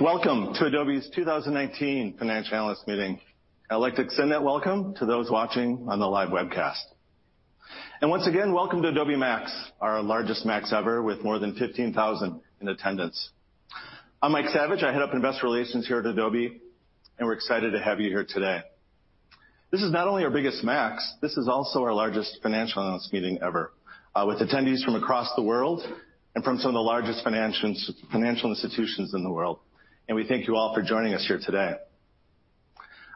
Welcome to Adobe's 2019 Financial Analyst Meeting. I'd like to extend that welcome to those watching on the live webcast. Once again, welcome to Adobe MAX, our largest MAX ever, with more than 15,000 in attendance. I'm Mike Saviage. I head up investor relations here at Adobe, and we're excited to have you here today. This is not only our biggest MAX, this is also our largest financial analyst meeting ever, with attendees from across the world and from some of the largest financial institutions in the world. We thank you all for joining us here today.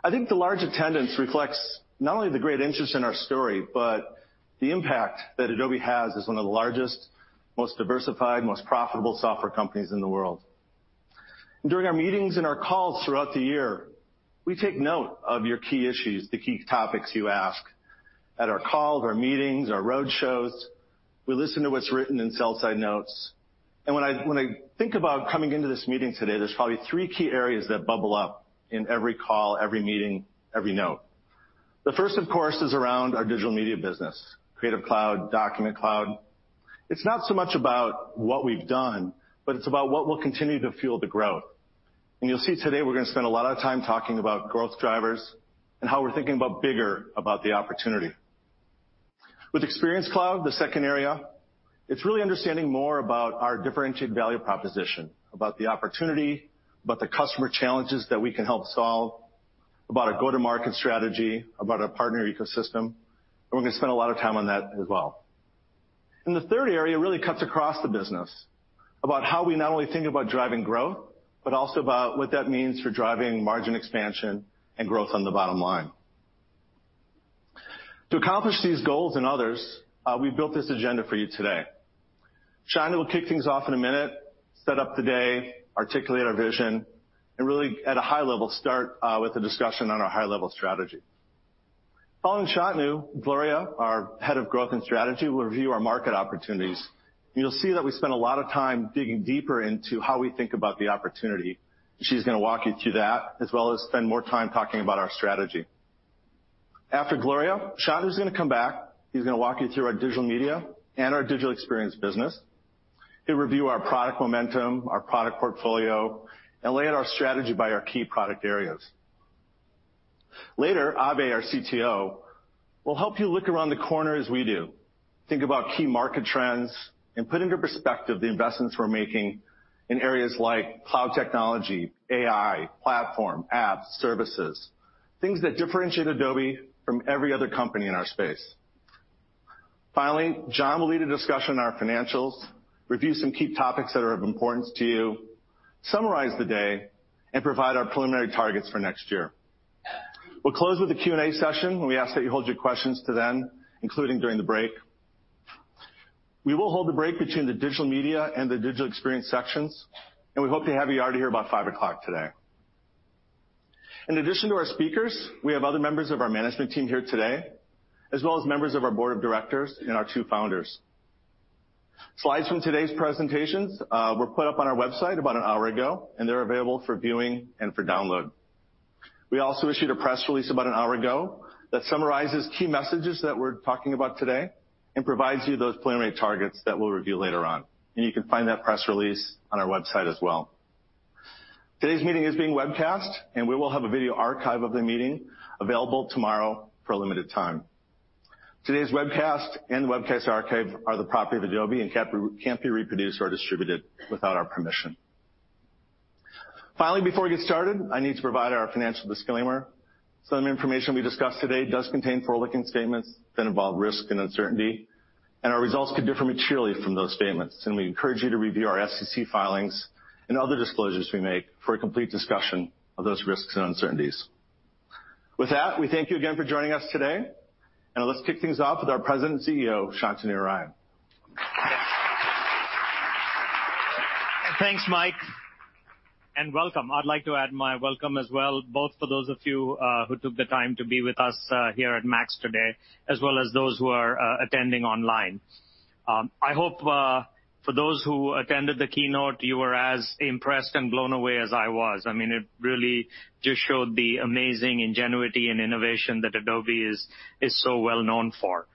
I think the large attendance reflects not only the great interest in our story, but the impact that Adobe has as one of the largest, most diversified, most profitable software companies in the world. During our meetings and our calls throughout the year, we take note of your key issues, the key topics you ask. At our calls, our meetings, our road shows, we listen to what's written in sell-side notes. When I think about coming into this meeting today, there's probably three key areas that bubble up in every call, every meeting, every note. The first, of course, is around our digital media business, Creative Cloud, Document Cloud. It's not so much about what we've done, but it's about what will continue to fuel the growth. You'll see today we're going to spend a lot of time talking about growth drivers and how we're thinking about bigger, about the opportunity. With Adobe Experience Cloud, the second area, it's really understanding more about our differentiated value proposition, about the opportunity, about the customer challenges that we can help solve, about our go-to-market strategy, about our partner ecosystem, and we're going to spend a lot of time on that as well. The third area really cuts across the business, about how we not only think about driving growth, but also about what that means for driving margin expansion and growth on the bottom line. To accomplish these goals and others, we built this agenda for you today. Shantanu will kick things off in a minute, set up the day, articulate our vision, and really at a high level, start with a discussion on our high-level strategy. Following Shantanu, Gloria Chen, our head of growth and strategy, will review our market opportunities. You'll see that we spend a lot of time digging deeper into how we think about the opportunity. She's going to walk you through that, as well as spend more time talking about our strategy. After Gloria, Shantanu's going to come back. He's going to walk you through our Digital Media and our Digital Experience business. He'll review our product momentum, our product portfolio, and lay out our strategy by our key product areas. Later, Abhay Parasnis, our CTO, will help you look around the corner as we do, think about key market trends, and put into perspective the investments we're making in areas like cloud technology, AI, platform, apps, services, things that differentiate Adobe from every other company in our space. John Murphy will lead a discussion on our financials, review some key topics that are of importance to you, summarize the day, and provide our preliminary targets for next year. We'll close with a Q&A session, we ask that you hold your questions till then, including during the break. We will hold a break between the digital media and the digital experience sections, we hope to have you out of here by 5:00 P.M. today. In addition to our speakers, we have other members of our management team here today, as well as members of our board of directors and our two founders. Slides from today's presentations were put up on our website about an hour ago, they're available for viewing and for download. We also issued a press release about an hour ago that summarizes key messages that we're talking about today and provides you those preliminary targets that we'll review later on. You can find that press release on our website as well. Today's meeting is being webcast. We will have a video archive of the meeting available tomorrow for a limited time. Today's webcast and the webcast archive are the property of Adobe and can't be reproduced or distributed without our permission. Finally, before we get started, I need to provide our financial disclaimer. Some information we discuss today does contain forward-looking statements that involve risk and uncertainty. Our results could differ materially from those statements. We encourage you to review our SEC filings and other disclosures we make for a complete discussion of those risks and uncertainties. With that, we thank you again for joining us today, and let's kick things off with our President and CEO, Shantanu Narayen. Thanks, Mike, and welcome. I'd like to add my welcome as well, both for those of you who took the time to be with us here at Adobe MAX today, as well as those who are attending online. I hope for those who attended the keynote, you were as impressed and blown away as I was. It really just showed the amazing ingenuity and innovation that Adobe is so well-known for.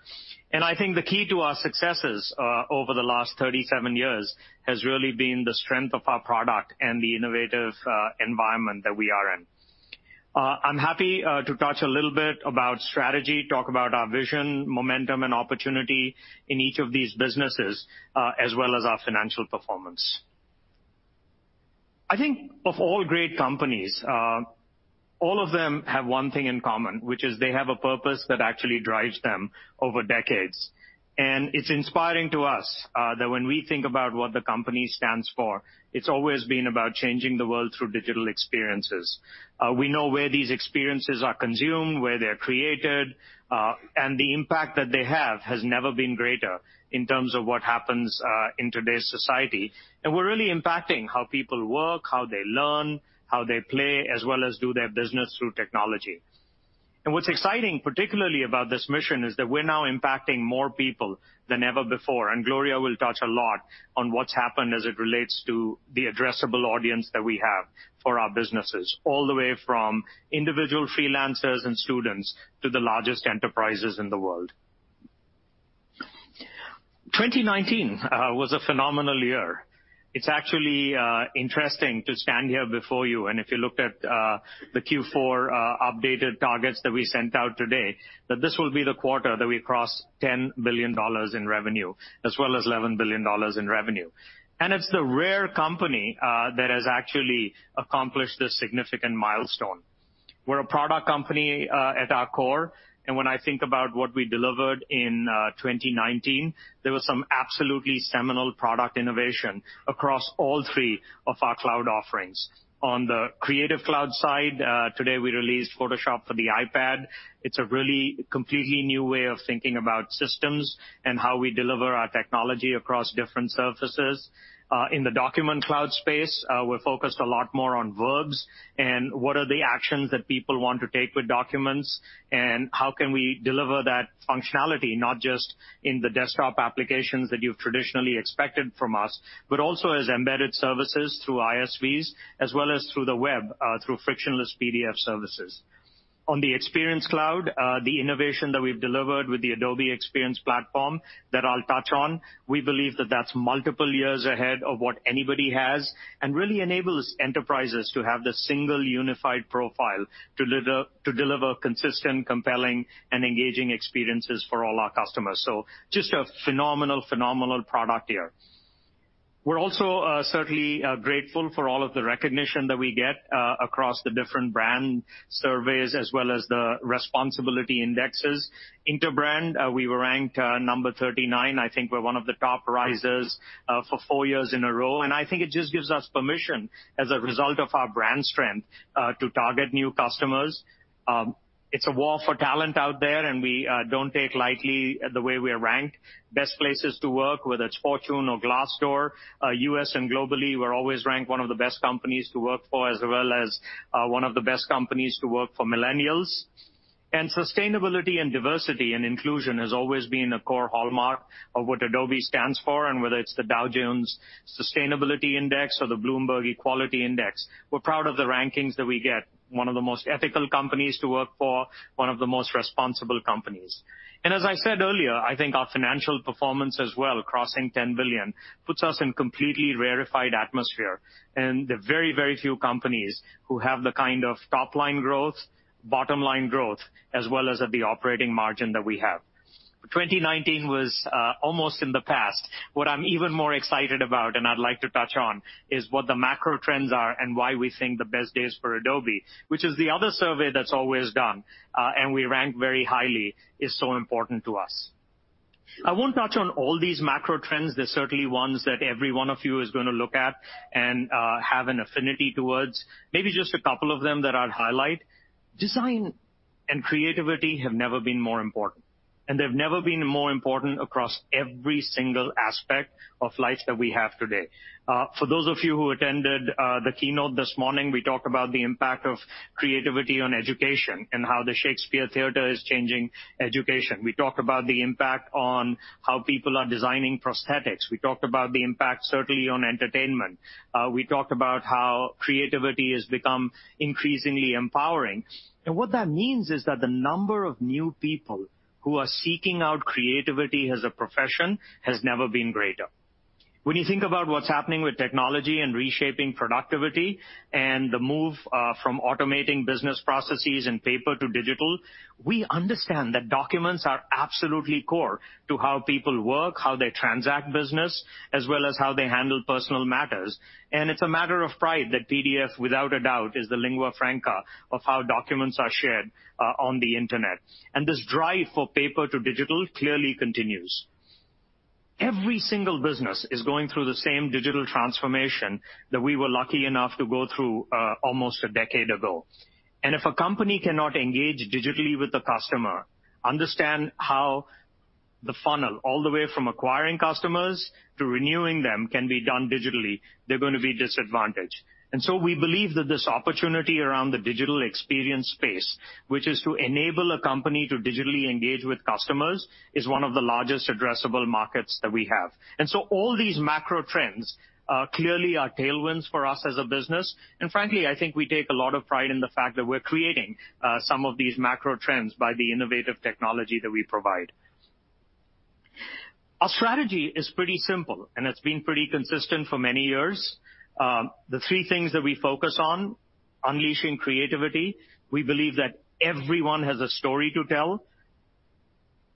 I think the key to our successes over the last 37 years has really been the strength of our product and the innovative environment that we are in. I'm happy to talk to you a little bit about strategy, talk about our vision, momentum, and opportunity in each of these businesses, as well as our financial performance. I think of all great companies, all of them have one thing in common, which is they have a purpose that actually drives them over decades. It's inspiring to us that when we think about what the company stands for, it's always been about changing the world through digital experiences. We know where these experiences are consumed, where they're created, and the impact that they have has never been greater in terms of what happens in today's society. We're really impacting how people work, how they learn, how they play, as well as do their business through technology. What's exciting particularly about this mission is that we're now impacting more people than ever before, and Gloria will touch a lot on what's happened as it relates to the addressable audience that we have for our businesses, all the way from individual freelancers and students to the largest enterprises in the world. 2019 was a phenomenal year. It's actually interesting to stand here before you, and if you looked at the Q4 updated targets that we sent out today, that this will be the quarter that we cross $10 billion in revenue, as well as $11 billion in revenue. It's the rare company that has actually accomplished this significant milestone. We're a product company at our core, and when I think about what we delivered in 2019, there was some absolutely seminal product innovation across all three of our cloud offerings. On the Creative Cloud side, today we released Photoshop for the iPad. It's a really completely new way of thinking about systems and how we deliver our technology across different surfaces. In the Document Cloud space, we're focused a lot more on verbs and what are the actions that people want to take with documents, and how can we deliver that functionality, not just in the desktop applications that you've traditionally expected from us, but also as embedded services through ISVs, as well as through the web, through frictionless PDF services. On the Experience Cloud, the innovation that we've delivered with the Adobe Experience Platform that I'll touch on, we believe that that's multiple years ahead of what anybody has, and really enables enterprises to have the single unified profile to deliver consistent, compelling, and engaging experiences for all our customers. Just a phenomenal product here. We're also certainly grateful for all of the recognition that we get across the different brand surveys as well as the responsibility indexes. Interbrand, we were ranked number 39. I think we're one of the top risers for four years in a row. I think it just gives us permission as a result of our brand strength, to target new customers. It's a war for talent out there. We don't take lightly the way we are ranked. Best places to work, whether it's Fortune or Glassdoor, U.S. and globally, we're always ranked one of the best companies to work for as well as one of the best companies to work for millennials. Sustainability and diversity and inclusion has always been a core hallmark of what Adobe stands for, whether it's the Dow Jones Sustainability Index or the Bloomberg Equality Index, we're proud of the rankings that we get. One of the most ethical companies to work for, one of the most responsible companies. As I said earlier, I think our financial performance as well, crossing $10 billion, puts us in completely rarefied atmosphere. The very few companies who have the kind of top-line growth, bottom-line growth, as well as at the operating margin that we have. 2019 was almost in the past. What I'm even more excited about, and I'd like to touch on, is what the macro trends are and why we think the best days for Adobe, which is the other survey that's always done, and we rank very highly, is so important to us. I won't touch on all these macro trends. There's certainly ones that every one of you is going to look at and have an affinity towards. Maybe just a couple of them that I'll highlight. Design and creativity have never been more important, and they've never been more important across every single aspect of life that we have today. For those of you who attended the keynote this morning, we talked about the impact of creativity on education and how the Shakespeare Theatre is changing education. We talked about the impact on how people are designing prosthetics. We talked about the impact certainly on entertainment. We talked about how creativity has become increasingly empowering. What that means is that the number of new people who are seeking out creativity as a profession has never been greater. When you think about what's happening with technology and reshaping productivity and the move from automating business processes and paper to digital, we understand that documents are absolutely core to how people work, how they transact business, as well as how they handle personal matters. It's a matter of pride that PDF, without a doubt, is the lingua franca of how documents are shared on the internet. This drive for paper to digital clearly continues. Every single business is going through the same digital transformation that we were lucky enough to go through almost a decade ago. If a company cannot engage digitally with the customer, understand how the funnel, all the way from acquiring customers to renewing them can be done digitally, they're going to be disadvantaged. We believe that this opportunity around the digital experience space, which is to enable a company to digitally engage with customers, is one of the largest addressable markets that we have. All these macro trends clearly are tailwinds for us as a business. Frankly, I think we take a lot of pride in the fact that we're creating some of these macro trends by the innovative technology that we provide. Our strategy is pretty simple, and it's been pretty consistent for many years. The three things that we focus on, unleashing creativity. We believe that everyone has a story to tell.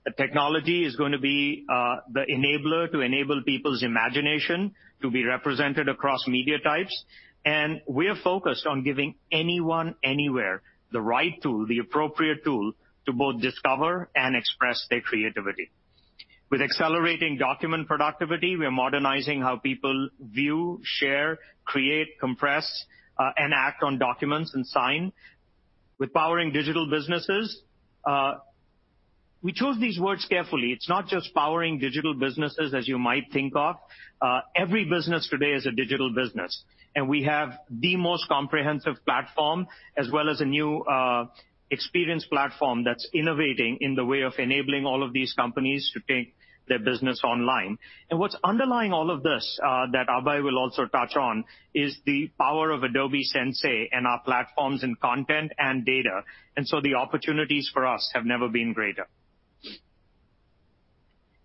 The technology is going to be the enabler to enable people's imagination to be represented across media types, and we are focused on giving anyone, anywhere the right tool, the appropriate tool to both discover and express their creativity. With accelerating document productivity, we are modernizing how people view, share, create, compress, and act on documents and sign. With powering digital businesses, we chose these words carefully. It's not just powering digital businesses as you might think of. Every business today is a digital business, and we have the most comprehensive platform as well as a new Experience Platform that's innovating in the way of enabling all of these companies to take their business online. What's underlying all of this, that Abhay will also touch on, is the power of Adobe Sensei and our platforms in content and data. The opportunities for us have never been greater.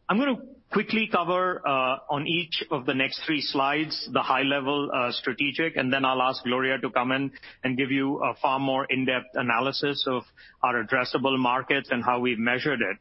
I'm going to quickly cover on each of the next three slides, the high level strategic, and then I'll ask Gloria to come in and give you a far more in-depth analysis of our addressable markets and how we've measured it.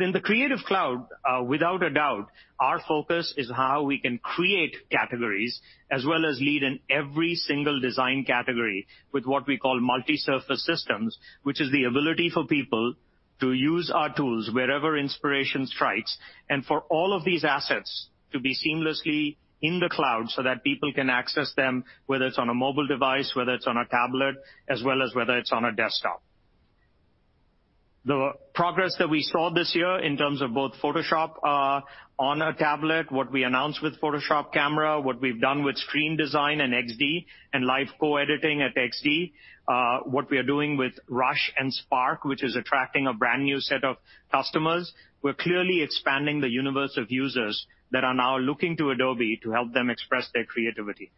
In the Creative Cloud, without a doubt, our focus is how we can create categories, as well as lead in every single design category with what we call multi-surface systems, which is the ability for people to use our tools wherever inspiration strikes, and for all of these assets to be seamlessly in the cloud so that people can access them, whether it's on a mobile device, whether it's on a tablet, as well as whether it's on a desktop. The progress that we saw this year in terms of both Photoshop on a tablet, what we announced with Photoshop Camera, what we've done with screen design and XD, and live co-editing at XD, what we are doing with Rush and Spark, which is attracting a brand new set of customers. We're clearly expanding the universe of users that are now looking to Adobe to help them express their creativity.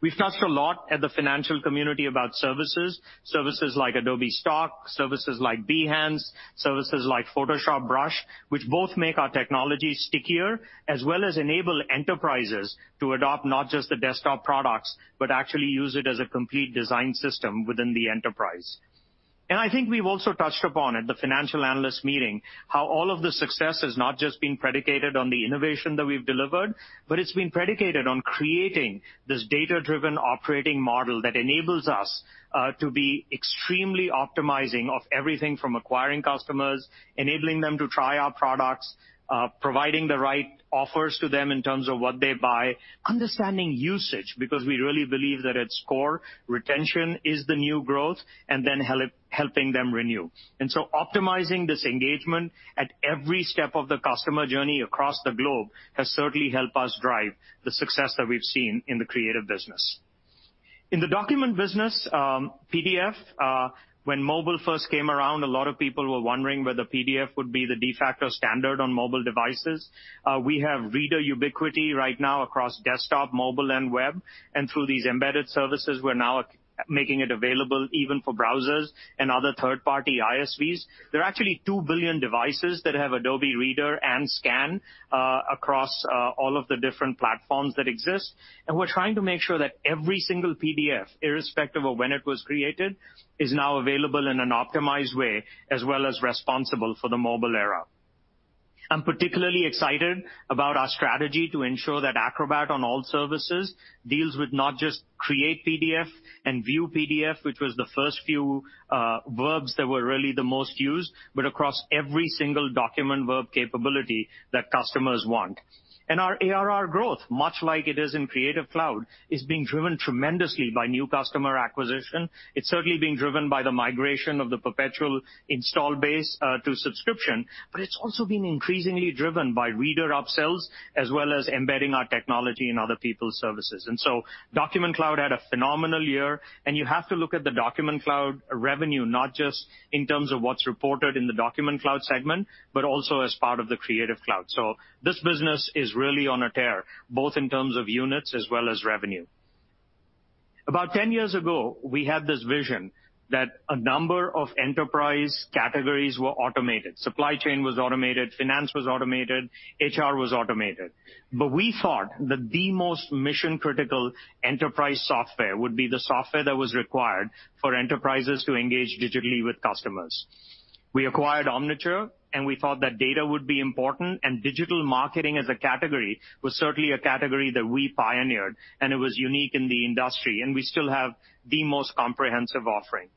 We've touched a lot at the financial community about services. Services like Adobe Stock, services like Behance, services like Photoshop Brush, which both make our technology stickier, as well as enable enterprises to adopt not just the desktop products, but actually use it as a complete design system within the enterprise. I think we've also touched upon at the financial analyst meeting how all of the success has not just been predicated on the innovation that we've delivered, but it's been predicated on creating this Data-Driven Operating Model that enables us to be extremely optimizing of everything from acquiring customers, enabling them to try our products, providing the right offers to them in terms of what they buy, understanding usage, because we really believe that at Adobe, retention is the new growth, and then helping them renew. Optimizing this engagement at every step of the customer journey across the globe has certainly helped us drive the success that we've seen in the creative business. In the document business, PDF, when mobile first came around, a lot of people were wondering whether PDF would be the de facto standard on mobile devices. We have reader ubiquity right now across desktop, mobile, and web. Through these embedded services, we're now making it available even for browsers and other third-party ISVs. There are actually 2 billion devices that have Adobe Reader and Scan across all of the different platforms that exist. We're trying to make sure that every single PDF, irrespective of when it was created, is now available in an optimized way, as well as responsible for the mobile era. I'm particularly excited about our strategy to ensure that Acrobat on all services deals with not just create PDF and view PDF, which was the first few verbs that were really the most used, but across every single document verb capability that customers want. Our ARR growth, much like it is in Creative Cloud, is being driven tremendously by new customer acquisition. It's certainly being driven by the migration of the perpetual install base to subscription, but it's also being increasingly driven by reader upsells, as well as embedding our technology in other people's services. Document Cloud had a phenomenal year, and you have to look at the Document Cloud revenue, not just in terms of what's reported in the Document Cloud segment, but also as part of the Creative Cloud. This business is really on a tear, both in terms of units as well as revenue. About 10 years ago, we had this vision that a number of enterprise categories were automated. Supply chain was automated, finance was automated, HR was automated. We thought that the most mission-critical enterprise software would be the software that was required for enterprises to engage digitally with customers. We acquired Omniture, and we thought that data would be important, and digital marketing as a category was certainly a category that we pioneered, and it was unique in the industry, and we still have the most comprehensive offering.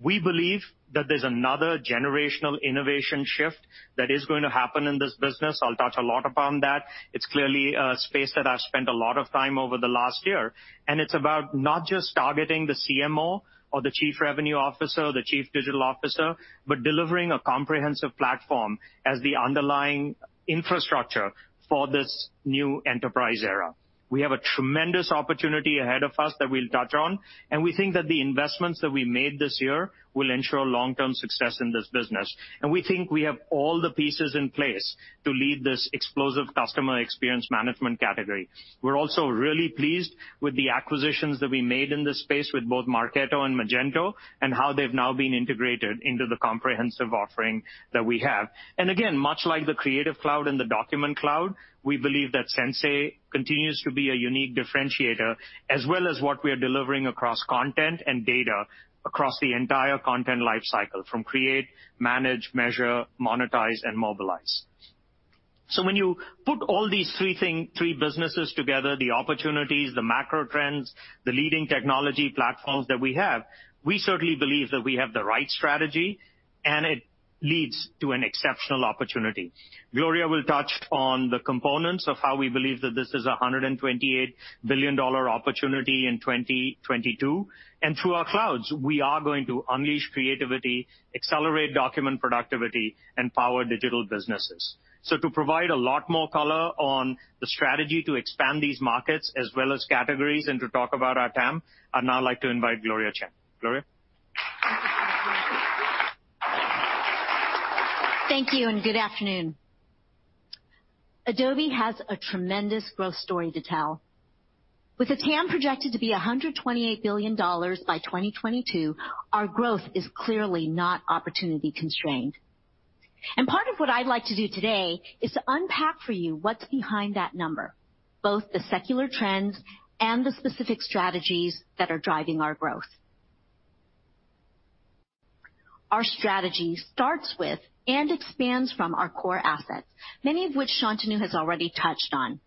We believe that there's another generational innovation shift that is going to happen in this business. I'll touch a lot upon that. It's clearly a space that I've spent a lot of time over the last year, and it's about not just targeting the CMO or the Chief Revenue Officer, the Chief Digital Officer, but delivering a comprehensive platform as the underlying infrastructure for this new enterprise era. We have a tremendous opportunity ahead of us that we'll touch on, and we think that the investments that we made this year will ensure long-term success in this business. We think we have all the pieces in place to lead this explosive customer experience management category. We're also really pleased with the acquisitions that we made in this space with both Marketo and Magento and how they've now been integrated into the comprehensive offering that we have. Again, much like the Creative Cloud and the Document Cloud, we believe that Sensei continues to be a unique differentiator, as well as what we are delivering across content and data across the entire content life cycle, from create, manage, measure, monetize, and mobilize. When you put all these three businesses together, the opportunities, the macro trends, the leading technology platforms that we have, we certainly believe that we have the right strategy and it leads to an exceptional opportunity. Gloria will touch on the components of how we believe that this is a $128 billion opportunity in 2022. Through our clouds, we are going to unleash creativity, accelerate document productivity, and power digital businesses. To provide a lot more color on the strategy to expand these markets as well as categories and to talk about our TAM, I'd now like to invite Gloria Chen. Gloria? Thank you, and good afternoon. Adobe has a tremendous growth story to tell. With the TAM projected to be $128 billion by 2022, our growth is clearly not opportunity constrained. Part of what I'd like to do today is to unpack for you what's behind that number, both the secular trends and the specific strategies that are driving our growth. Our strategy starts with and expands from our core assets, many of which Shantanu has already touched on.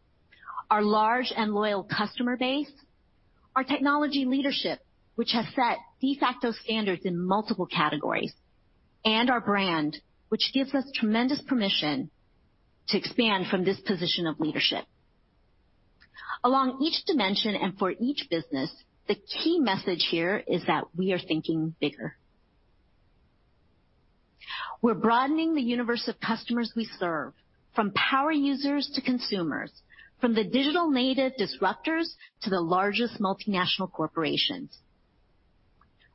Our large and loyal customer base, our technology leadership which has set de facto standards in multiple categories, and our brand which gives us tremendous permission to expand from this position of leadership. Along each dimension and for each business, the key message here is that we are thinking bigger. We're broadening the universe of customers we serve from power users to consumers, from the digital native disruptors to the largest multinational corporations.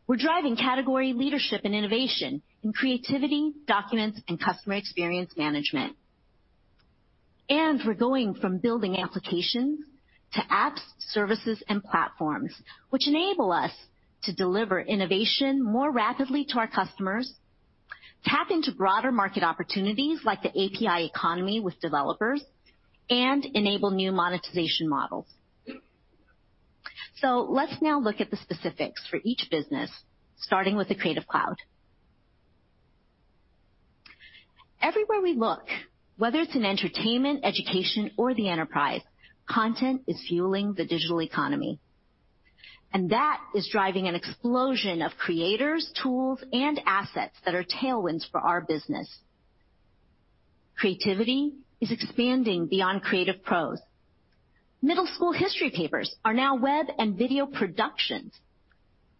We're driving category leadership and innovation in creativity, documents, and customer experience management. We're going from building applications to apps, services, and platforms which enable us to deliver innovation more rapidly to our customers, tap into broader market opportunities like the API economy with developers, and enable new monetization models. Let's now look at the specifics for each business starting with the Creative Cloud. Everywhere we look, whether it's in entertainment, education or the enterprise, content is fueling the digital economy. That is driving an explosion of creators, tools, and assets that are tailwinds for our business. Creativity is expanding beyond creative pros. Middle school history papers are now web and video productions.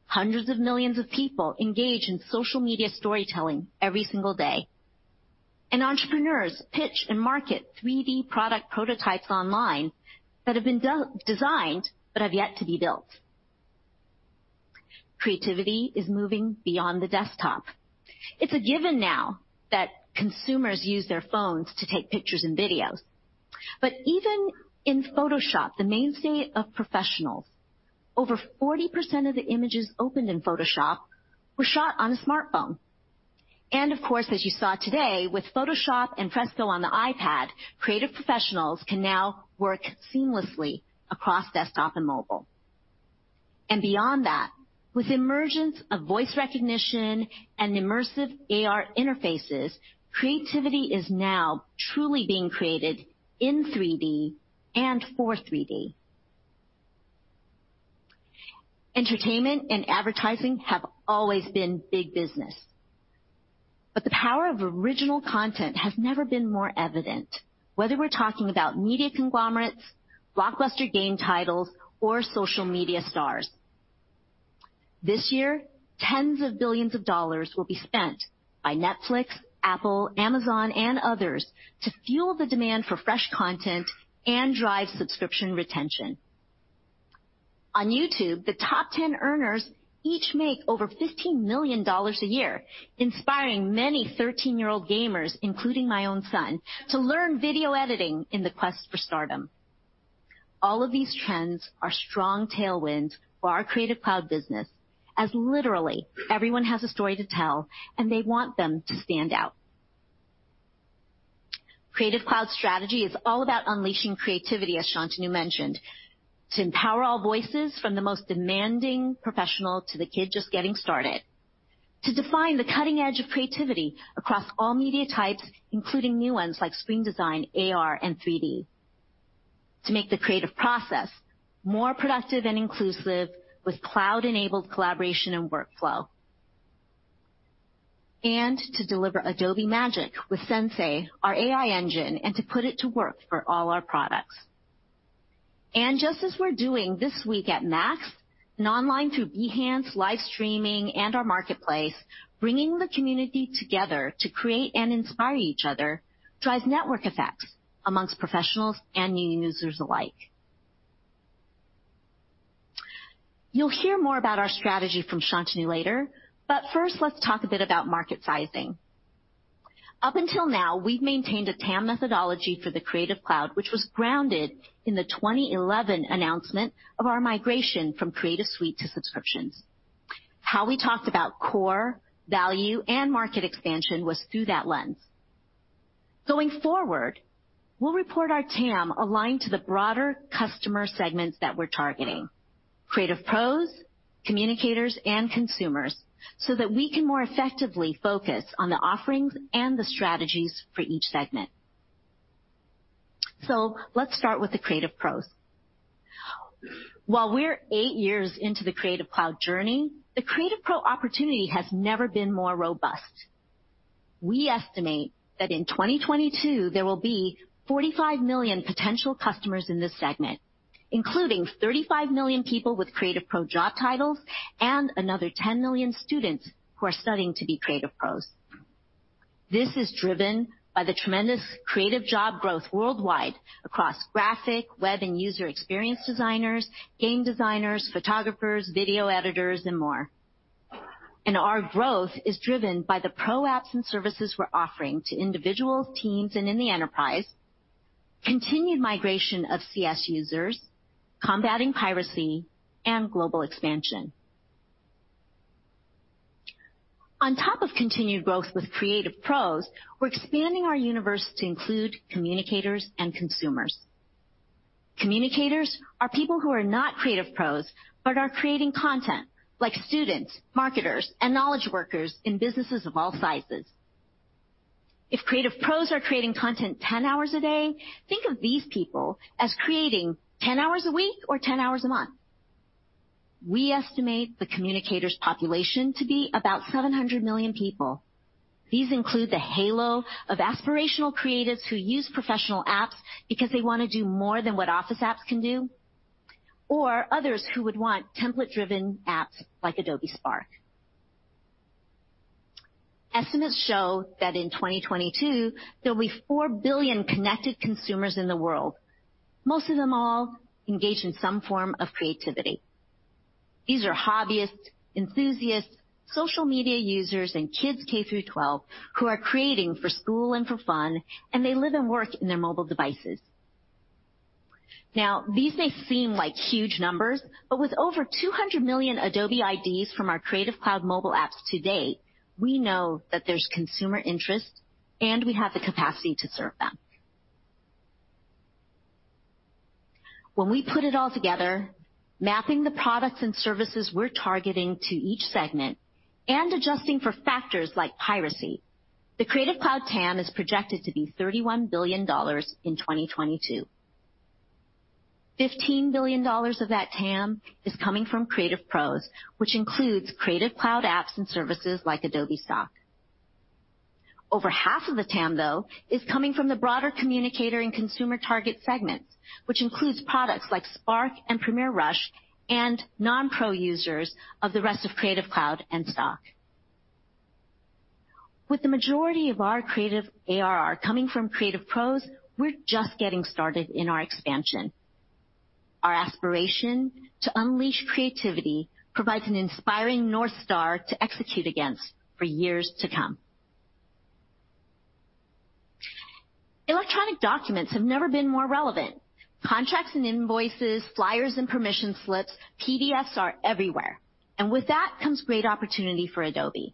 Hundreds of millions of people engage in social media storytelling every single day. Entrepreneurs pitch and market 3D product prototypes online that have been designed but have yet to be built. Creativity is moving beyond the desktop. It's a given now that consumers use their phones to take pictures and videos. Even in Photoshop, the mainstay of professionals, over 40% of the images opened in Photoshop were shot on a smartphone. Of course, as you saw today with Photoshop and Fresco on the iPad, creative professionals can now work seamlessly across desktop and mobile. Beyond that, with the emergence of voice recognition and immersive AR interfaces, creativity is now truly being created in 3D and for 3D. Entertainment and advertising have always been big business. The power of original content has never been more evident, whether we're talking about media conglomerates, blockbuster game titles, or social media stars. This year, tens of billions of dollars will be spent by Netflix, Apple, Amazon, and others to fuel the demand for fresh content and drive subscription retention. On YouTube, the top 10 earners each make over $15 million a year, inspiring many 13-year-old gamers, including my own son, to learn video editing in the quest for stardom. All of these trends are strong tailwinds for our Creative Cloud business, as literally everyone has a story to tell and they want them to stand out. Creative Cloud strategy is all about unleashing creativity, as Shantanu mentioned, to empower all voices from the most demanding professional to the kid just getting started, to define the cutting edge of creativity across all media types including new ones like screen design, AR, and 3D, to make the creative process more productive and inclusive with cloud-enabled collaboration and workflow, and to deliver Adobe Magic with Sensei, our AI engine, and to put it to work for all our products. Just as we're doing this week at Adobe MAX and online through Behance, live streaming, and our marketplace, bringing the community together to create and inspire each other drives network effects amongst professionals and new users alike. You'll hear more about our strategy from Shantanu later, but first let's talk a bit about market sizing. Up until now, we've maintained a TAM methodology for the Creative Cloud which was grounded in the 2011 announcement of our migration from Creative Suite to subscriptions. How we talked about core, value, and market expansion was through that lens. Going forward, we'll report our TAM aligned to the broader customer segments that we're targeting, creative pros, communicators, and consumers, so that we can more effectively focus on the offerings and the strategies for each segment. Let's start with the creative pros. While we're eight years into the Creative Cloud journey, the creative pro opportunity has never been more robust. We estimate that in 2022 there will be 45 million potential customers in this segment, including 35 million people with creative pro job titles and another 10 million students who are studying to be creative pros. This is driven by the tremendous creative job growth worldwide across graphic, web and user experience designers, game designers, photographers, video editors, and more. Our growth is driven by the pro apps and services we're offering to individuals, teams, and in the enterprise, continued migration of CS users, combating piracy, and global expansion. On top of continued growth with creative pros, we're expanding our universe to include communicators and consumers. Communicators are people who are not creative pros but are creating content, like students, marketers, and knowledge workers in businesses of all sizes. If creative pros are creating content 10 hours a day, think of these people as creating 10 hours a week or 10 hours a month. We estimate the communicators population to be about 700 million people. These include the halo of aspirational creatives who use professional apps because they want to do more than what Office apps can do, or others who would want template-driven apps like Adobe Spark. Estimates show that in 2022, there'll be 4 billion connected consumers in the world, most of them all engaged in some form of creativity. These are hobbyists, enthusiasts, social media users, and kids K through 12 who are creating for school and for fun, and they live and work in their mobile devices. These may seem like huge numbers, but with over 200 million Adobe IDs from our Creative Cloud mobile apps to date, we know that there's consumer interest, and we have the capacity to serve them. When we put it all together, mapping the products and services we're targeting to each segment and adjusting for factors like piracy, the Creative Cloud TAM is projected to be $31 billion in 2022. $15 billion of that TAM is coming from creative pros, which includes Creative Cloud apps and services like Adobe Stock. Over half of the TAM, though, is coming from the broader communicator and consumer target segments, which includes products like Spark and Premiere Rush and non-pro users of the rest of Creative Cloud and Stock. With the majority of our creative ARR coming from creative pros, we're just getting started in our expansion. Our aspiration to unleash creativity provides an inspiring North Star to execute against for years to come. Electronic documents have never been more relevant. Contracts and invoices, flyers and permission slips, PDFs are everywhere. With that comes great opportunity for Adobe.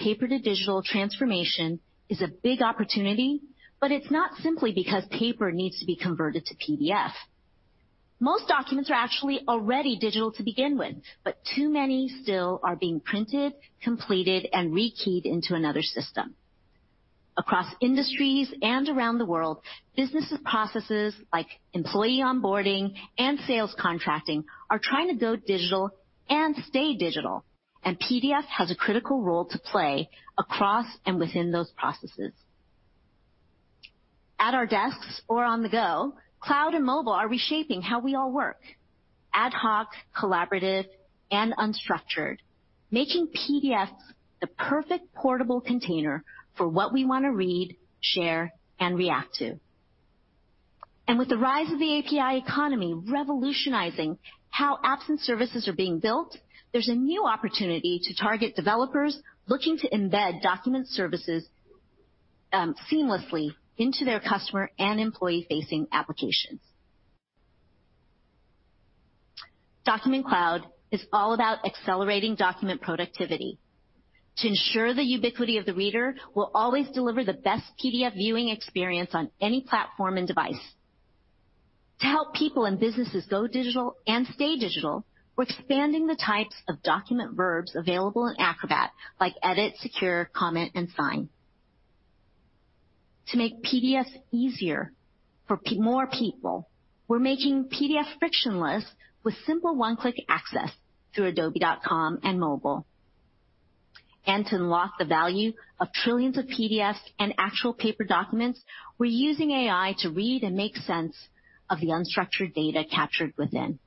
Paper to digital transformation is a big opportunity, but it's not simply because paper needs to be converted to PDF. Most documents are actually already digital to begin with, but too many still are being printed, completed, and rekeyed into another system. Across industries and around the world, business processes like employee onboarding and sales contracting are trying to go digital and stay digital, and PDF has a critical role to play across and within those processes. At our desks or on the go, cloud and mobile are reshaping how we all work, ad hoc, collaborative, and unstructured, making PDFs the perfect portable container for what we want to read, share, and react to. With the rise of the API economy revolutionizing how apps and services are being built, there's a new opportunity to target developers looking to embed document services seamlessly into their customer and employee-facing applications. Document Cloud is all about accelerating document productivity to ensure the ubiquity of the reader will always deliver the best PDF viewing experience on any platform and device. To help people and businesses go digital and stay digital, we're expanding the types of document verbs available in Acrobat like edit, secure, comment, and sign. To make PDFs easier for more people, we're making PDF frictionless with simple one-click access through adobe.com and mobile. To unlock the value of trillions of PDFs and actual paper documents, we're using AI to read and make sense of the unstructured data captured within.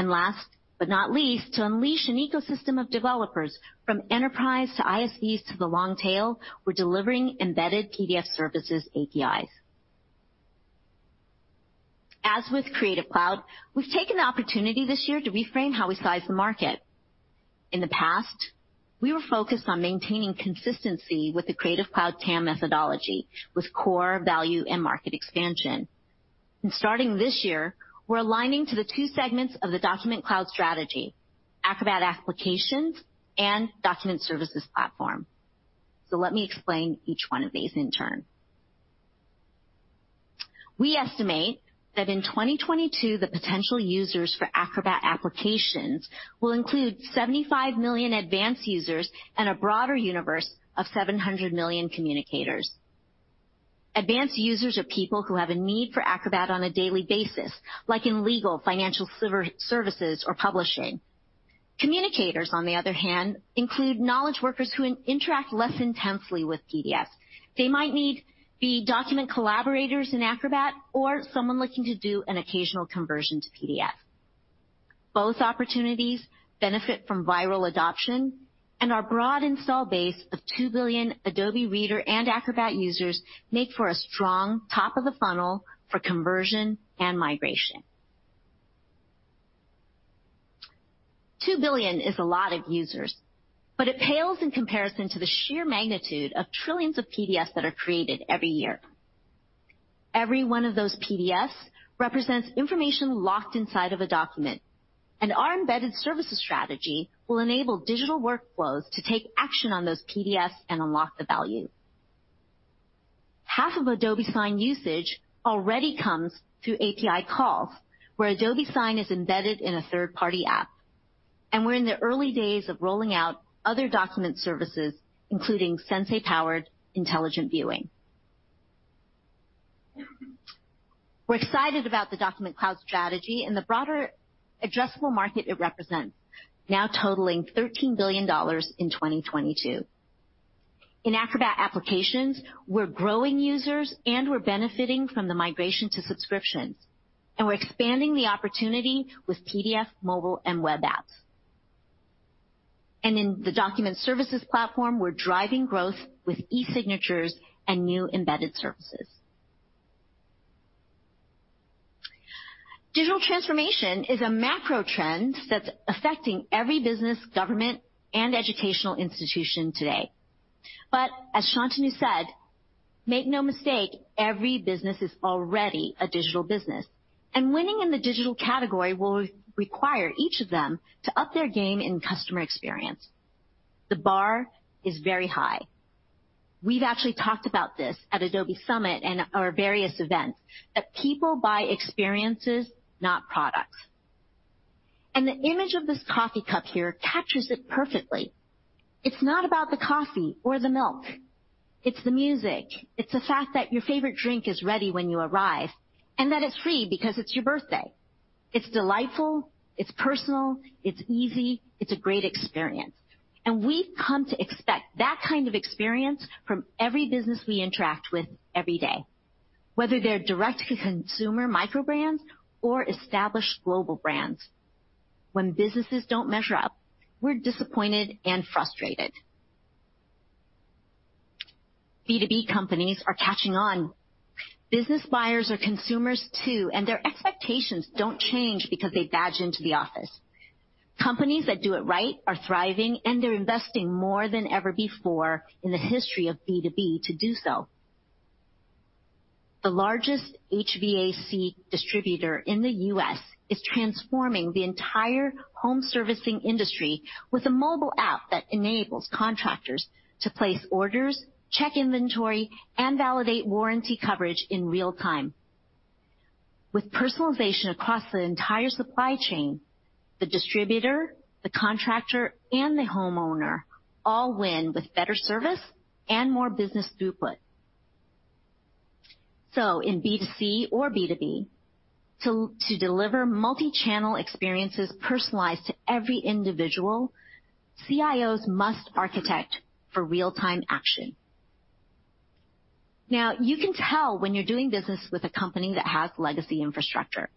Last but not least, to unleash an ecosystem of developers from enterprise to ISVs to the long tail, we're delivering embedded PDF services APIs. As with Creative Cloud, we've taken the opportunity this year to reframe how we size the market. In the past, we were focused on maintaining consistency with the Creative Cloud TAM methodology with core value and market expansion. Starting this year, we're aligning to the two segments of the Document Cloud strategy, Acrobat applications and document services platform. Let me explain each one of these in turn. We estimate that in 2022, the potential users for Acrobat applications will include 75 million advanced users and a broader universe of 700 million communicators. Advanced users are people who have a need for Acrobat on a daily basis, like in legal, financial services, or publishing. Communicators, on the other hand, include knowledge workers who interact less intensely with PDFs. They might need the document collaborators in Acrobat or someone looking to do an occasional conversion to PDF. Both opportunities benefit from viral adoption. Our broad install base of 2 billion Adobe Reader and Acrobat users make for a strong top of the funnel for conversion and migration. 2 billion is a lot of users, but it pales in comparison to the sheer magnitude of trillions of PDFs that are created every year. Every one of those PDFs represents information locked inside of a document, and our embedded services strategy will enable digital workflows to take action on those PDFs and unlock the value. Half of Adobe Sign usage already comes through API calls, where Adobe Sign is embedded in a third-party app, and we're in the early days of rolling out other document services, including Sensei-powered intelligent viewing. We're excited about the Document Cloud strategy and the broader addressable market it represents, now totaling $13 billion in 2022. In Acrobat applications, we're growing users, and we're benefiting from the migration to subscriptions, and we're expanding the opportunity with PDF, mobile, and web apps. In the document services platform, we're driving growth with e-signatures and new embedded services. Digital transformation is a macro trend that's affecting every business, government, and educational institution today. As Shantanu said, make no mistake, every business is already a digital business, and winning in the digital category will require each of them to up their game in customer experience. The bar is very high. We've actually talked about this at Adobe Summit and our various events, that people buy experiences, not products. The image of this coffee cup here captures it perfectly. It's not about the coffee or the milk. It's the music. It's the fact that your favorite drink is ready when you arrive, and that it's free because it's your birthday. It's delightful. It's personal, it's easy, it's a great experience. We've come to expect that kind of experience from every business we interact with every day, whether they're direct-to-consumer micro brands or established global brands. When businesses don't measure up, we're disappointed and frustrated. B2B companies are catching on. Business buyers are consumers, too, and their expectations don't change because they badge into the office. Companies that do it right are thriving, and they're investing more than ever before in the history of B2B to do so. The largest HVAC distributor in the U.S. is transforming the entire home servicing industry with a mobile app that enables contractors to place orders, check inventory, and validate warranty coverage in real time. With personalization across the entire supply chain, the distributor, the contractor, and the homeowner all win with better service and more business throughput. In B2C or B2B, to deliver multi-channel experiences personalized to every individual, CIOs must architect for real-time action. You can tell when you're doing business with a company that has legacy infrastructure.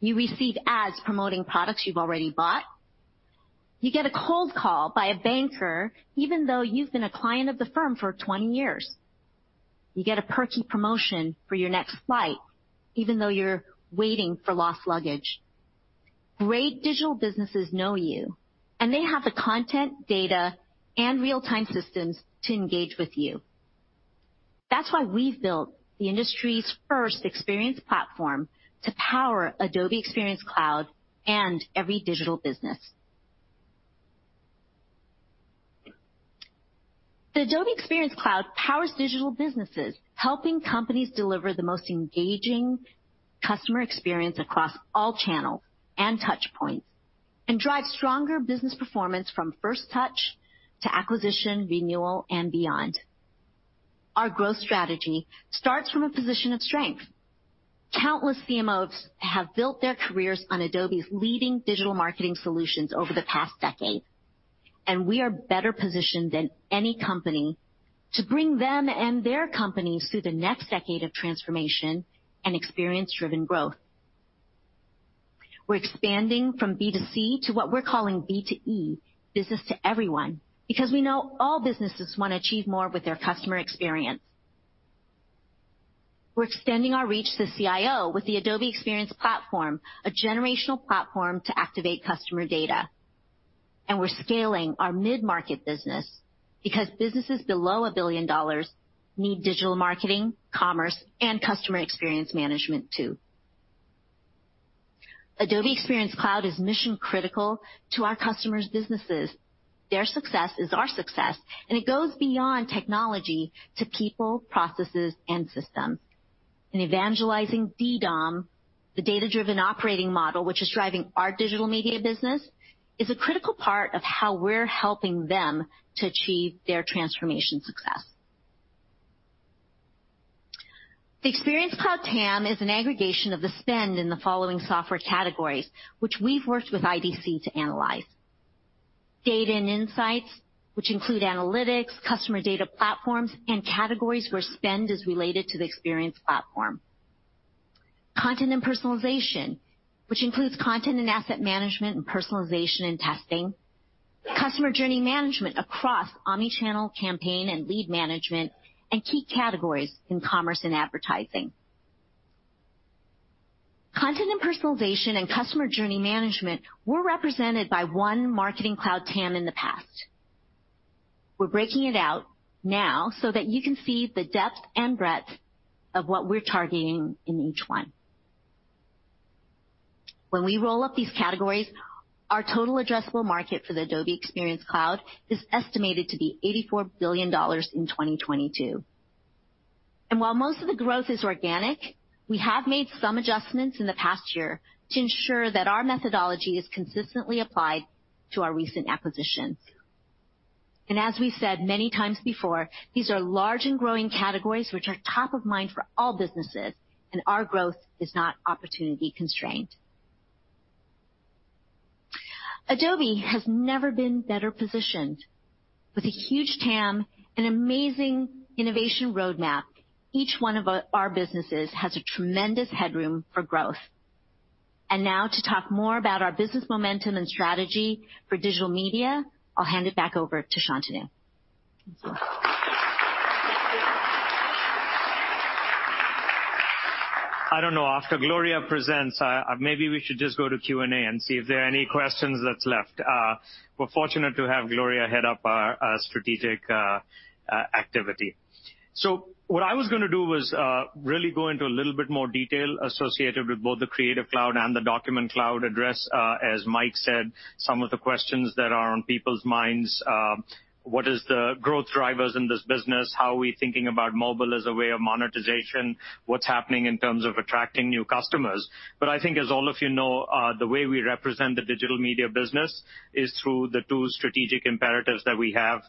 You receive ads promoting products you've already bought. You get a cold call by a banker, even though you've been a client of the firm for 20 years. You get a perky promotion for your next flight even though you're waiting for lost luggage. Great digital businesses know you, and they have the content, data, and real-time systems to engage with you. That's why we've built the industry's first experience platform to power Adobe Experience Cloud and every digital business. The Adobe Experience Cloud powers digital businesses, helping companies deliver the most engaging customer experience across all channels and touch points, and drive stronger business performance from first touch to acquisition, renewal, and beyond. Our growth strategy starts from a position of strength. Countless CMOs have built their careers on Adobe's leading digital marketing solutions over the past decade, and we are better positioned than any company to bring them and their companies through the next decade of transformation and experience-driven growth. We're expanding from B2C to what we're calling B2E, business to everyone, because we know all businesses want to achieve more with their customer experience. We're extending our reach to the CIO with the Adobe Experience Platform, a generational platform to activate customer data. We're scaling our mid-market business because businesses below $1 billion need digital marketing, commerce, and customer experience management, too. Adobe Experience Cloud is mission-critical to our customers' businesses. Their success is our success, and it goes beyond technology to people, processes, and systems. Evangelizing DDOM, the data-driven operating model which is driving our digital media business, is a critical part of how we're helping them to achieve their transformation success. The Experience Cloud TAM is an aggregation of the spend in the following software categories, which we've worked with IDC to analyze. Data and insights, which include analytics, customer data platforms, and categories where spend is related to the experience platform. Content and personalization, which includes content and asset management and personalization and testing, customer journey management across omni-channel campaign and lead management, and key categories in commerce and advertising. Content and personalization and customer journey management were represented by one Marketing Cloud TAM in the past. We're breaking it out now so that you can see the depth and breadth of what we're targeting in each one. When we roll up these categories, our total addressable market for the Adobe Experience Cloud is estimated to be $84 billion in 2022. While most of the growth is organic, we have made some adjustments in the past year to ensure that our methodology is consistently applied to our recent acquisitions. As we said many times before, these are large and growing categories which are top of mind for all businesses, and our growth is not opportunity constrained. Adobe has never been better positioned. With a huge TAM, an amazing innovation roadmap, each one of our businesses has a tremendous headroom for growth. Now to talk more about our business momentum and strategy for digital media, I'll hand it back over to Shantanu. I don't know, after Gloria presents, maybe we should just go to Q&A and see if there are any questions that's left. We're fortunate to have Gloria head up our strategic activity. What I was going to do was really go into a little bit more detail associated with both the Creative Cloud and the Document Cloud address, as Mike said, some of the questions that are on people's minds. What is the growth drivers in this business? How are we thinking about mobile as a way of monetization? What's happening in terms of attracting new customers? I think as all of you know, the way we represent the digital media business is through the two strategic imperatives that we have,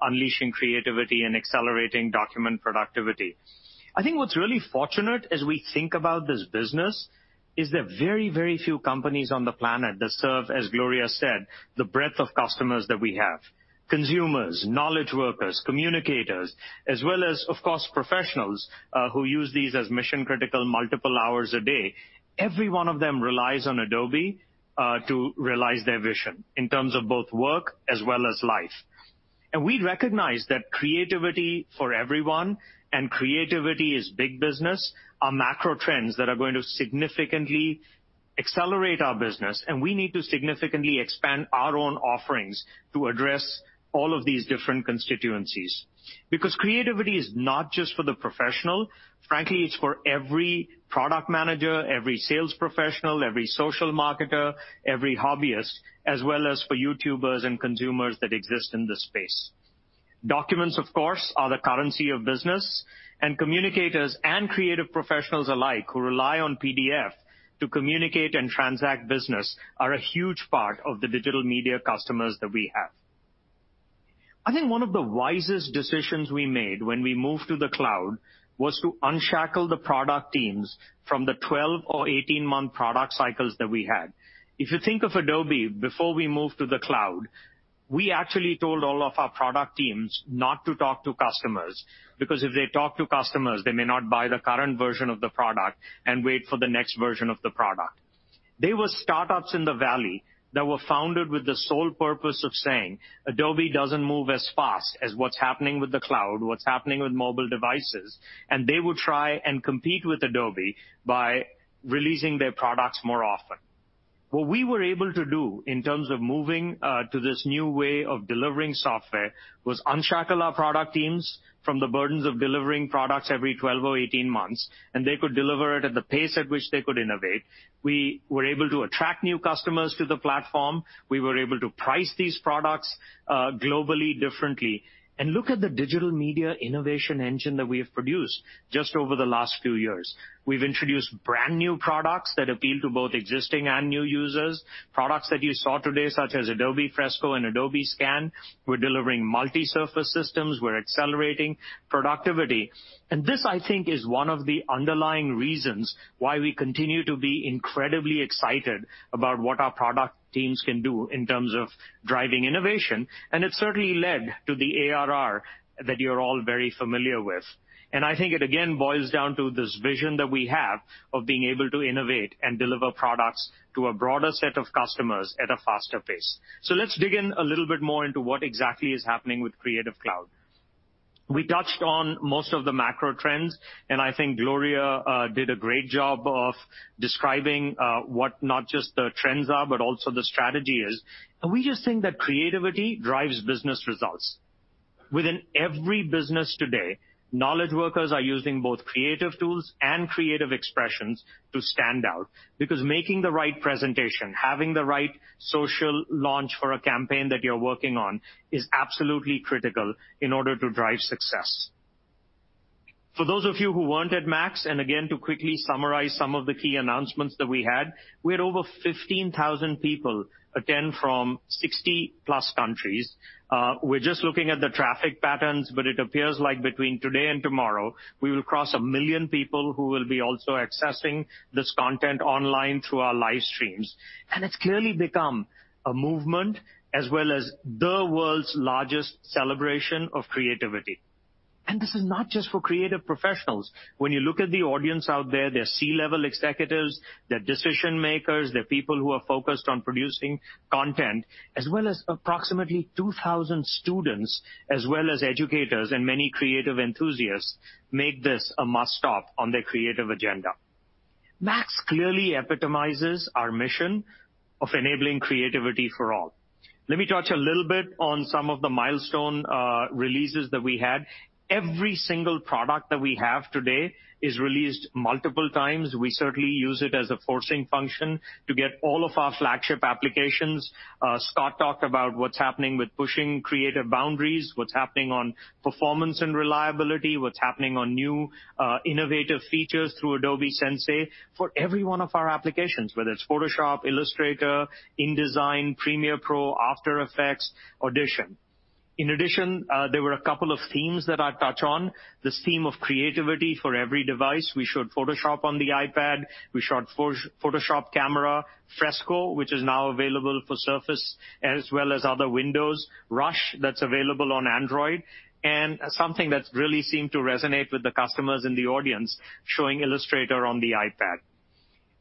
unleashing creativity and accelerating document productivity. I think what's really fortunate as we think about this business is that very few companies on the planet that serve, as Gloria said, the breadth of customers that we have. Consumers, knowledge workers, communicators, as well as, of course, professionals who use these as mission-critical multiple hours a day. Every one of them relies on Adobe to realize their vision in terms of both work as well as life. We recognize that creativity for everyone and creativity is big business are macro trends that are going to significantly accelerate our business, and we need to significantly expand our own offerings to address all of these different constituencies. Creativity is not just for the professional. Frankly, it's for every product manager, every sales professional, every social marketer, every hobbyist, as well as for YouTubers and consumers that exist in this space. Documents, of course, are the currency of business. Communicators and creative professionals alike who rely on PDF to communicate and transact business are a huge part of the digital media customers that we have. I think one of the wisest decisions we made when we moved to the cloud was to unshackle the product teams from the 12 or 18-month product cycles that we had. If you think of Adobe before we moved to the cloud, we actually told all of our product teams not to talk to customers, because if they talk to customers, they may not buy the current version of the product and wait for the next version of the product. There were startups in the valley that were founded with the sole purpose of saying, "Adobe doesn't move as fast as what's happening with the cloud, what's happening with mobile devices," and they would try and compete with Adobe by releasing their products more often. What we were able to do in terms of moving to this new way of delivering software was unshackle our product teams from the burdens of delivering products every 12 or 18 months, and they could deliver it at the pace at which they could innovate. We were able to attract new customers to the platform. We were able to price these products globally differently. Look at the digital media innovation engine that we have produced just over the last few years. We've introduced brand-new products that appeal to both existing and new users, products that you saw today, such as Adobe Fresco and Adobe Scan. We're delivering multi-surface systems. We're accelerating productivity. This, I think, is one of the underlying reasons why we continue to be incredibly excited about what our product teams can do in terms of driving innovation, and it certainly led to the ARR that you're all very familiar with. I think it, again, boils down to this vision that we have of being able to innovate and deliver products to a broader set of customers at a faster pace. Let's dig in a little bit more into what exactly is happening with Creative Cloud. We touched on most of the macro trends, and I think Gloria did a great job of describing what not just the trends are, but also the strategy is. We just think that creativity drives business results. Within every business today, knowledge workers are using both creative tools and creative expressions to stand out, because making the right presentation, having the right social launch for a campaign that you're working on is absolutely critical in order to drive success. For those of you who weren't at MAX, again, to quickly summarize some of the key announcements that we had, we had over 15,000 people attend from 60-plus countries. We're just looking at the traffic patterns, but it appears like between today and tomorrow, we will cross 1 million people who will be also accessing this content online through our live streams. It's clearly become a movement as well as the world's largest celebration of creativity. This is not just for creative professionals. When you look at the audience out there, they're C-level executives, they're decision-makers, they're people who are focused on producing content, as well as approximately 2,000 students, as well as educators and many creative enthusiasts make this a must-stop on their creative agenda. MAX clearly epitomizes our mission of enabling creativity for all. Let me touch a little bit on some of the milestone releases that we had. Every single product that we have today is released multiple times. We certainly use it as a forcing function to get all of our flagship applications. Scott talked about what's happening with pushing creative boundaries, what's happening on performance and reliability, what's happening on new, innovative features through Adobe Sensei for every one of our applications, whether it's Photoshop, Illustrator, InDesign, Premiere Pro, After Effects, Audition. In addition, there were a couple of themes that I'd touch on. This theme of creativity for every device. We showed Adobe Photoshop on the iPad, we showed Photoshop Camera, Adobe Fresco, which is now available for Microsoft Surface as well as other Windows, Premiere Rush that's available on Android, and something that really seemed to resonate with the customers in the audience, showing Adobe Illustrator on the iPad.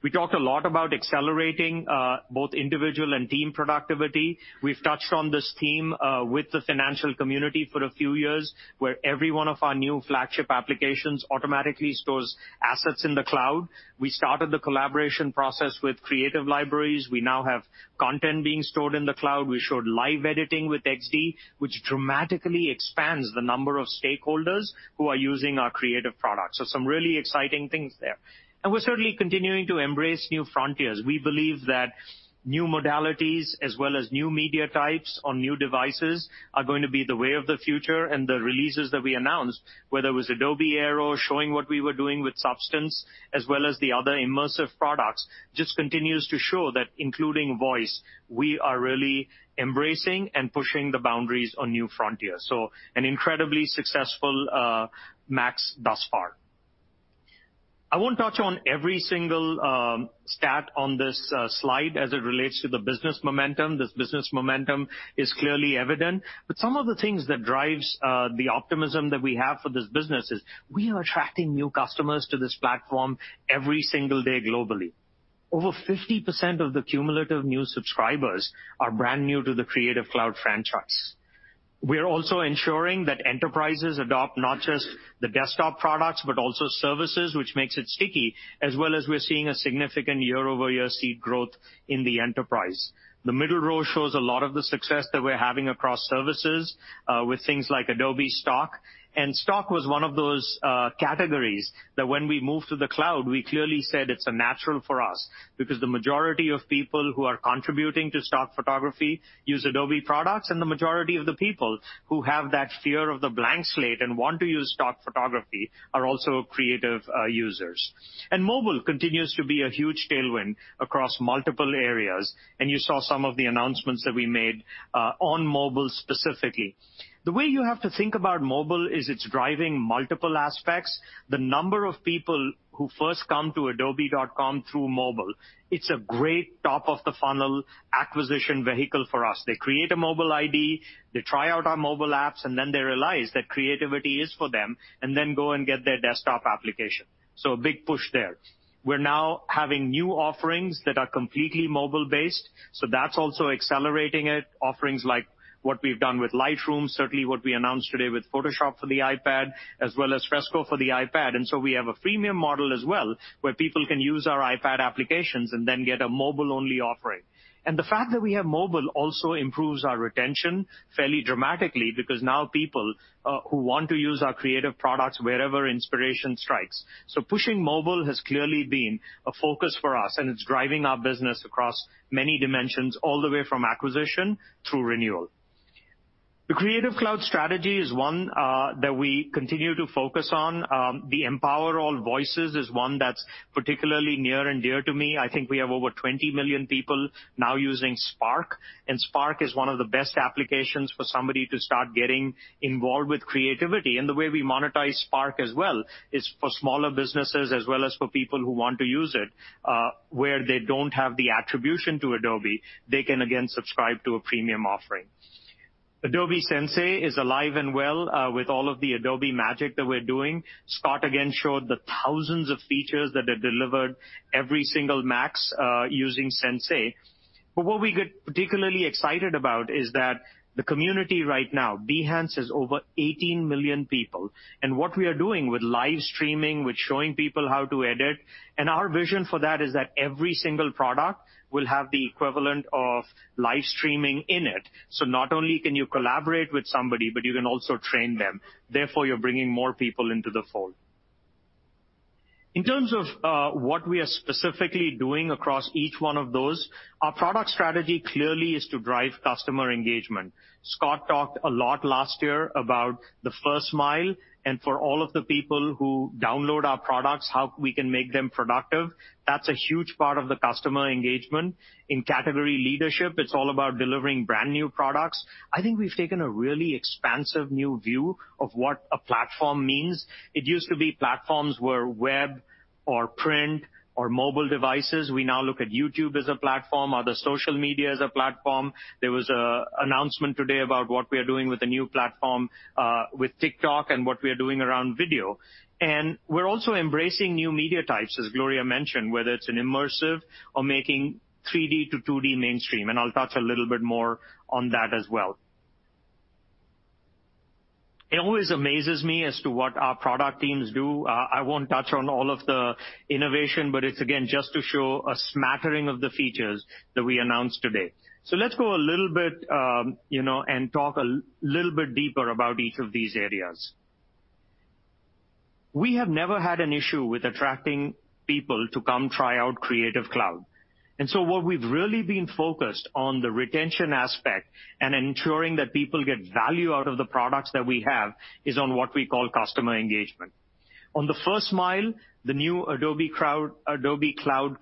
We talked a lot about accelerating both individual and team productivity. We've touched on this theme with the financial community for a few years, where every one of our new flagship applications automatically stores assets in the cloud. We started the collaboration process with Creative Cloud Libraries. We now have content being stored in the cloud. We showed live editing with Adobe XD, which dramatically expands the number of stakeholders who are using our creative products. Some really exciting things there. We're certainly continuing to embrace new frontiers. We believe that new modalities as well as new media types on new devices are going to be the way of the future. The releases that we announced, whether it was Adobe Aero showing what we were doing with Substance, as well as the other immersive products, just continues to show that including voice, we are really embracing and pushing the boundaries on new frontiers. An incredibly successful MAX thus far. I won't touch on every single stat on this slide as it relates to the business momentum. This business momentum is clearly evident. Some of the things that drives the optimism that we have for this business is we are attracting new customers to this platform every single day globally. Over 50% of the cumulative new subscribers are brand new to the Creative Cloud franchise. We are also ensuring that enterprises adopt not just the desktop products, but also services, which makes it sticky, as well as we're seeing a significant year-over-year seat growth in the enterprise. The middle row shows a lot of the success that we're having across services, with things like Adobe Stock. Stock was one of those categories that when we moved to the cloud, we clearly said it's a natural for us, because the majority of people who are contributing to stock photography use Adobe products, and the majority of the people who have that fear of the blank slate and want to use stock photography are also creative users. Mobile continues to be a huge tailwind across multiple areas, and you saw some of the announcements that we made on mobile specifically. The way you have to think about mobile is it's driving multiple aspects. The number of people who first come to adobe.com through mobile, it's a great top-of-the-funnel acquisition vehicle for us. They create a mobile ID, they try out our mobile apps, and then they realize that creativity is for them, and then go and get their desktop application. A big push there. We're now having new offerings that are completely mobile-based, so that's also accelerating it, offerings like what we've done with Lightroom, certainly what we announced today with Photoshop for the iPad, as well as Fresco for the iPad. We have a freemium model as well, where people can use our iPad applications and then get a mobile-only offering. The fact that we have mobile also improves our retention fairly dramatically because now people who want to use our creative products wherever inspiration strikes. Pushing mobile has clearly been a focus for us, and it's driving our business across many dimensions, all the way from acquisition through renewal. The Creative Cloud strategy is one that we continue to focus on. The Empower All Voices is one that's particularly near and dear to me. I think we have over 20 million people now using Spark, and Spark is one of the best applications for somebody to start getting involved with creativity. The way we monetize Spark as well is for smaller businesses as well as for people who want to use it, where they don't have the attribution to Adobe, they can again subscribe to a premium offering. Adobe Sensei is alive and well with all of the Adobe magic that we're doing. Scott again showed the thousands of features that are delivered every single MAX, using Sensei. What we get particularly excited about is that the community right now, Behance has over 18 million people, and what we are doing with live streaming, with showing people how to edit, and our vision for that is that every single product will have the equivalent of live streaming in it, so not only can you collaborate with somebody, but you can also train them, therefore, you're bringing more people into the fold. In terms of what we are specifically doing across each one of those, our product strategy clearly is to drive customer engagement. Scott talked a lot last year about the first mile, and for all of the people who download our products, how we can make them productive. That's a huge part of the customer engagement. In category leadership, it's all about delivering brand-new products. I think we've taken a really expansive new view of what a platform means. It used to be platforms were web or print or mobile devices. We now look at YouTube as a platform, other social media as a platform. There was an announcement today about what we are doing with the new platform, with TikTok, and what we are doing around video. We're also embracing new media types, as Gloria mentioned, whether it's an immersive or making 3D to 2D mainstream, and I'll touch a little bit more on that as well. It always amazes me as to what our product teams do. I won't touch on all of the innovation, but it's again, just to show a smattering of the features that we announced today. Let's go a little bit, and talk a little bit deeper about each of these areas. We have never had an issue with attracting people to come try out Creative Cloud. What we've really been focused on the retention aspect and ensuring that people get value out of the products that we have is on what we call customer engagement. On the first mile, the new Creative Cloud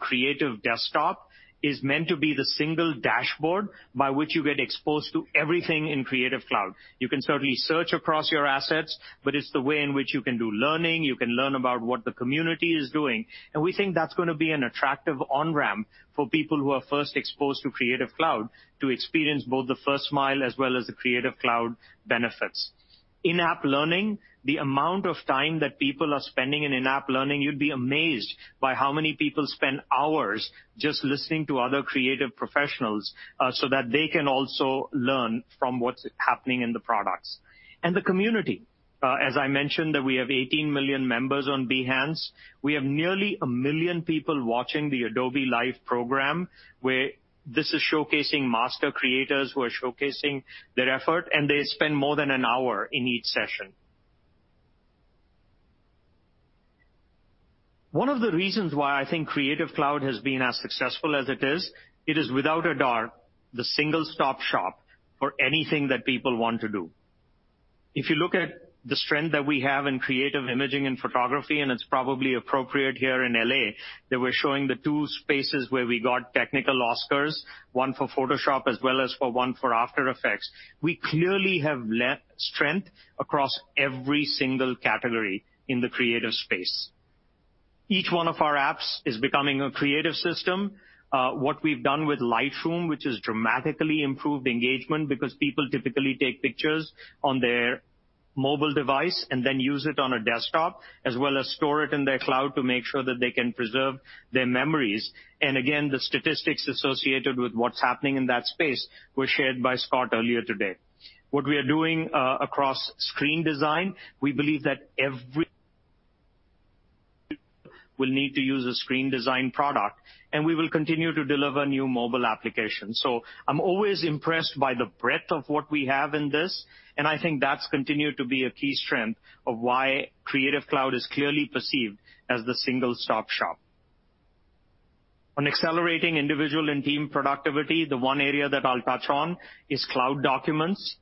for desktop is meant to be the single dashboard by which you get exposed to everything in Creative Cloud. You can certainly search across your assets, it's the way in which you can do learning, you can learn about what the community is doing. We think that's going to be an attractive on-ramp for people who are first exposed to Creative Cloud to experience both the first mile as well as the Creative Cloud benefits. In-app learning, the amount of time that people are spending in in-app learning, you'd be amazed by how many people spend hours just listening to other creative professionals, so that they can also learn from what's happening in the products. The community, as I mentioned, that we have 18 million members on Behance. We have nearly 1 million people watching the Adobe Live program, where this is showcasing master creators who are showcasing their effort, and they spend more than 1 hour in each session. One of the reasons why I think Creative Cloud has been as successful as it is, it is without a doubt, the single-stop shop for anything that people want to do. If you look at the strength that we have in creative imaging and photography, it's probably appropriate here in L.A., that we're showing the two spaces where we got technical Oscars, one for Photoshop as well as for one for After Effects. We clearly have lent strength across every single category in the creative space. Each one of our apps is becoming a creative system. What we've done with Lightroom, which has dramatically improved engagement because people typically take pictures on their mobile device and then use it on a desktop, as well as store it in their cloud to make sure that they can preserve their memories. Again, the statistics associated with what's happening in that space were shared by Scott earlier today. What we are doing across screen design, we believe that every will need to use a screen design product, and we will continue to deliver new mobile applications. I'm always impressed by the breadth of what we have in this, and I think that's continued to be a key strength of why Creative Cloud is clearly perceived as the single-stop shop. On accelerating individual and team productivity, the one area that I'll touch on is Cloud Documents.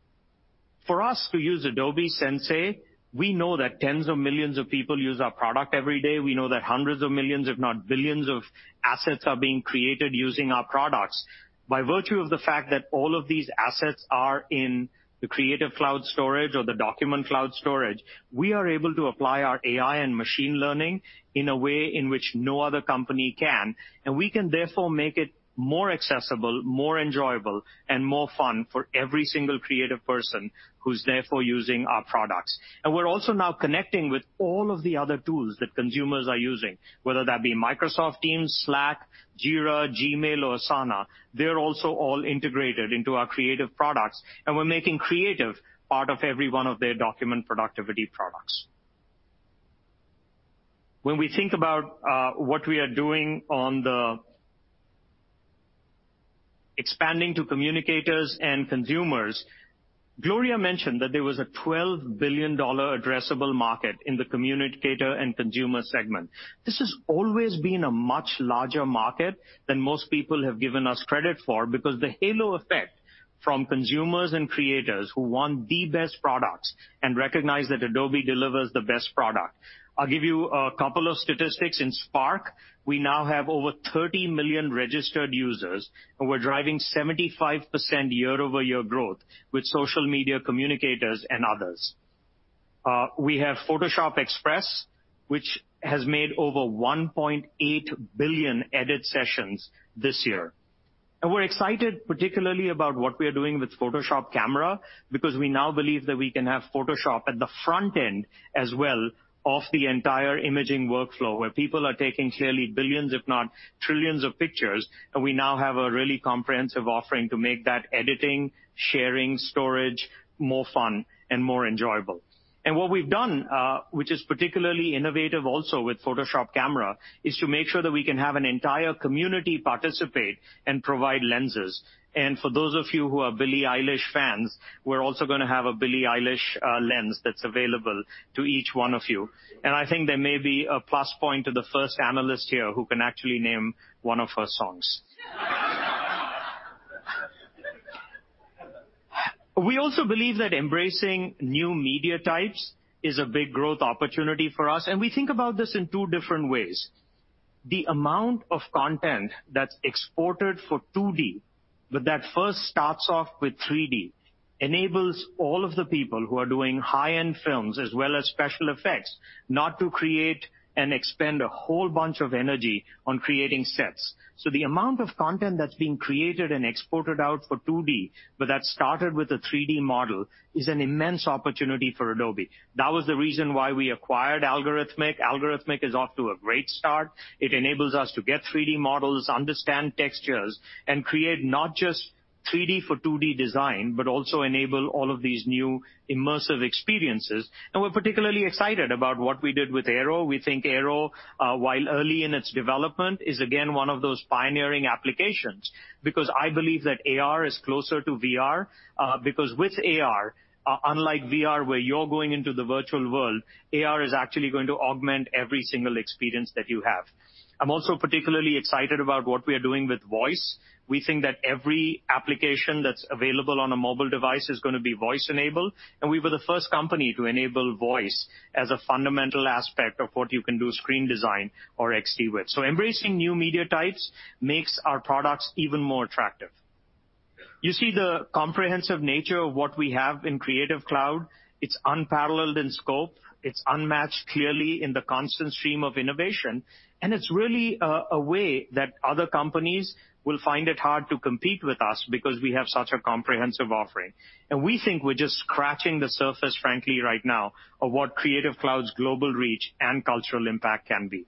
For us to use Adobe Sensei, we know that tens of millions of people use our product every day, we know that hundreds of millions, if not billions, of assets are being created using our products. By virtue of the fact that all of these assets are in the Creative Cloud storage or the Document Cloud storage, we are able to apply our AI and machine learning in a way in which no other company can, and we can therefore make it more accessible, more enjoyable, and more fun for every single creative person who's therefore using our products. We're also now connecting with all of the other tools that consumers are using, whether that be Microsoft Teams, Slack, Jira, Gmail, or Asana. They're also all integrated into our creative products, and we're making creative part of every one of their document productivity products. When we think about what we are doing on the expanding to communicators and consumers, Gloria mentioned that there was a $12 billion addressable market in the communicator and consumer segment. This has always been a much larger market than most people have given us credit for because the halo effect from consumers and creators who want the best products and recognize that Adobe delivers the best product. I'll give you a couple of statistics. In Spark, we now have over 30 million registered users, and we're driving 75% year-over-year growth with social media communicators and others. We have Photoshop Express, which has made over 1.8 billion edit sessions this year. We're excited particularly about what we are doing with Photoshop Camera because we now believe that we can have Photoshop at the front end as well of the entire imaging workflow, where people are taking clearly billions, if not trillions of pictures, and we now have a really comprehensive offering to make that editing, sharing, storage more fun and more enjoyable. What we've done, which is particularly innovative also with Photoshop Camera, is to make sure that we can have an entire community participate and provide lenses. For those of you who are Billie Eilish fans, we're also going to have a Billie Eilish lens that's available to each one of you. I think there may be a plus point to the first analyst here who can actually name one of her songs. We also believe that embracing new media types is a big growth opportunity for us, and we think about this in two different ways. The amount of content that's exported for 2D, but that first starts off with 3D enables all of the people who are doing high-end films as well as special effects not to create and expend a whole bunch of energy on creating sets. The amount of content that's being created and exported out for 2D, but that started with a 3D model, is an immense opportunity for Adobe. That was the reason why we acquired Allegorithmic. Allegorithmic is off to a great start. It enables us to get 3D models, understand textures, and create not just 3D for 2D design, but also enable all of these new immersive experiences. We're particularly excited about what we did with Adobe Aero. We think Adobe Aero, while early in its development, is again, one of those pioneering applications because I believe that AR is closer to VR. With AR, unlike VR, where you're going into the virtual world, AR is actually going to augment every single experience that you have. I'm also particularly excited about what we are doing with voice. We think that every application that's available on a mobile device is going to be voice-enabled. We were the first company to enable voice as a fundamental aspect of what you can do screen design or Adobe XD with. Embracing new media types makes our products even more attractive. You see the comprehensive nature of what we have in Creative Cloud. It's unparalleled in scope. It's unmatched, clearly, in the constant stream of innovation, and it's really a way that other companies will find it hard to compete with us because we have such a comprehensive offering. We think we're just scratching the surface, frankly, right now of what Creative Cloud's global reach and cultural impact can be.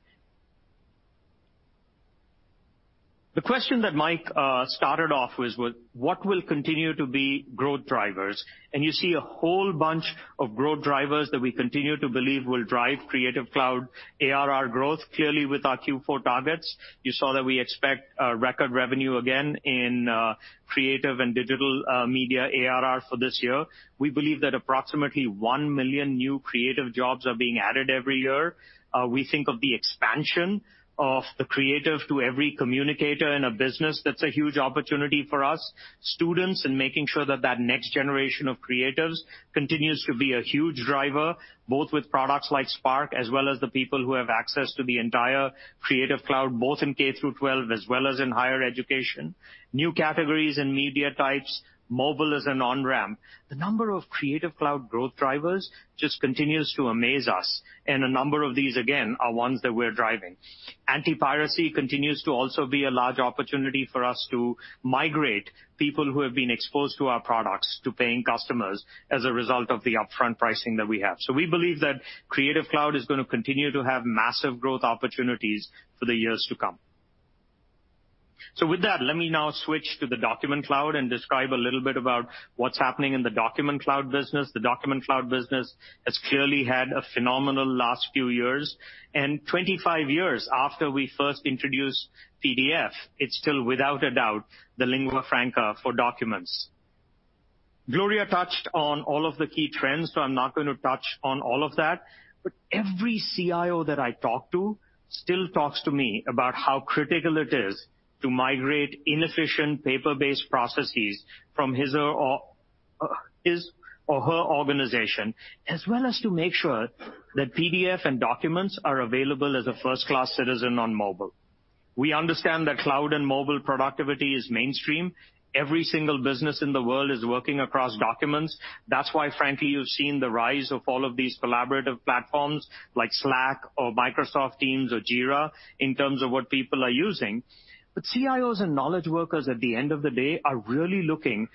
The question that Mike started off with was: What will continue to be growth drivers? You see a whole bunch of growth drivers that we continue to believe will drive Creative Cloud ARR growth. Clearly, with our Q4 targets, you saw that we expect a record revenue again in Creative and Digital Media ARR for this year. We believe that approximately 1 million new creative jobs are being added every year. We think of the expansion of the creative to every communicator in a business. That's a huge opportunity for us. Students and making sure that that next generation of creatives continues to be a huge driver, both with products like Spark as well as the people who have access to the entire Creative Cloud, both in K-12 as well as in higher education. New categories and media types, mobile as an on-ramp. The number of Creative Cloud growth drivers just continues to amaze us, and a number of these, again, are ones that we're driving. Anti-piracy continues to also be a large opportunity for us to migrate people who have been exposed to our products to paying customers as a result of the upfront pricing that we have. We believe that Creative Cloud is going to continue to have massive growth opportunities for the years to come. With that, let me now switch to the Document Cloud and describe a little bit about what's happening in the Document Cloud business. The Document Cloud business has clearly had a phenomenal last few years. 25 years after we first introduced PDF, it's still, without a doubt, the lingua franca for documents. Gloria touched on all of the key trends, I'm not going to touch on all of that. Every CIO that I talk to still talks to me about how critical it is to migrate inefficient paper-based processes from his or her organization, as well as to make sure that PDF and documents are available as a first-class citizen on mobile. We understand that cloud and mobile productivity is mainstream. Every single business in the world is working across documents. That's why, frankly, you've seen the rise of all of these collaborative platforms like Slack or Microsoft Teams or Jira in terms of what people are using. CIOs and knowledge workers, at the end of the day, are really looking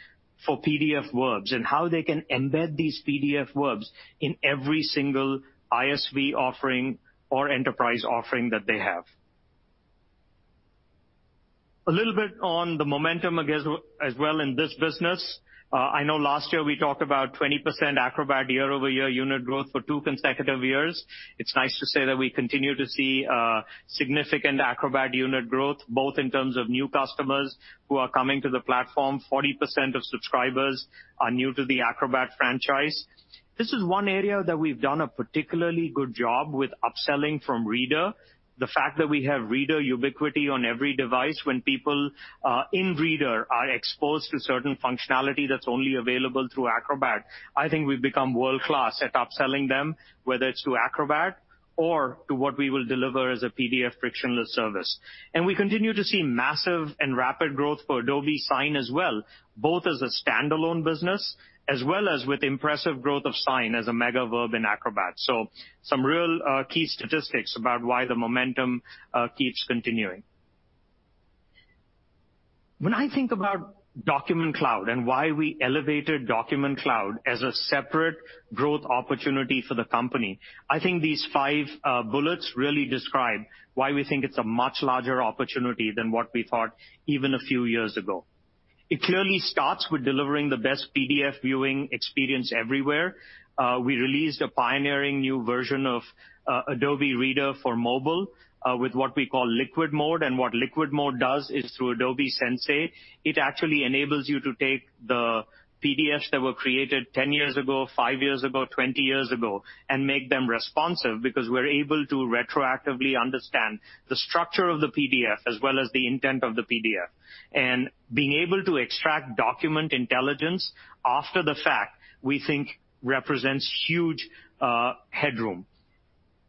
for PDF verbs and how they can embed these PDF verbs in every single ISV offering or enterprise offering that they have. A little bit on the momentum, I guess, as well in this business. I know last year we talked about 20% Acrobat year-over-year unit growth for two consecutive years. It's nice to say that we continue to see significant Acrobat unit growth, both in terms of new customers who are coming to the platform. 40% of subscribers are new to the Acrobat franchise. This is one area that we've done a particularly good job with upselling from Reader. The fact that we have Reader ubiquity on every device, when people in Reader are exposed to certain functionality that's only available through Acrobat, I think we've become world-class at upselling them, whether it's through Acrobat or to what we will deliver as a PDF frictionless service. We continue to see massive and rapid growth for Adobe Sign as well, both as a standalone business as well as with impressive growth of Sign as a mega verb in Acrobat. Some real key statistics about why the momentum keeps continuing. When I think about Document Cloud and why we elevated Document Cloud as a separate growth opportunity for the company, I think these five bullets really describe why we think it's a much larger opportunity than what we thought even a few years ago. It clearly starts with delivering the best PDF viewing experience everywhere. We released a pioneering new version of Adobe Reader for mobile, with what we call Liquid Mode. What Liquid Mode does is through Adobe Sensei, it actually enables you to take the PDFs that were created 10 years ago, five years ago, 20 years ago, and make them responsive because we're able to retroactively understand the structure of the PDF as well as the intent of the PDF. Being able to extract document intelligence after the fact, we think represents huge headroom.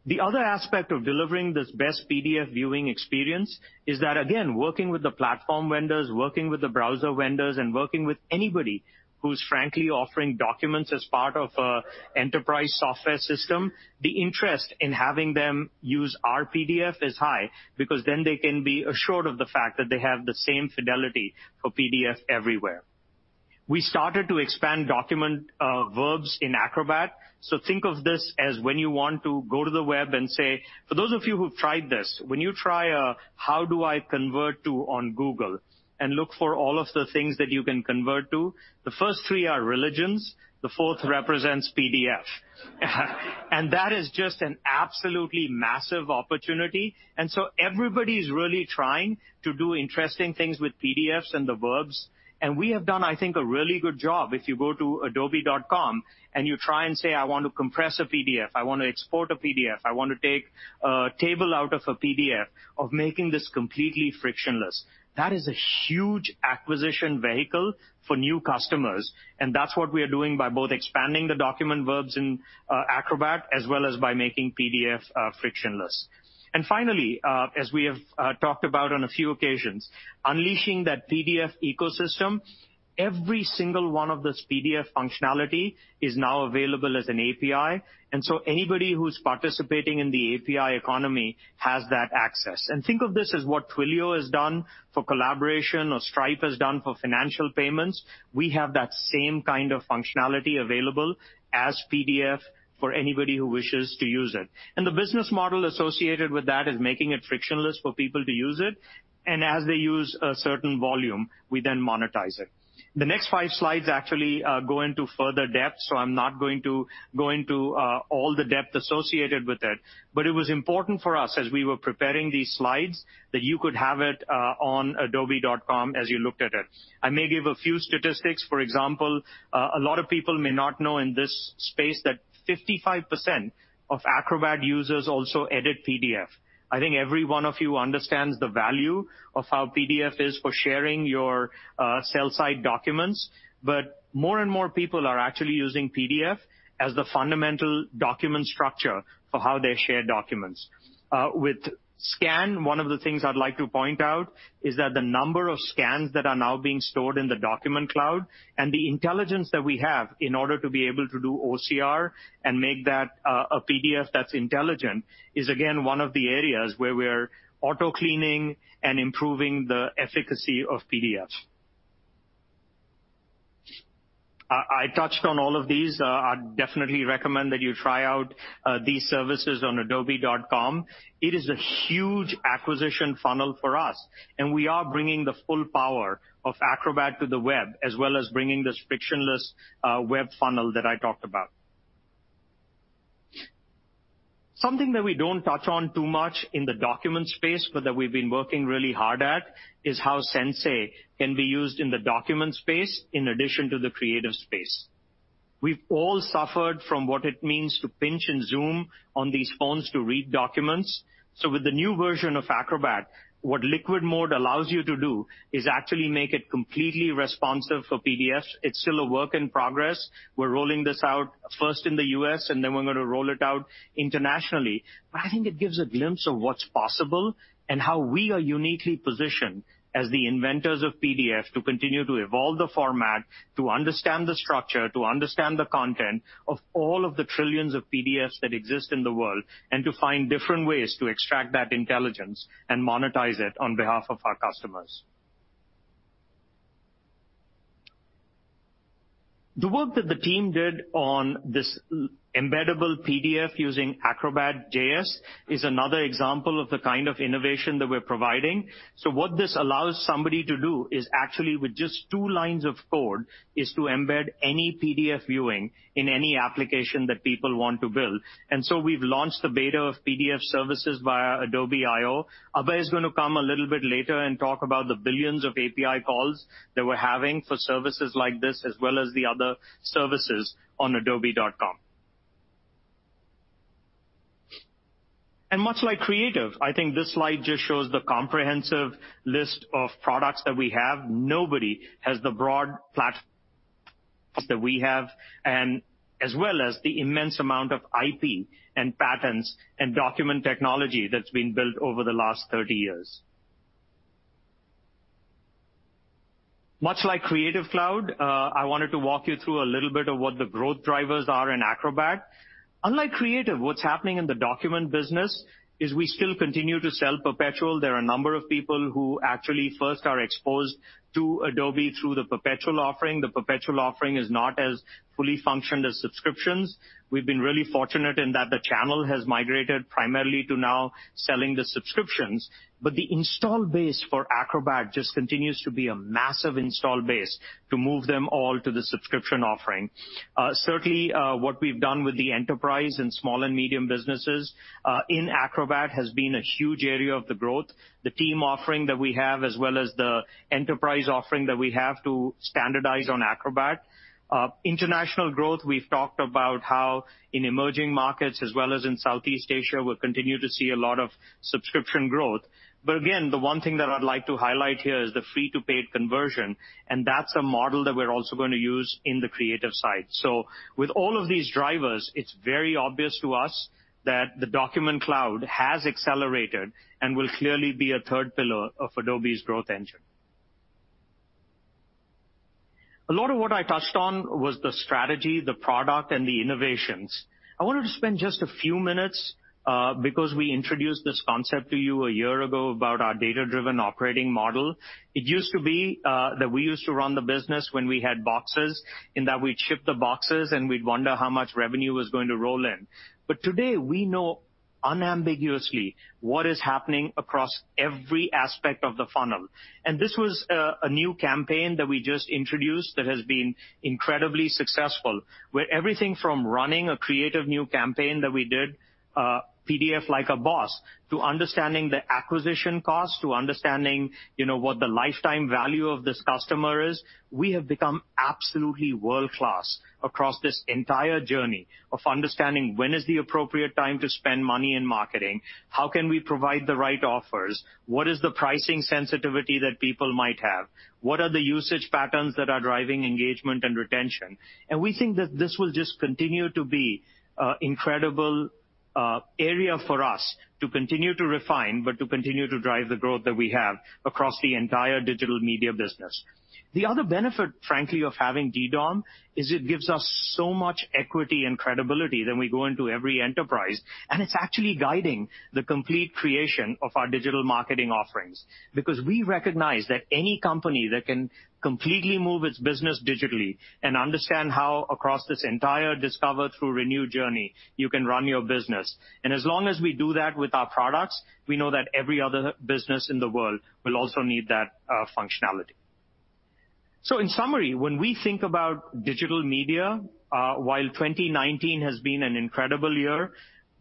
The other aspect of delivering this best PDF viewing experience is that, again, working with the platform vendors, working with the browser vendors, and working with anybody who's frankly offering documents as part of an enterprise software system, the interest in having them use our PDF is high because then they can be assured of the fact that they have the same fidelity for PDF everywhere. We started to expand document verbs in Acrobat. Think of this as when you want to go to the web and say, for those of you who've tried this, when you try a "how do I convert to" on Google and look for all of the things that you can convert to, the first three are religions, the fourth represents PDF. That is just an absolutely massive opportunity. Everybody's really trying to do interesting things with PDFs and the verbs. We have done, I think, a really good job. If you go to adobe.com and you try and say, "I want to compress a PDF, I want to export a PDF, I want to take a table out of a PDF," of making this completely frictionless. That is a huge acquisition vehicle for new customers, and that's what we are doing by both expanding the document verbs in Acrobat as well as by making PDFs frictionless. Finally, as we have talked about on a few occasions, unleashing that PDF ecosystem, every single one of those PDF functionality is now available as an API. Anybody who's participating in the API economy has that access. Think of this as what Twilio has done for collaboration or Stripe has done for financial payments. We have that same kind of functionality available as PDF for anybody who wishes to use it. The business model associated with that is making it frictionless for people to use it. As they use a certain volume, we then monetize it. The next five slides actually go into further depth, I'm not going to go into all the depth associated with it. It was important for us as we were preparing these slides that you could have it on adobe.com as you looked at it. I may give a few statistics. For example, a lot of people may not know in this space that 55% of Acrobat users also edit PDF. I think every one of you understands the value of how PDF is for sharing your sell-side documents. More and more people are actually using PDF as the fundamental document structure for how they share documents. With Scan, one of the things I'd like to point out is that the number of scans that are now being stored in the Document Cloud and the intelligence that we have in order to be able to do OCR and make that a PDF that's intelligent is, again, one of the areas where we're auto-cleaning and improving the efficacy of PDFs. I touched on all of these. I definitely recommend that you try out these services on adobe.com. It is a huge acquisition funnel for us, and we are bringing the full power of Acrobat to the web, as well as bringing this frictionless web funnel that I talked about. Something that we don't touch on too much in the document space, but that we've been working really hard at, is how Adobe Sensei can be used in the document space in addition to the creative space. We've all suffered from what it means to pinch and zoom on these phones to read documents. With the new version of Adobe Acrobat, what Liquid Mode allows you to do is actually make it completely responsive for PDFs. It's still a work in progress. We're rolling this out first in the U.S., and then we're going to roll it out internationally. I think it gives a glimpse of what's possible and how we are uniquely positioned as the inventors of PDF to continue to evolve the format, to understand the structure, to understand the content of all of the trillions of PDFs that exist in the world, and to find different ways to extract that intelligence and monetize it on behalf of our customers. The work that the team did on this embeddable PDF using Acrobat.js is another example of the kind of innovation that we're providing. What this allows somebody to do is actually with just two lines of code, is to embed any PDF viewing in any application that people want to build. We've launched the beta of PDF services via Adobe I/O. Abhay is going to come a little bit later and talk about the billions of API calls that we're having for services like this, as well as the other services on adobe.com. Much like Creative, I think this slide just shows the comprehensive list of products that we have. Nobody has the broad platform that we have, as well as the immense amount of IP and patents and document technology that's been built over the last 30 years. Much like Creative Cloud, I wanted to walk you through a little bit of what the growth drivers are in Acrobat. Unlike Creative, what's happening in the document business is we still continue to sell perpetual. There are a number of people who actually first are exposed to Adobe through the perpetual offering. The perpetual offering is not as fully-featured as subscriptions. We've been really fortunate in that the channel has migrated primarily to now selling the subscriptions. The install base for Adobe Acrobat just continues to be a massive install base to move them all to the subscription offering. Certainly, what we've done with the enterprise and small and medium businesses in Adobe Acrobat has been a huge area of the growth. The team offering that we have, as well as the enterprise offering that we have to standardize on Adobe Acrobat. International growth, we've talked about how in emerging markets as well as in Southeast Asia, we'll continue to see a lot of subscription growth. Again, the one thing that I'd like to highlight here is the free to paid conversion, and that's a model that we're also going to use in the Creative side. With all of these drivers, it's very obvious to us that the Document Cloud has accelerated and will clearly be a third pillar of Adobe's growth engine. A lot of what I touched on was the strategy, the product, and the innovations. I wanted to spend just a few minutes because we introduced this concept to you a year ago about our Data-Driven Operating Model. It used to be that we used to run the business when we had boxes, in that we'd ship the boxes and we'd wonder how much revenue was going to roll in. Today we know unambiguously what is happening across every aspect of the funnel. This was a new campaign that we just introduced that has been incredibly successful, where everything from running a creative new campaign that we did, PDF Like a Boss, to understanding the acquisition cost, to understanding what the lifetime value of this customer is. We have become absolutely world-class across this entire journey of understanding when is the appropriate time to spend money in marketing? How can we provide the right offers? What is the pricing sensitivity that people might have? What are the usage patterns that are driving engagement and retention? We think that this will just continue to be an incredible area for us to continue to refine, but to continue to drive the growth that we have across the entire Digital Media business. The other benefit, frankly, of having DDOM is it gives us so much equity and credibility that we go into every enterprise, and it's actually guiding the complete creation of our digital marketing offerings. We recognize that any company that can completely move its business digitally and understand how across this entire discover through renew journey, you can run your business. As long as we do that with our products, we know that every other business in the world will also need that functionality. In summary, when we think about Digital Media, while 2019 has been an incredible year,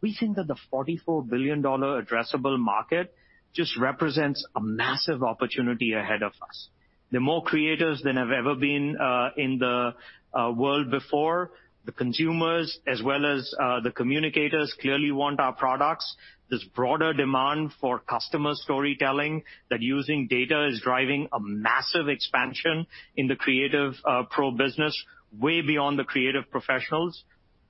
we think that the $44 billion addressable market just represents a massive opportunity ahead of us. There are more creatives than have ever been in the world before. The consumers, as well as the communicators, clearly want our products. This broader demand for customer storytelling, that using data is driving a massive expansion in the Creative Pro business way beyond the creative professionals.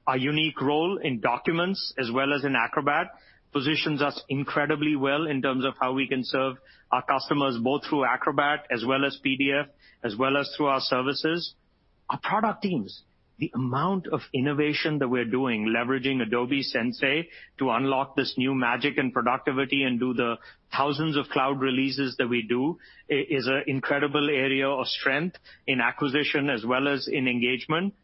Our unique role in Documents as well as in Acrobat positions us incredibly well in terms of how we can serve our customers, both through Acrobat as well as PDF, as well as through our services. Our product teams, the amount of innovation that we're doing, leveraging Adobe Sensei to unlock this new magic and productivity and do the thousands of cloud releases that we do is an incredible area of strength in acquisition as well as in engagement.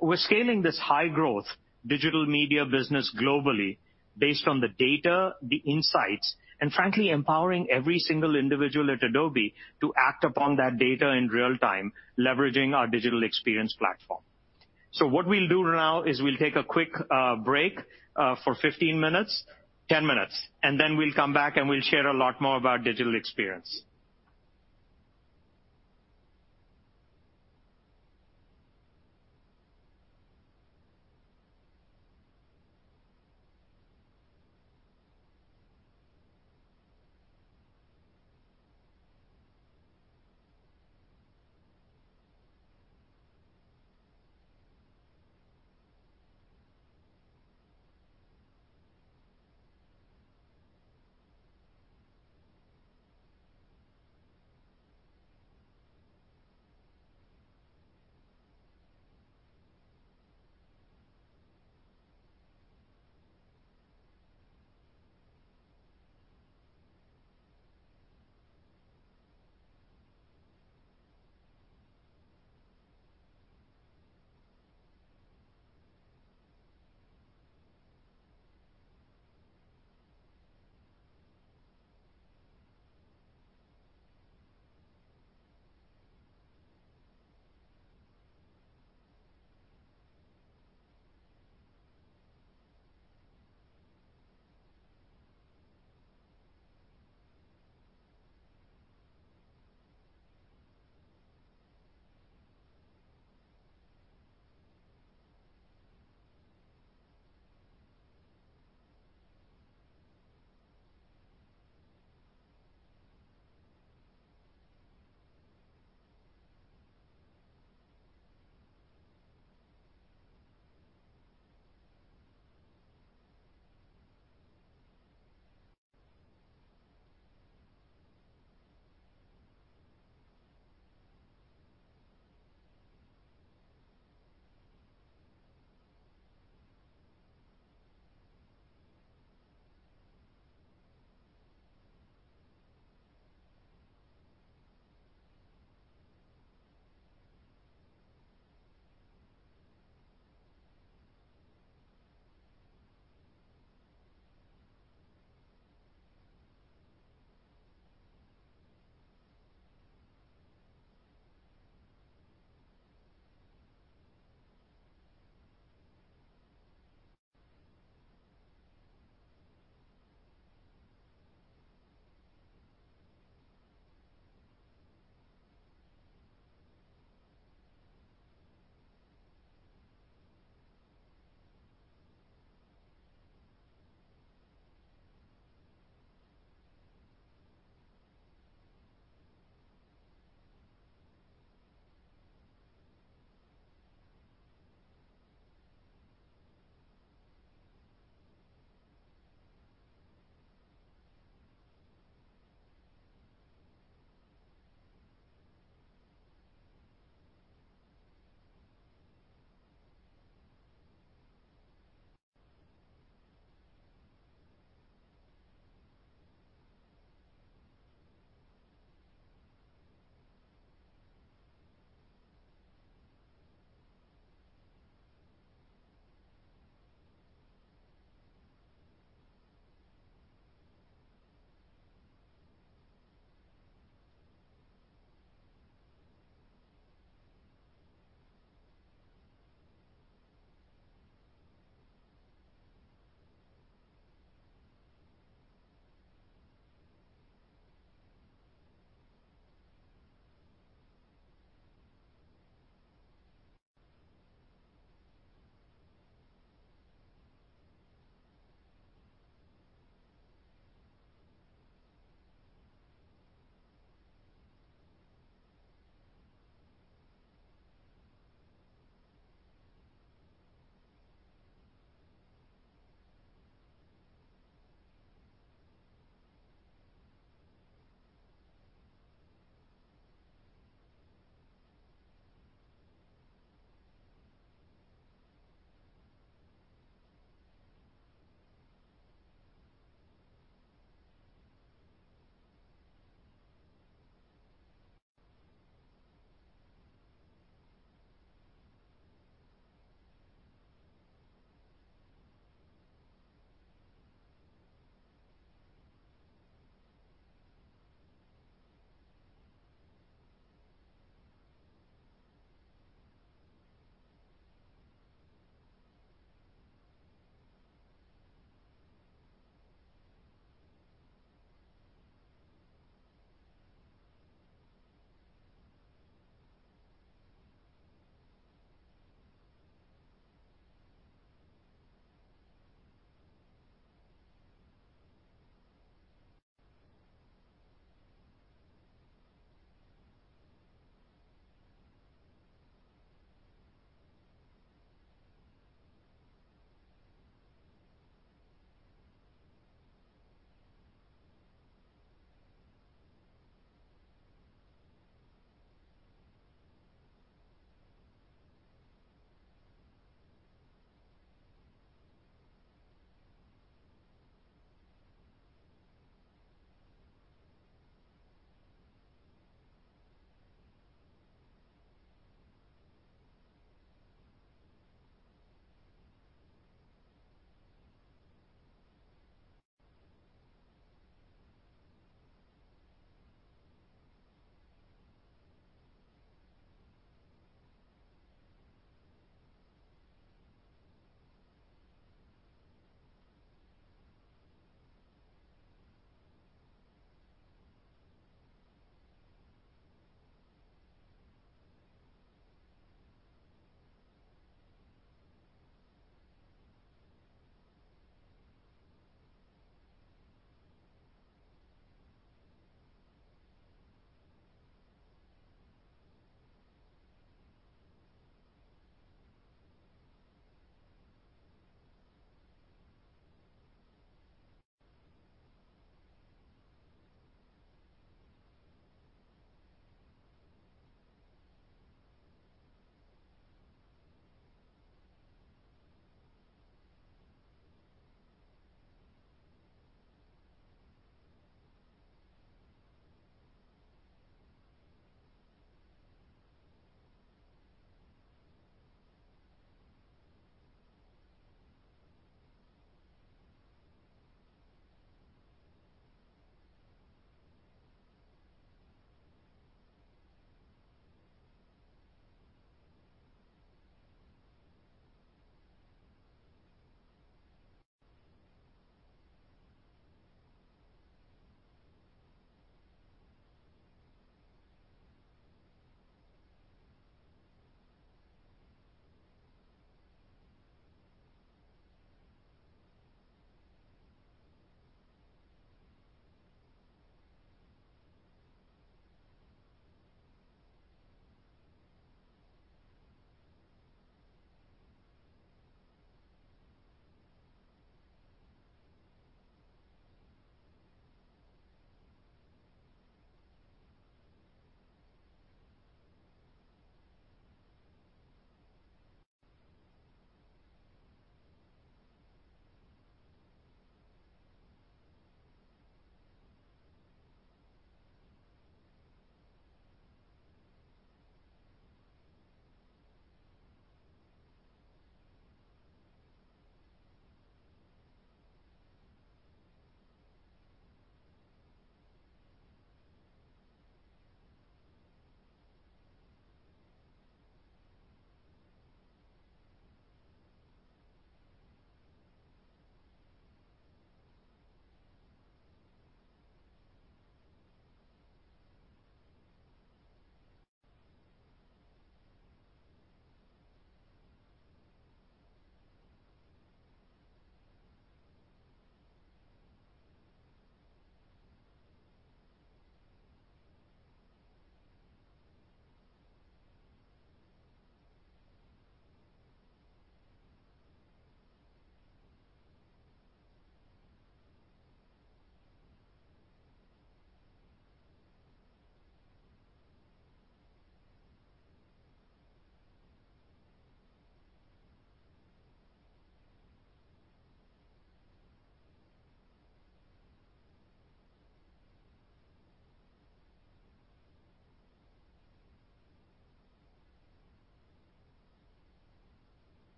We're scaling this high-growth digital media business globally based on the data, the insights, and frankly, empowering every single individual at Adobe to act upon that data in real-time, leveraging our Adobe Experience Platform. What we'll do now is we'll take a quick break for 15 minutes, 10 minutes, and then we'll come back and we'll share a lot more about digital experience.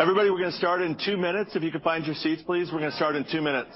Everybody, we're going to start in two minutes. If you could find your seats, please. We're going to start in two minutes.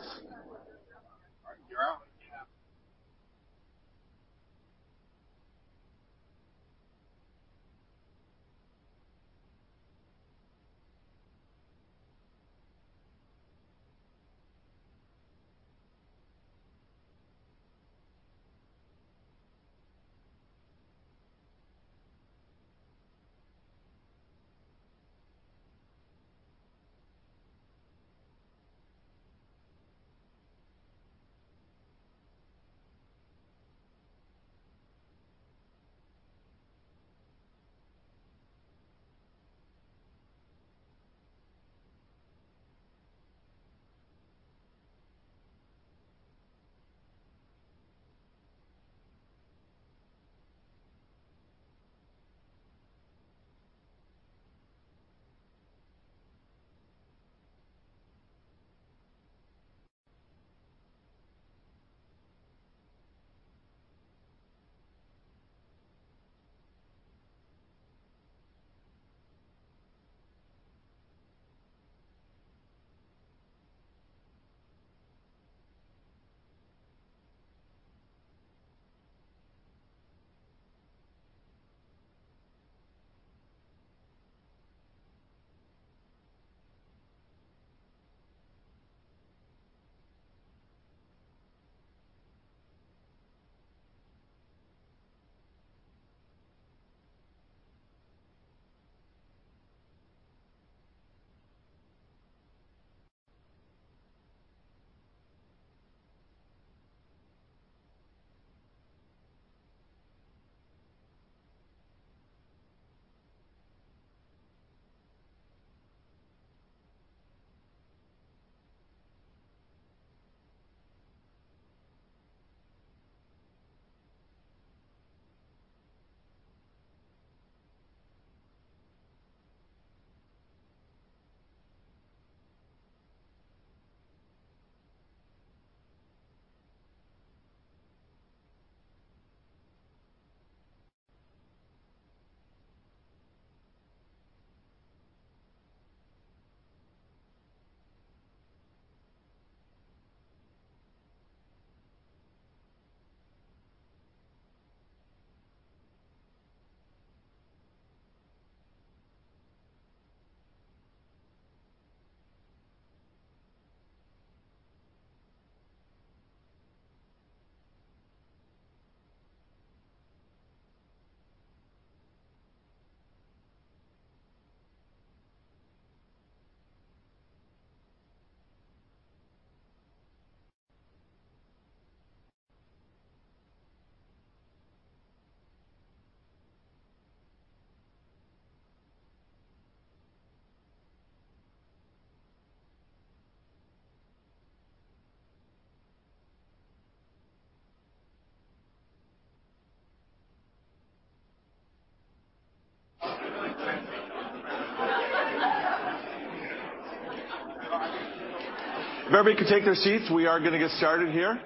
If everybody could take their seats, we are going to get started here.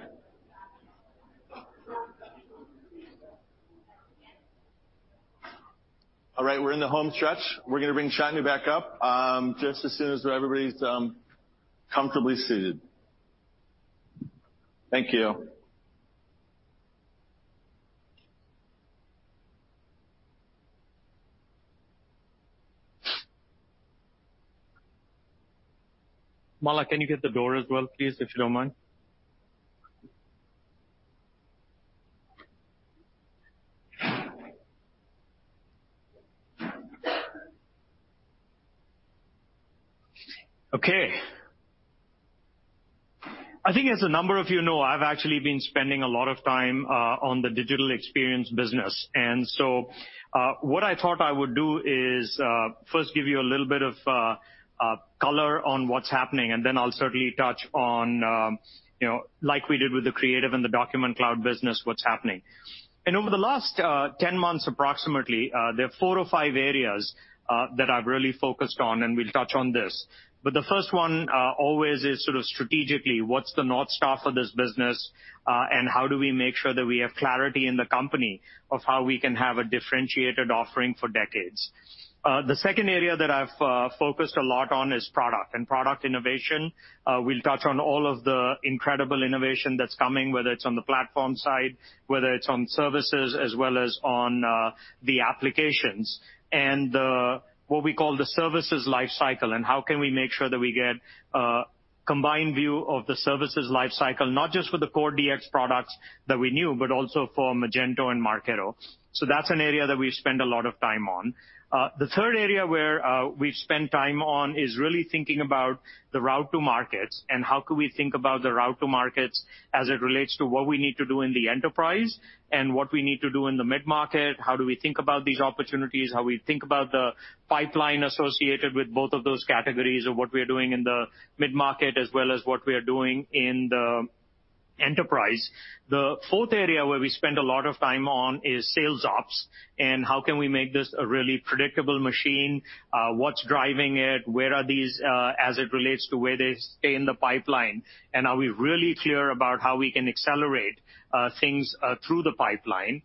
All right. We're in the home stretch. We're going to bring Shantanu back up, just as soon as everybody's comfortably seated. Thank you. Mike, can you get the door as well, please, if you don't mind? Okay. I think as a number of you know, I've actually been spending a lot of time on the digital experience business. What I thought I would do is, first give you a little bit of color on what's happening, then I'll certainly touch on like we did with the Creative and the Document Cloud business, what's happening. Over the last 10 months, approximately, there are four or five areas that I've really focused on, we'll touch on this. The first one always is sort of strategically, what's the North Star for this business? How do we make sure that we have clarity in the company of how we can have a differentiated offering for decades? The second area that I've focused a lot on is product and product innovation. We'll touch on all of the incredible innovation that's coming, whether it's on the platform side, whether it's on services, as well as on the applications and what we call the services life cycle, and how can we make sure that we get a combined view of the services life cycle, not just for the core DX products that we knew, but also for Magento and Marketo. That's an area that we've spent a lot of time on. The third area where we've spent time on is really thinking about the route-to-market and how could we think about the route-to-market as it relates to what we need to do in the enterprise and what we need to do in the mid-market. How do we think about these opportunities? How we think about the pipeline associated with both of those categories of what we are doing in the mid-market, as well as what we are doing in the enterprise. The fourth area where we spend a lot of time on is sales ops, how can we make this a really predictable machine? What's driving it? Where are these, as it relates to where they stay in the pipeline? Are we really clear about how we can accelerate things through the pipeline?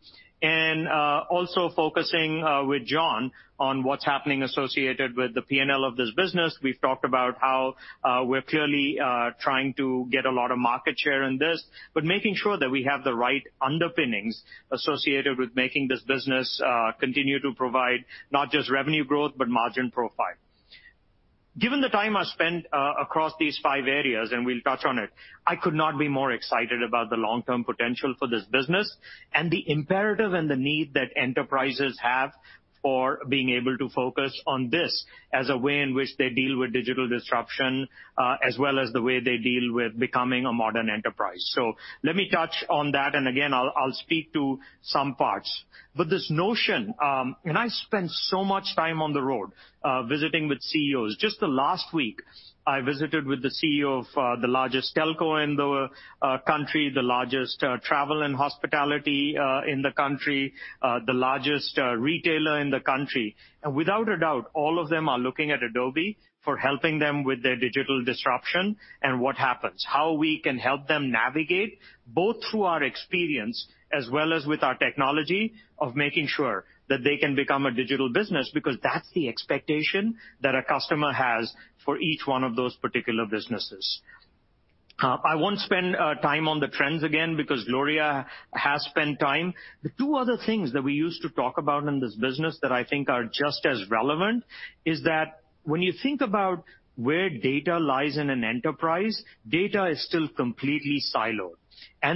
Also focusing with John on what's happening associated with the P&L of this business. We've talked about how we're clearly trying to get a lot of market share in this, but making sure that we have the right underpinnings associated with making this business continue to provide not just revenue growth, but margin profile. Given the time I spent across these five areas, and we'll touch on it, I could not be more excited about the long-term potential for this business and the imperative and the need that enterprises have for being able to focus on this as a way in which they deal with digital disruption, as well as the way they deal with becoming a modern enterprise. Let me touch on that, and again, I'll speak to some parts. This notion, and I spend so much time on the road, visiting with CEOs. Just the last week, I visited with the CEO of the largest telco in the country, the largest travel and hospitality in the country, the largest retailer in the country. Without a doubt, all of them are looking at Adobe for helping them with their digital disruption and what happens. How we can help them navigate, both through our experience as well as with our technology of making sure that they can become a digital business because that's the expectation that a customer has for each one of those particular businesses. I won't spend time on the trends again because Gloria has spent time. The two other things that we used to talk about in this business that I think are just as relevant is that when you think about where data lies in an enterprise, data is still completely siloed.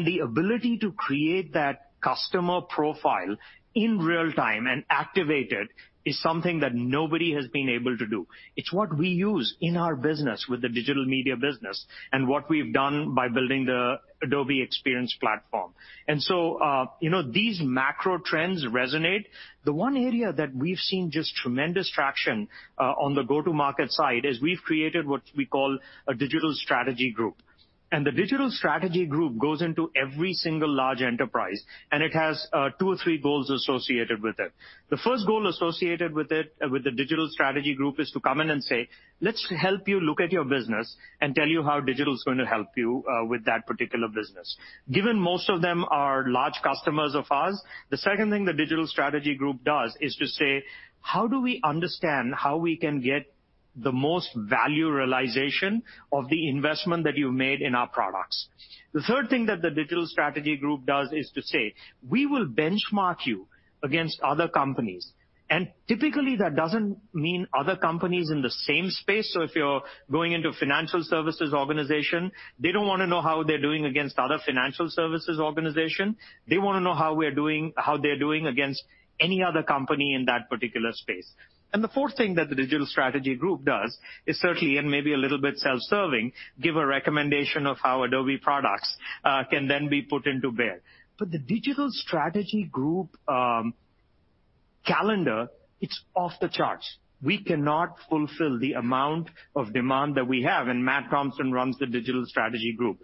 The ability to create that customer profile in real time and activate it is something that nobody has been able to do. It's what we use in our business with the digital media business and what we've done by building the Adobe Experience Platform. These macro trends resonate. The one area that we've seen just tremendous traction on the go-to-market side is we've created what we call a digital strategy group. The digital strategy group goes into every single large enterprise, and it has two or three goals associated with it. The first goal associated with it, with the Digital Strategy Group, is to come in and say, "Let's help you look at your business and tell you how digital is going to help you with that particular business." Given most of them are large customers of ours, the second thing the Digital Strategy Group does is to say, "How do we understand how we can get the most value realization of the investment that you've made in our products?" The third thing that the Digital Strategy Group does is to say, "We will benchmark you against other companies." Typically, that doesn't mean other companies in the same space. If you're going into financial services organization, they don't want to know how they're doing against other financial services organization. They want to know how they're doing against any other company in that particular space. The fourth thing that the Digital Strategy Group does is certainly, and maybe a little bit self-serving, give a recommendation of how Adobe products can then be put into play. The Digital Strategy Group, it's off the charts. We cannot fulfill the amount of demand that we have, and Matt Thompson runs the Digital Strategy Group.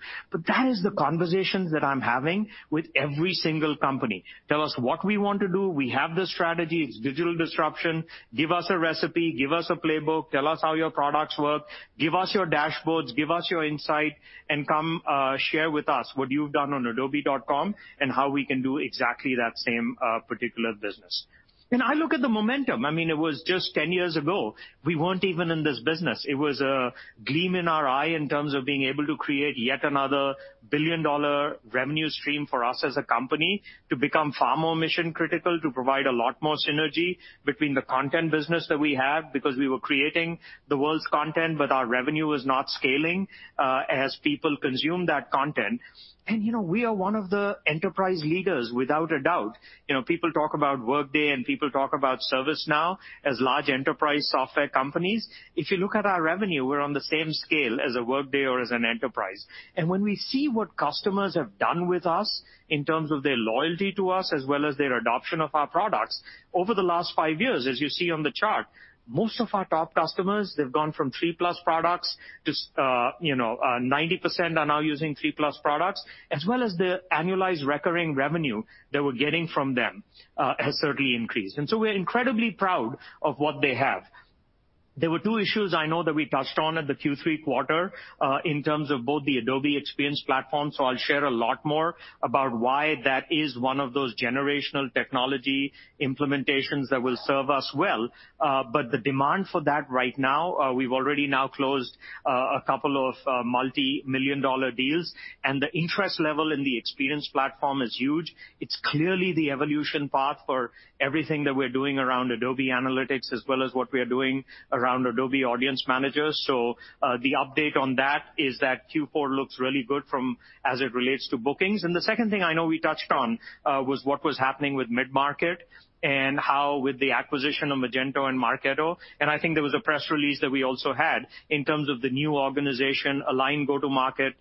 That is the conversations that I'm having with every single company. Tell us what we want to do. We have the strategy. It's digital disruption. Give us a recipe. Give us a playbook. Tell us how your products work. Give us your dashboards, give us your insight, and come share with us what you've done on adobe.com and how we can do exactly that same particular business. I look at the momentum. It was just 10 years ago, we weren't even in this business. It was a gleam in our eye in terms of being able to create yet another billion-dollar revenue stream for us as a company to become far more mission-critical, to provide a lot more synergy between the content business that we have, because we were creating the world's content, but our revenue was not scaling as people consumed that content. We are one of the enterprise leaders, without a doubt. People talk about Workday, and people talk about ServiceNow as large enterprise software companies. If you look at our revenue, we're on the same scale as a Workday or as an Enterprise. When we see what customers have done with us in terms of their loyalty to us as well as their adoption of our products, over the last five years, as you see on the chart, most of our top customers, they've gone from three-plus products to 90% are now using three-plus products, as well as the annualized recurring revenue that we're getting from them has certainly increased. So we're incredibly proud of what they have. There were two issues I know that we touched on at the Q3 quarter in terms of both the Adobe Experience Platform, I'll share a lot more about why that is one of those generational technology implementations that will serve us well. The demand for that right now, we've already now closed a couple of multi-million dollar deals, and the interest level in the Experience Platform is huge. It's clearly the evolution path for everything that we're doing around Adobe Analytics as well as what we are doing around Adobe Audience Manager. The update on that is that Q4 looks really good as it relates to bookings. The second thing I know we touched on was what was happening with mid-market and how with the acquisition of Magento and Marketo, and I think there was a press release that we also had in terms of the new organization aligned go-to market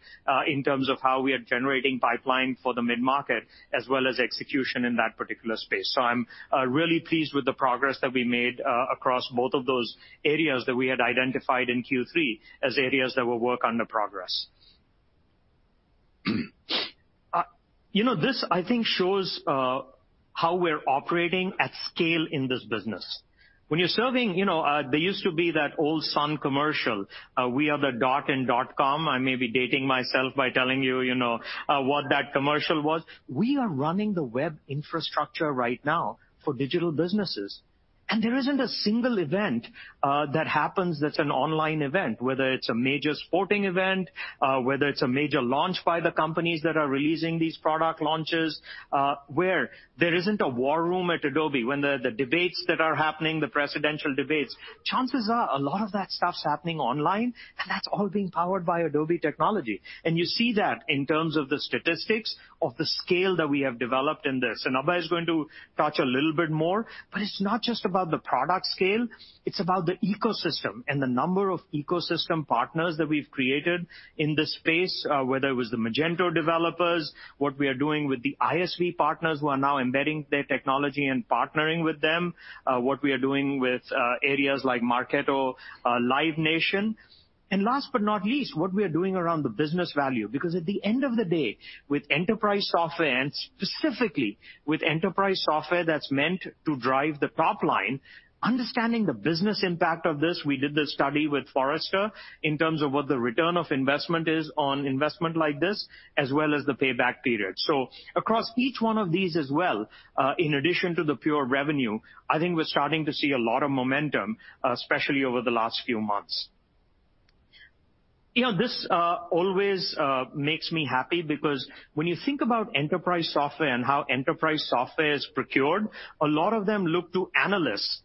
in terms of how we are generating pipeline for the mid-market as well as execution in that particular space. I'm really pleased with the progress that we made across both of those areas that we had identified in Q3 as areas that will work on the progress. This, I think, shows how we're operating at scale in this business. There used to be that old Sun Microsystems, "We are the dot in dot com." I may be dating myself by telling you what that commercial was. We are running the web infrastructure right now for digital businesses, there isn't a single event that happens that's an online event, whether it's a major sporting event, whether it's a major launch by the companies that are releasing these product launches, where there isn't a war room at Adobe. When the debates that are happening, the presidential debates, chances are a lot of that stuff's happening online, and that's all being powered by Adobe technology. You see that in terms of the statistics of the scale that we have developed in this. Abhay is going to touch a little bit more, but it's not just about the product scale. It's about the ecosystem and the number of ecosystem partners that we've created in this space. Whether it was the Magento developers, what we are doing with the ISV partners who are now embedding their technology and partnering with them, what we are doing with areas like Marketo, Live Nation. Last but not least, what we are doing around the business value. Because at the end of the day, with enterprise software, and specifically with enterprise software that's meant to drive the top line, understanding the business impact of this, we did this study with Forrester in terms of what the return on investment is on investment like this, as well as the payback period. Across each one of these as well, in addition to the pure revenue, I think we're starting to see a lot of momentum, especially over the last few months. This always makes me happy because when you think about enterprise software and how enterprise software is procured, a lot of them look to analysts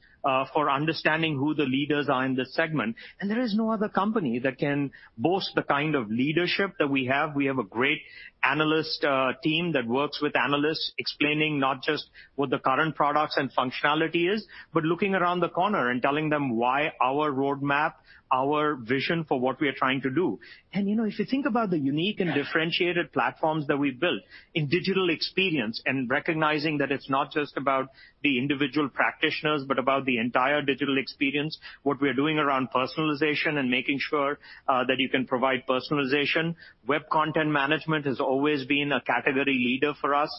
for understanding who the leaders are in this segment. There is no other company that can boast the kind of leadership that we have. We have a great analyst team that works with analysts explaining not just what the current products and functionality is, but looking around the corner and telling them why our roadmap, our vision for what we are trying to do. If you think about the unique and differentiated platforms that we've built in digital experience and recognizing that it's not just about the individual practitioners but about the entire digital experience, what we are doing around personalization and making sure that you can provide personalization. Web content management has always been a category leader for us.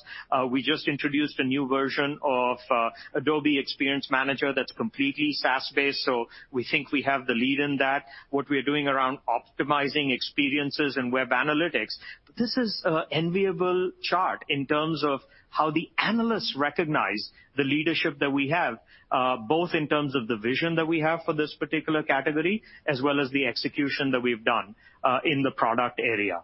We just introduced a new version of Adobe Experience Manager that's completely SaaS-based, so we think we have the lead in that. What we are doing around optimizing experiences and web analytics. This is an enviable chart in terms of how the analysts recognize the leadership that we have, both in terms of the vision that we have for this particular category as well as the execution that we've done in the product area.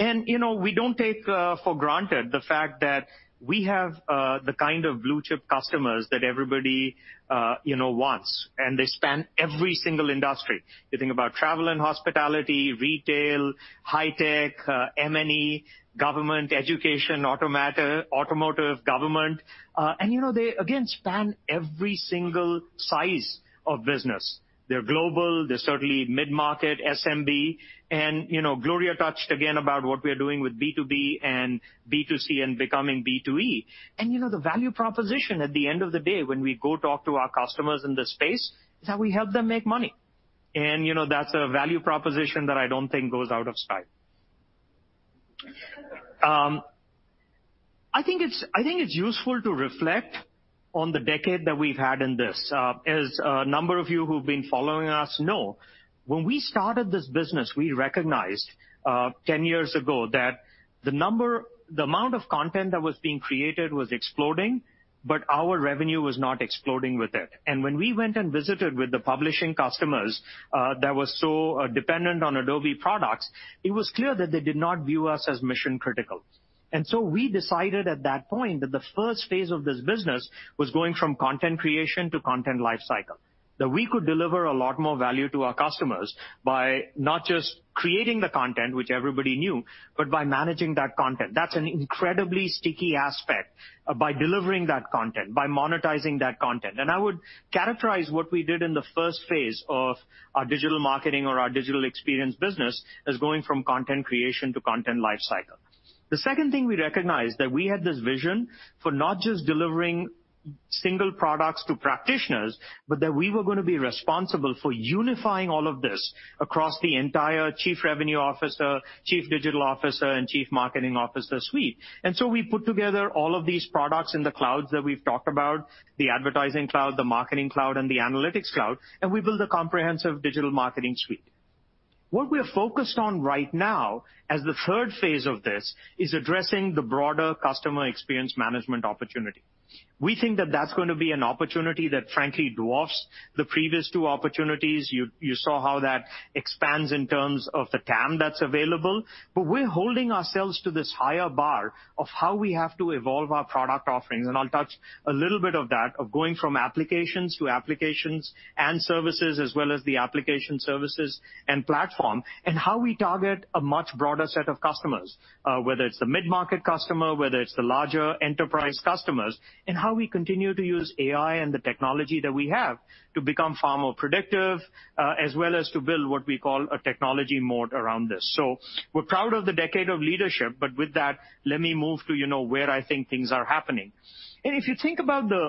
We don't take for granted the fact that we have the kind of blue-chip customers that everybody wants, and they span every single industry. You think about travel and hospitality, retail, high tech, M&E, government, education, automotive, government. They again span every single size of business. They're global. They're certainly mid-market, SMB. Gloria touched again about what we are doing with B2B and B2C and becoming B2E. The value proposition at the end of the day when we go talk to our customers in this space is how we help them make money. That's a value proposition that I don't think goes out of style. I think it's useful to reflect on the decade that we've had in this. As a number of you who've been following us know, when we started this business, we recognized 10 years ago that the amount of content that was being created was exploding, but our revenue was not exploding with it. When we went and visited with the publishing customers, that was so dependent on Adobe products, it was clear that they did not view us as mission-critical. We decided at that point that the first phase of this business was going from content creation to content lifecycle, that we could deliver a lot more value to our customers by not just creating the content, which everybody knew, but by managing that content. That's an incredibly sticky aspect by delivering that content, by monetizing that content. I would characterize what we did in the first phase of our digital marketing or our digital experience business as going from content creation to content lifecycle. The second thing we recognized that we had this vision for not just delivering single products to practitioners, but that we were going to be responsible for unifying all of this across the entire chief revenue officer, chief digital officer, and chief marketing officer suite. We put together all of these products in the clouds that we've talked about, the Advertising Cloud, the marketing cloud, and the Analytics Cloud, and we built a comprehensive digital marketing suite. What we're focused on right now as the third phase of this is addressing the broader customer experience management opportunity. We think that that's going to be an opportunity that frankly dwarfs the previous two opportunities. You saw how that expands in terms of the TAM that's available, but we're holding ourselves to this higher bar of how we have to evolve our product offerings. I'll touch a little bit of that, of going from applications to applications and services as well as the application services and platform, and how we target a much broader set of customers, whether it's the mid-market customer, whether it's the larger enterprise customers, and how we continue to use AI and the technology that we have to become far more predictive, as well as to build what we call a technology moat around this. We're proud of the decade of leadership, but with that, let me move to where I think things are happening. If you think about the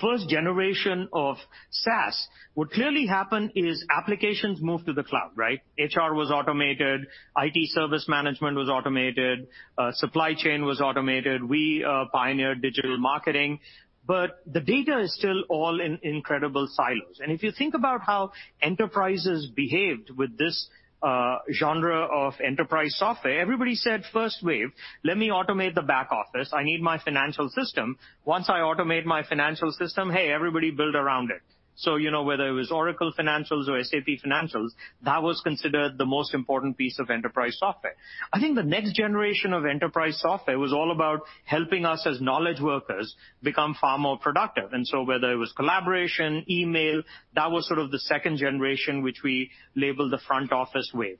first generation of SaaS, what clearly happened is applications moved to the cloud, right? HR was automated, IT service management was automated, supply chain was automated. We pioneered digital marketing. The data is still all in incredible silos. If you think about how enterprises behaved with this genre of enterprise software, everybody said, first wave, "Let me automate the back office. I need my financial system. Once I automate my financial system, hey, everybody build around it." Whether it was Oracle Financials or SAP Financials, that was considered the most important piece of enterprise software. I think the next generation of enterprise software was all about helping us as knowledge workers become far more productive. Whether it was collaboration, email, that was sort of the second generation, which we labeled the front office wave.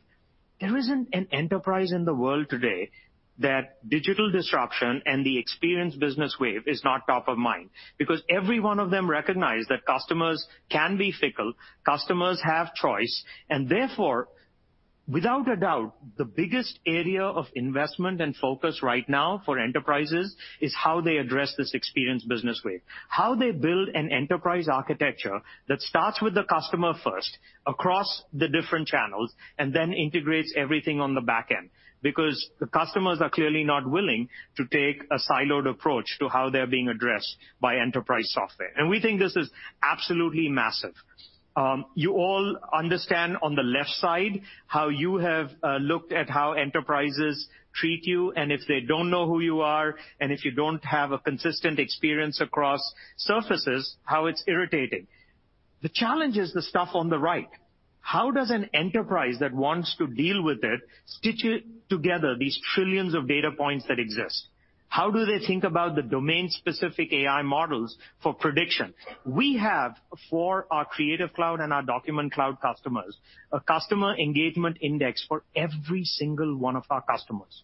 There isn't an enterprise in the world today that digital disruption and the experience business wave is not top of mind because every one of them recognize that customers can be fickle, customers have choice, and therefore, without a doubt, the biggest area of investment and focus right now for enterprises is how they address this experience business wave, how they build an enterprise architecture that starts with the customer first across the different channels, and then integrates everything on the back end because the customers are clearly not willing to take a siloed approach to how they're being addressed by enterprise software. We think this is absolutely massive. You all understand on the left side how you have looked at how enterprises treat you, and if they don't know who you are, and if you don't have a consistent experience across surfaces, how it's irritating. The challenge is the stuff on the right. How does an enterprise that wants to deal with it stitch it together, these trillions of data points that exist? How do they think about the domain-specific AI models for prediction? We have for our Creative Cloud and our Document Cloud customers, a customer engagement index for every single one of our customers.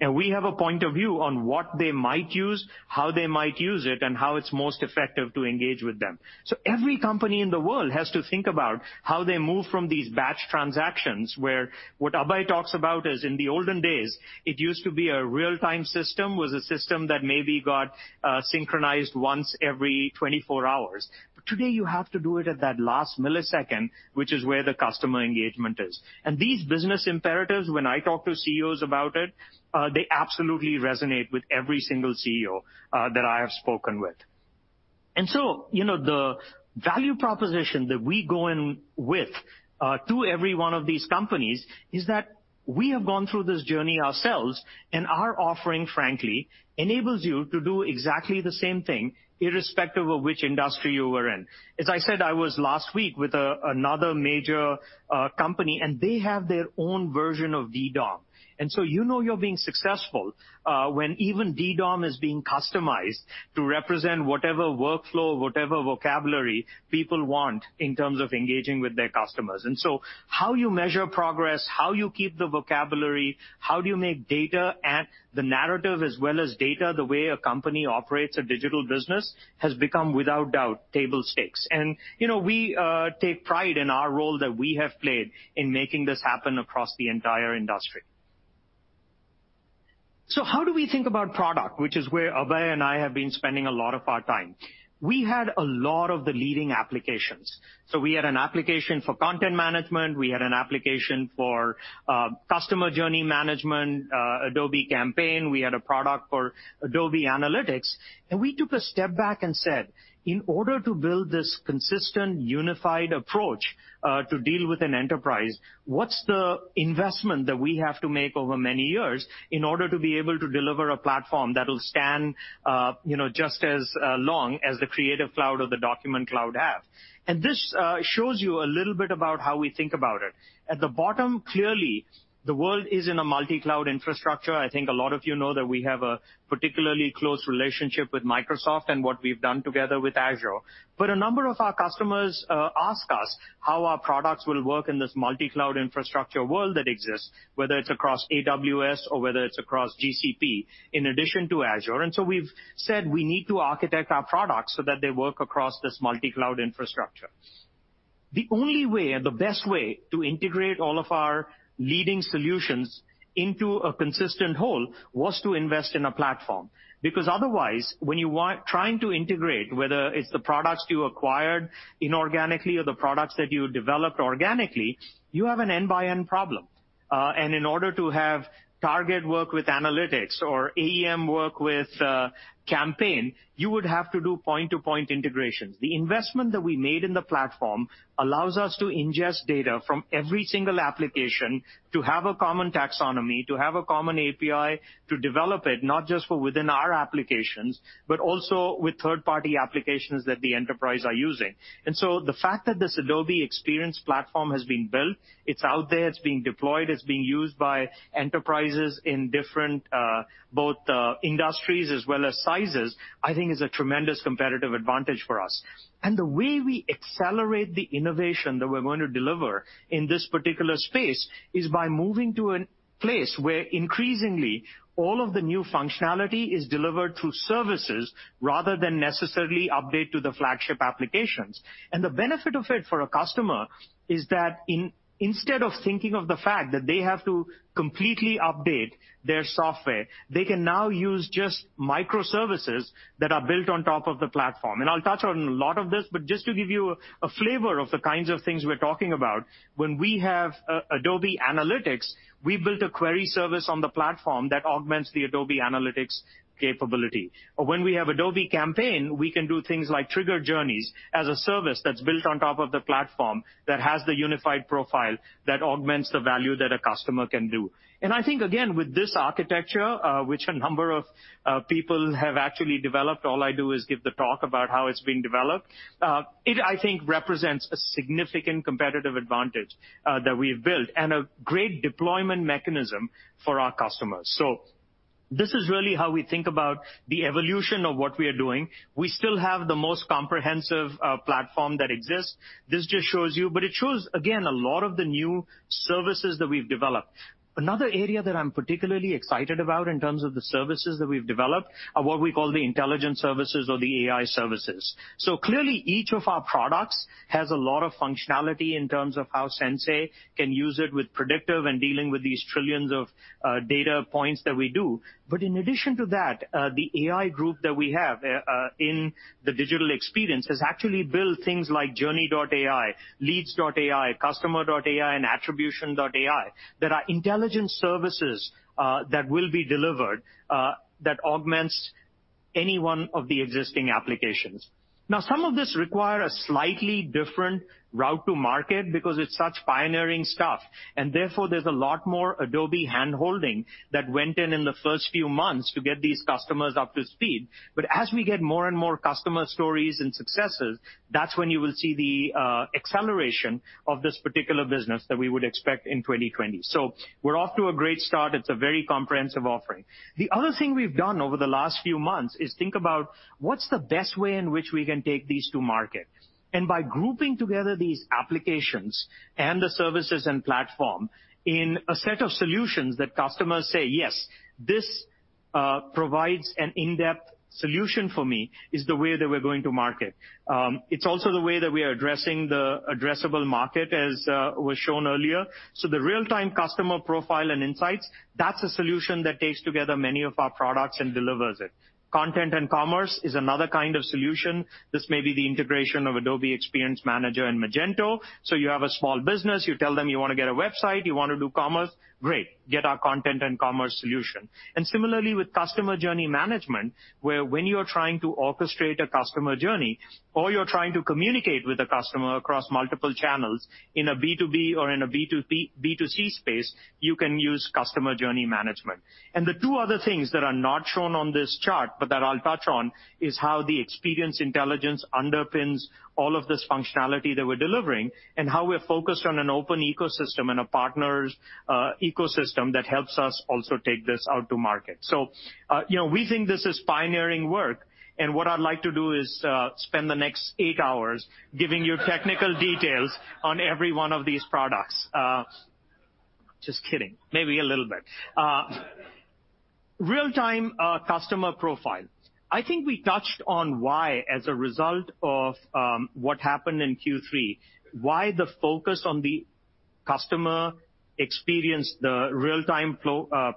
We have a point of view on what they might use, how they might use it, and how it's most effective to engage with them. Every company in the world has to think about how they move from these batch transactions where what Abhay talks about is in the olden days, it used to be a real-time system, was a system that maybe got synchronized once every 24 hours. Today you have to do it at that last millisecond, which is where the customer engagement is. These business imperatives, when I talk to CEOs about it, they absolutely resonate with every single CEO that I have spoken with. The value proposition that we go in with to every one of these companies is that we have gone through this journey ourselves, and our offering, frankly, enables you to do exactly the same thing irrespective of which industry you are in. As I said, I was last week with another major company, and they have their own version of DDOM. You know you're being successful when even DDOM is being customized to represent whatever workflow, whatever vocabulary people want in terms of engaging with their customers. How you measure progress, how you keep the vocabulary, how do you make data at the narrative as well as data, the way a company operates a digital business has become, without doubt, table stakes. We take pride in our role that we have played in making this happen across the entire industry. How do we think about product, which is where Abhay and I have been spending a lot of our time? We had a lot of the leading applications. We had an application for content management, we had an application for customer journey management, Adobe Campaign. We had a product for Adobe Analytics, and we took a step back and said, "In order to build this consistent, unified approach, to deal with an enterprise, what's the investment that we have to make over many years in order to be able to deliver a platform that'll stand just as long as the Creative Cloud or the Document Cloud have?" This shows you a little bit about how we think about it. At the bottom, clearly, the world is in a multi-cloud infrastructure. I think a lot of you know that we have a particularly close relationship with Microsoft and what we've done together with Azure. A number of our customers ask us how our products will work in this multi-cloud infrastructure world that exists, whether it's across AWS or whether it's across GCP in addition to Azure. We've said we need to architect our products so that they work across this multi-cloud infrastructure. The only way, and the best way to integrate all of our leading solutions into a consistent whole was to invest in a platform. Because otherwise, when you are trying to integrate, whether it's the products you acquired inorganically or the products that you developed organically, you have an end-by-end problem. In order to have Target work with Analytics or AEM work with Campaign, you would have to do point-to-point integrations. The investment that we made in the platform allows us to ingest data from every single application to have a common taxonomy, to have a common API to develop it not just for within our applications, but also with third-party applications that the enterprise are using. The fact that this Adobe Experience Platform has been built, it's out there, it's being deployed, it's being used by enterprises in different both industries as well as sizes, I think is a tremendous competitive advantage for us. The way we accelerate the innovation that we're going to deliver in this particular space is by moving to a place where increasingly all of the new functionality is delivered through services rather than necessarily update to the flagship applications. The benefit of it for a customer is that instead of thinking of the fact that they have to completely update their software, they can now use just microservices that are built on top of the platform. I'll touch on a lot of this, but just to give you a flavor of the kinds of things we're talking about, when we have Adobe Analytics, we built a query service on the platform that augments the Adobe Analytics capability. When we have Adobe Campaign, we can do things like trigger journeys as a service that's built on top of the platform that has the unified profile that augments the value that a customer can do. I think, again, with this architecture, which a number of people have actually developed, all I do is give the talk about how it's being developed, it, I think, represents a significant competitive advantage that we've built and a great deployment mechanism for our customers. This is really how we think about the evolution of what we are doing. We still have the most comprehensive platform that exists. This just shows you, but it shows, again, a lot of the new services that we've developed. Another area that I'm particularly excited about in terms of the services that we've developed are what we call the intelligence services or the AI services. Clearly, each of our products has a lot of functionality in terms of how Sensei can use it with predictive and dealing with these trillions of data points that we do. In addition to that, the AI group that we have in the digital experience has actually built things like Journey AI, Leads AI, Customer AI, and Attribution AI that are intelligence services that will be delivered that augments any one of the existing applications. Some of these require a slightly different route to market because it's such pioneering stuff, and therefore there's a lot more Adobe hand-holding that went in in the first few months to get these customers up to speed. As we get more and more customer stories and successes, that's when you will see the acceleration of this particular business that we would expect in 2020. We're off to a great start. It's a very comprehensive offering. The other thing we've done over the last few months is think about what's the best way in which we can take these to market, and by grouping together these applications and the services and platform in a set of solutions that customers say, "Yes, this provides an in-depth solution for me," is the way that we're going to market. It's also the way that we are addressing the addressable market, as was shown earlier. The real-time customer profile and insights, that's a solution that takes together many of our products and delivers it. Content and commerce is another kind of solution. This may be the integration of Adobe Experience Manager and Magento. You have a small business, you tell them you want to get a website, you want to do commerce, great, get our content and commerce solution. Similarly with customer journey management, where when you are trying to orchestrate a customer journey or you're trying to communicate with a customer across multiple channels in a B2B or in a B2C space, you can use customer journey management. The two other things that are not shown on this chart but that I'll touch on is how the experience intelligence underpins all of this functionality that we're delivering and how we're focused on an open ecosystem and a partners ecosystem that helps us also take this out to market. We think this is pioneering work, and what I'd like to do is spend the next eight hours giving you technical details on every one of these products. Just kidding. Maybe a little bit. Real-Time Customer Profile. I think we touched on why, as a result of what happened in Q3, why the focus on the customer experience, the Real-Time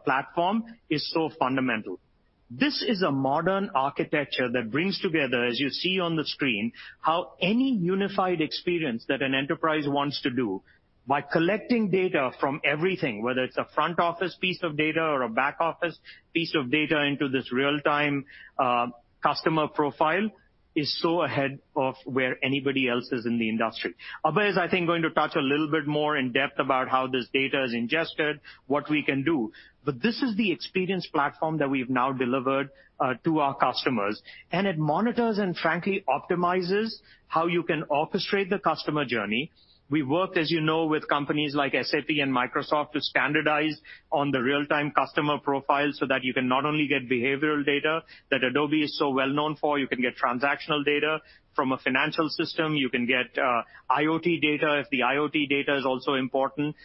Platform is so fundamental. This is a modern architecture that brings together, as you see on the screen, how any unified experience that an enterprise wants to do by collecting data from everything, whether it's a front-office piece of data or a back-office piece of data, into this real-time customer profile, is so ahead of where anybody else is in the industry. Abhay is, I think, going to touch a little bit more in depth about how this data is ingested, what we can do. This is the Experience Platform that we've now delivered to our customers, and it monitors and frankly optimizes how you can orchestrate the customer journey. We work, as you know, with companies like SAP and Microsoft to standardize on the real-time customer profile so that you can not only get behavioral data that Adobe is so well known for, you can get transactional data from a financial system, you can get IoT data if the IoT data is also important.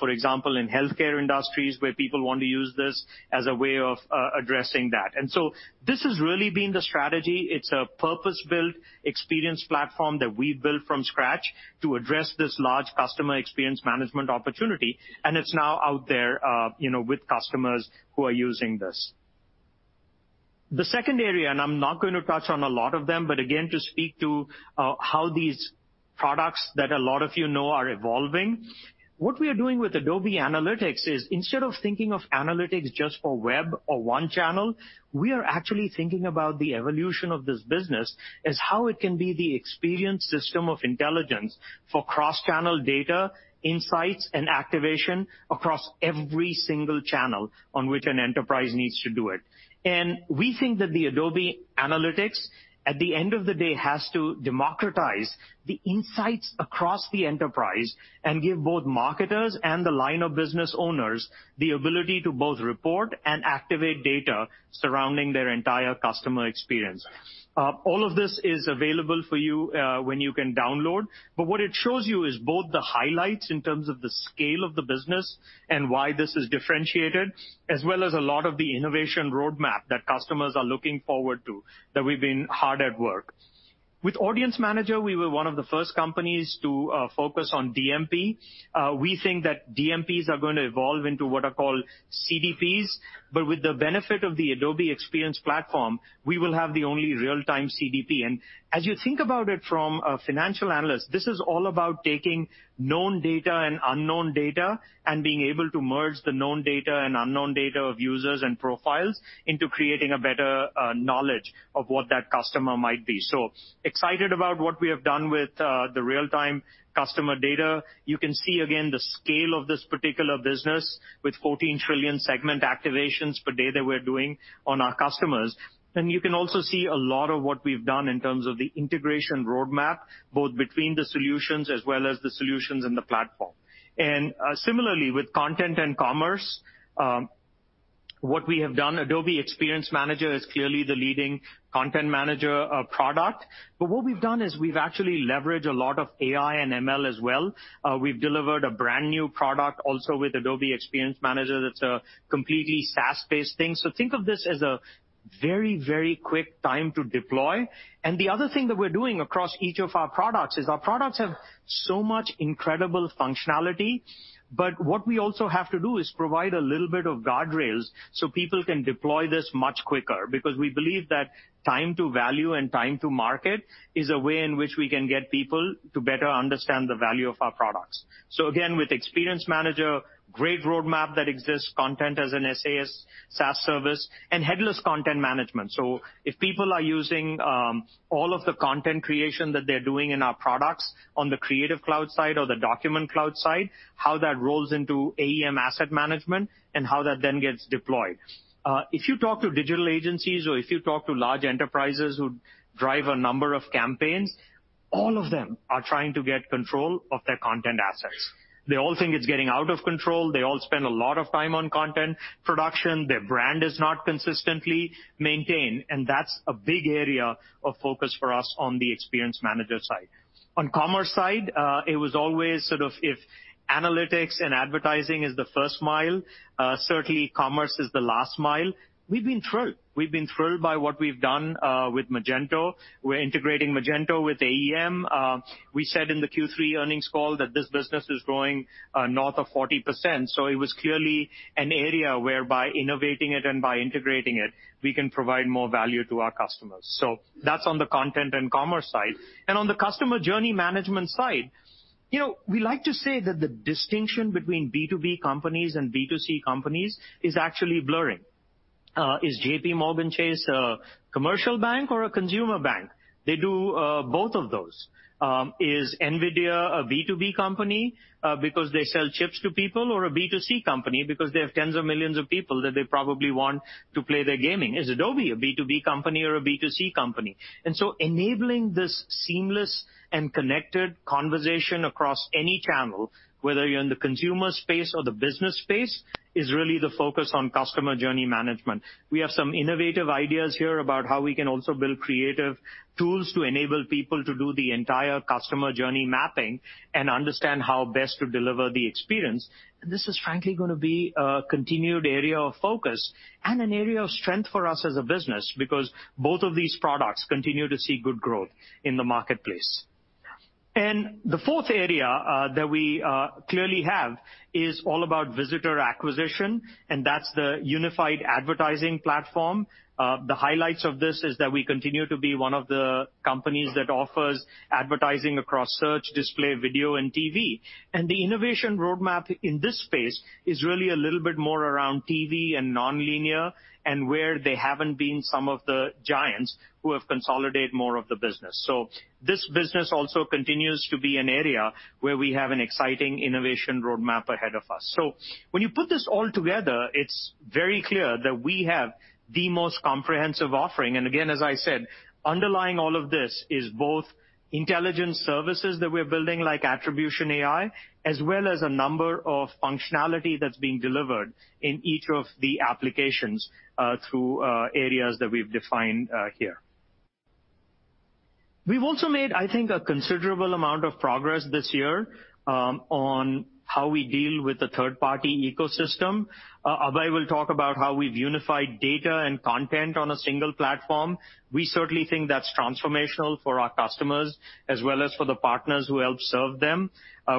For example, in healthcare industries where people want to use this as a way of addressing that. This has really been the strategy. It's a purpose-built experience platform that we built from scratch to address this large customer experience management opportunity, and it's now out there with customers who are using this. The second area, I'm not going to touch on a lot of them, but again, to speak to how these products that a lot of you know are evolving. What we are doing with Adobe Analytics is instead of thinking of analytics just for web or one channel, we are actually thinking about the evolution of this business as how it can be the experience system of intelligence for cross-channel data, insights, and activation across every single channel on which an enterprise needs to do it. We think that the Adobe Analytics, at the end of the day, has to democratize the insights across the enterprise and give both marketers and the line of business owners the ability to both report and activate data surrounding their entire customer experience. All of this is available for you when you can download. What it shows you is both the highlights in terms of the scale of the business and why this is differentiated, as well as a lot of the innovation roadmap that customers are looking forward to, that we've been hard at work. With Adobe Audience Manager, we were one of the first companies to focus on DMP. We think that DMPs are going to evolve into what are called CDPs, but with the benefit of the Adobe Experience Platform, we will have the only real-time CDP. As you think about it from a financial analyst, this is all about taking known data and unknown data and being able to merge the known data and unknown data of users and profiles into creating a better knowledge of what that customer might be. Excited about what we have done with the real-time customer data. You can see, again, the scale of this particular business with 14 trillion segment activations per day that we're doing on our customers. You can also see a lot of what we've done in terms of the integration roadmap, both between the solutions as well as the solutions and the platform. Similarly, with content and commerce, what we have done, Adobe Experience Manager is clearly the leading content manager product. What we've done is we've actually leveraged a lot of AI and ML as well. We've delivered a brand-new product also with Adobe Experience Manager that's a completely SaaS-based thing. Think of this as a very, very quick time to deploy. The other thing that we're doing across each of our products is our products have so much incredible functionality. What we also have to do is provide a little bit of guardrails so people can deploy this much quicker because we believe that time to value and time to market is a way in which we can get people to better understand the value of our products. Again, with Experience Manager, great roadmap that exists, content as an SaaS service, and headless content management. If people are using all of the content creation that they're doing in our products on the Creative Cloud side or the Document Cloud side, how that rolls into AEM asset management, and how that then gets deployed. If you talk to digital agencies or if you talk to large enterprises who drive a number of campaigns, all of them are trying to get control of their content assets. They all think it's getting out of control. They all spend a lot of time on content production. Their brand is not consistently maintained, and that's a big area of focus for us on the Experience Manager side. On commerce side, it was always sort of if analytics and advertising is the first mile, certainly commerce is the last mile. We've been thrilled. We've been thrilled by what we've done with Magento. We're integrating Magento with AEM. We said in the Q3 earnings call that this business is growing north of 40%, so it was clearly an area where by innovating it and by integrating it, we can provide more value to our customers. That's on the content and commerce side. On the customer journey management side, we like to say that the distinction between B2B companies and B2C companies is actually blurring. Is JPMorgan Chase a commercial bank or a consumer bank? They do both of those. Is Nvidia a B2B company because they sell chips to people, or a B2C company because they have 10s of millions of people that they probably want to play their gaming? Is Adobe a B2B company or a B2C company? Enabling this seamless and connected conversation across any channel, whether you're in the consumer space or the business space, is really the focus on customer journey management. We have some innovative ideas here about how we can also build creative tools to enable people to do the entire customer journey mapping and understand how best to deliver the experience. This is frankly going to be a continued area of focus and an area of strength for us as a business because both of these products continue to see good growth in the marketplace. The fourth area that we clearly have is all about visitor acquisition, and that's the unified advertising platform. The highlights of this is that we continue to be one of the companies that offers advertising across search, display, video, and TV. The innovation roadmap in this space is really a little bit more around TV and non-linear, and where they haven't been some of the giants who have consolidated more of the business. This business also continues to be an area where we have an exciting innovation roadmap ahead of us. When you put this all together, it's very clear that we have the most comprehensive offering, and again, as I said, underlying all of this is both intelligence services that we're building, like Attribution AI, as well as a number of functionality that's being delivered in each of the applications through areas that we've defined here. We've also made, I think, a considerable amount of progress this year on how we deal with the third-party ecosystem. Abhay will talk about how we've unified data and content on a single platform. We certainly think that's transformational for our customers as well as for the partners who help serve them.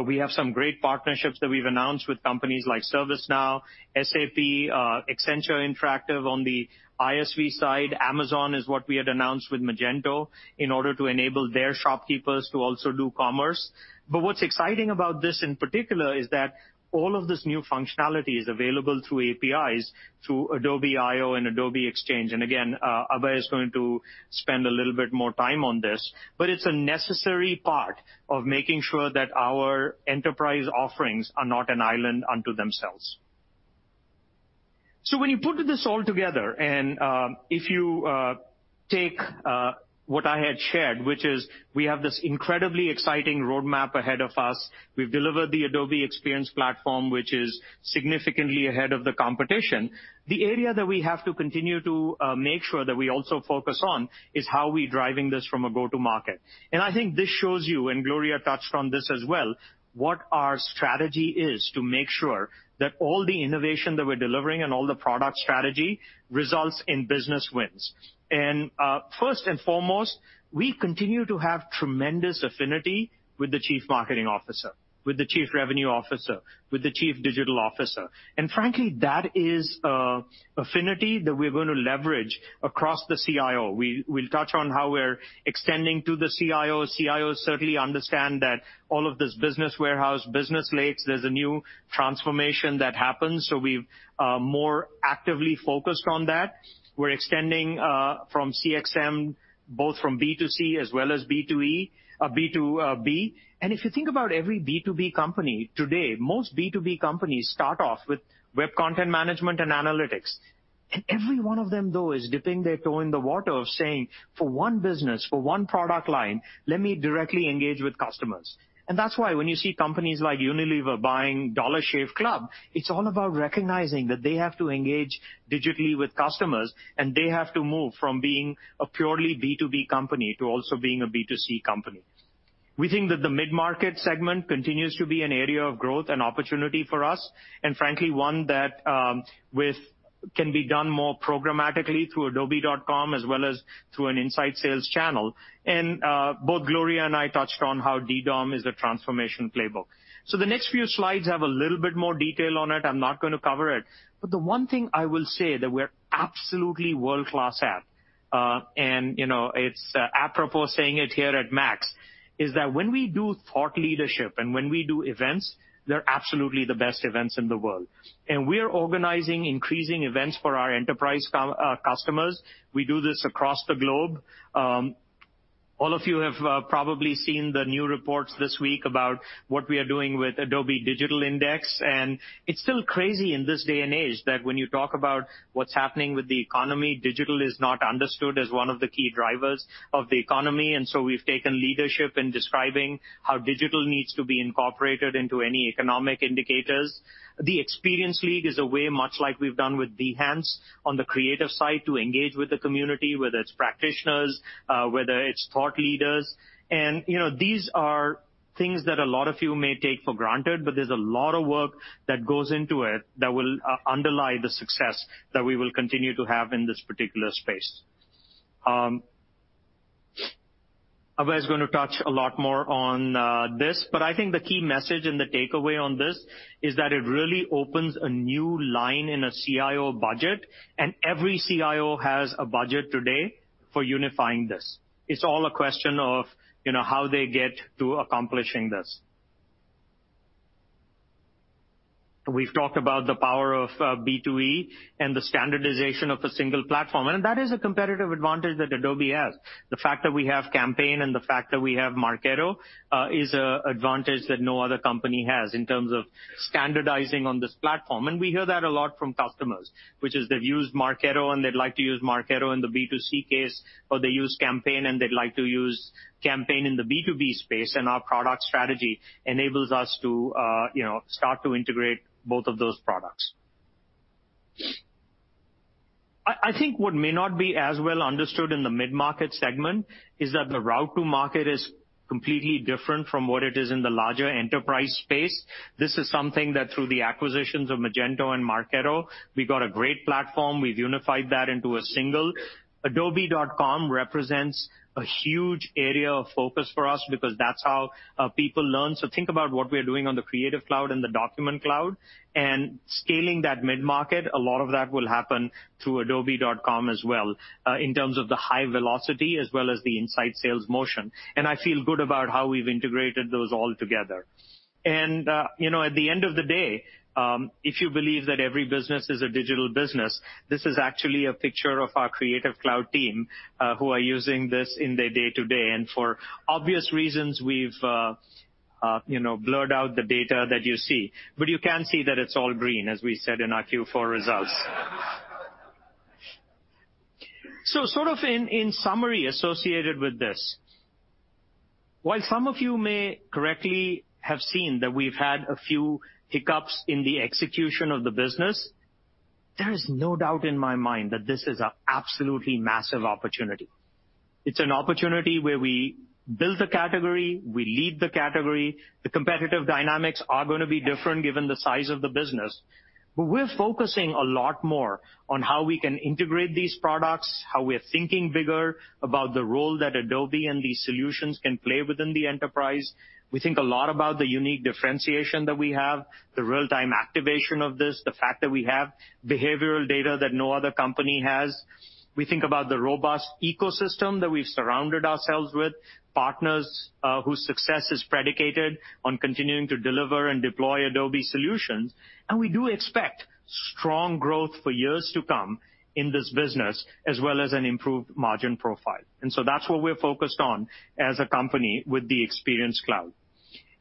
We have some great partnerships that we've announced with companies like ServiceNow, SAP, Accenture Interactive on the ISV side. Amazon is what we had announced with Magento in order to enable their shopkeepers to also do commerce. What's exciting about this, in particular, is that all of this new functionality is available through APIs, through Adobe I/O and Adobe Exchange. Again, Abhay is going to spend a little bit more time on this, but it's a necessary part of making sure that our enterprise offerings are not an island unto themselves. When you put this all together, and if you take what I had shared, which is we have this incredibly exciting roadmap ahead of us. We've delivered the Adobe Experience Platform, which is significantly ahead of the competition. The area that we have to continue to make sure that we also focus on is how we're driving this from a go-to market. I think this shows you, and Gloria touched on this as well, what our strategy is to make sure that all the innovation that we're delivering and all the product strategy results in business wins. First and foremost, we continue to have tremendous affinity with the Chief Marketing Officer, with the Chief Revenue Officer, with the Chief Digital Officer. Frankly, that is an affinity that we're going to leverage across the CIO. We'll touch on how we're extending to the CIO. CIOs certainly understand that all of this business warehouse, business lakes, there's a new transformation that happens, so we've more actively focused on that. We're extending from CXM, both from B2C as well as B2B. If you think about every B2B company today, most B2B companies start off with web content management and analytics. Every one of them, though, is dipping their toe in the water of saying, "For one business, for one product line, let me directly engage with customers." That's why when you see companies like Unilever buying Dollar Shave Club, it's all about recognizing that they have to engage digitally with customers, and they have to move from being a purely B2B company to also being a B2C company. We think that the mid-market segment continues to be an area of growth and opportunity for us, and frankly, one that can be done more programmatically through adobe.com as well as through an inside sales channel. Both Gloria and I touched on how DDOM is a transformation playbook. The next few slides have a little bit more detail on it. I'm not going to cover it. The one thing I will say that we're absolutely world-class at, and it's apropos saying it here at MAX, is that when we do thought leadership and when we do events, they're absolutely the best events in the world. We are organizing increasing events for our enterprise customers. We do this across the globe. All of you have probably seen the new reports this week about what we are doing with Adobe Digital Index. It's still crazy in this day and age that when you talk about what's happening with the economy, digital is not understood as one of the key drivers of the economy. We've taken leadership in describing how digital needs to be incorporated into any economic indicators. The Experience League is a way, much like we've done with Behance on the creative side, to engage with the community, whether it's practitioners, whether it's thought leaders. These are things that a lot of you may take for granted, but there's a lot of work that goes into it that will underlie the success that we will continue to have in this particular space. Abhay is going to touch a lot more on this, but I think the key message and the takeaway on this is that it really opens a new line in a CIO budget, and every CIO has a budget today for unifying this. It's all a question of how they get to accomplishing this. We've talked about the power of B2E and the standardization of a single platform, and that is a competitive advantage that Adobe has. The fact that we have Adobe Campaign and the fact that we have Marketo is an advantage that no other company has in terms of standardizing on this platform. We hear that a lot from customers, which is they've used Marketo and they'd like to use Marketo in the B2C case, or they use Adobe Campaign and they'd like to use Adobe Campaign in the B2B space, and our product strategy enables us to start to integrate both of those products. I think what may not be as well understood in the mid-market segment is that the route to market is completely different from what it is in the larger enterprise space. This is something that through the acquisitions of Magento and Marketo, we got a great platform. We've unified that into a single. adobe.com represents a huge area of focus for us because that's how people learn. Think about what we are doing on the Creative Cloud and the Document Cloud and scaling that mid-market. A lot of that will happen through adobe.com as well, in terms of the high velocity as well as the inside sales motion. I feel good about how we've integrated those all together. At the end of the day, if you believe that every business is a digital business, this is actually a picture of our Creative Cloud team, who are using this in their day-to-day. For obvious reasons, we've blurred out the data that you see, but you can see that it's all green, as we said in our Q4 results. In summary associated with this, while some of you may correctly have seen that we've had a few hiccups in the execution of the business, there is no doubt in my mind that this is an absolutely massive opportunity. It's an opportunity where we build the category, we lead the category. The competitive dynamics are going to be different given the size of the business, but we're focusing a lot more on how we can integrate these products, how we're thinking bigger about the role that Adobe and these solutions can play within the enterprise. We think a lot about the unique differentiation that we have, the real-time activation of this, the fact that we have behavioral data that no other company has. We think about the robust ecosystem that we've surrounded ourselves with, partners whose success is predicated on continuing to deliver and deploy Adobe solutions. We do expect strong growth for years to come in this business as well as an improved margin profile. That's what we're focused on as a company with the Experience Cloud.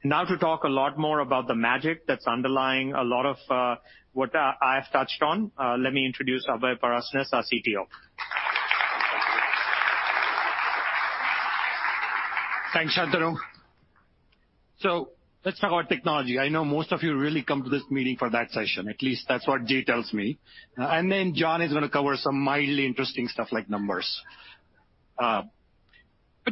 Now to talk a lot more about the magic that's underlying a lot of what I have touched on, let me introduce Abhay Parasnis, our CTO. Thanks, Shantanu. Let's talk about technology. I know most of you really come to this meeting for that session. At least that's what Jay tells me. John is going to cover some mildly interesting stuff like numbers.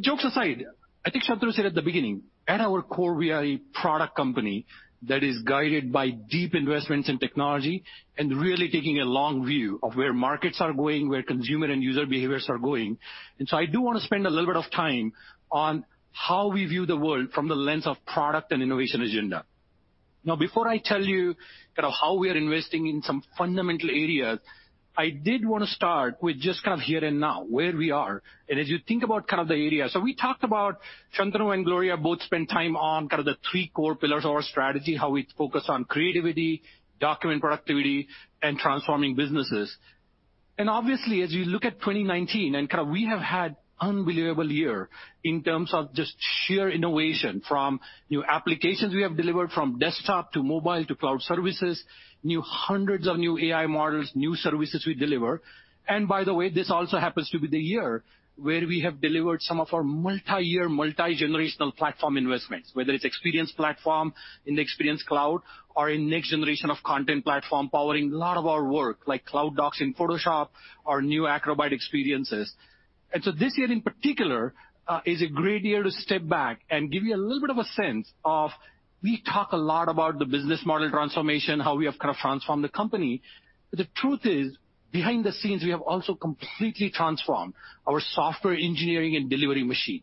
Jokes aside, I think Shantanu said at the beginning, at our core, we are a product company that is guided by deep investments in technology and really taking a long view of where markets are going, where consumer and user behaviors are going. I do want to spend a little bit of time on how we view the world from the lens of product and innovation agenda. Before I tell you kind of how we are investing in some fundamental areas, I did want to start with just kind of here and now, where we are, and as you think about kind of the area. We talked about Shantanu and Gloria both spent time on kind of the three core pillars of our strategy, how we focus on creativity, document productivity, and transforming businesses. Obviously, as you look at 2019 and kind of we have had unbelievable year in terms of just sheer innovation from new applications we have delivered from desktop to mobile to cloud services, new hundreds of new AI models, new services we deliver. By the way, this also happens to be the year where we have delivered some of our multi-year, multi-generational platform investments, whether it's Experience Platform in the Experience Cloud or in next generation of content platform powering a lot of our work like Cloud Docs in Photoshop or new Acrobat experiences. This year in particular, is a great year to step back and give you a little bit of a sense of, we talk a lot about the business model transformation, how we have kind of transformed the company. The truth is, behind the scenes, we have also completely transformed our software engineering and delivery machine,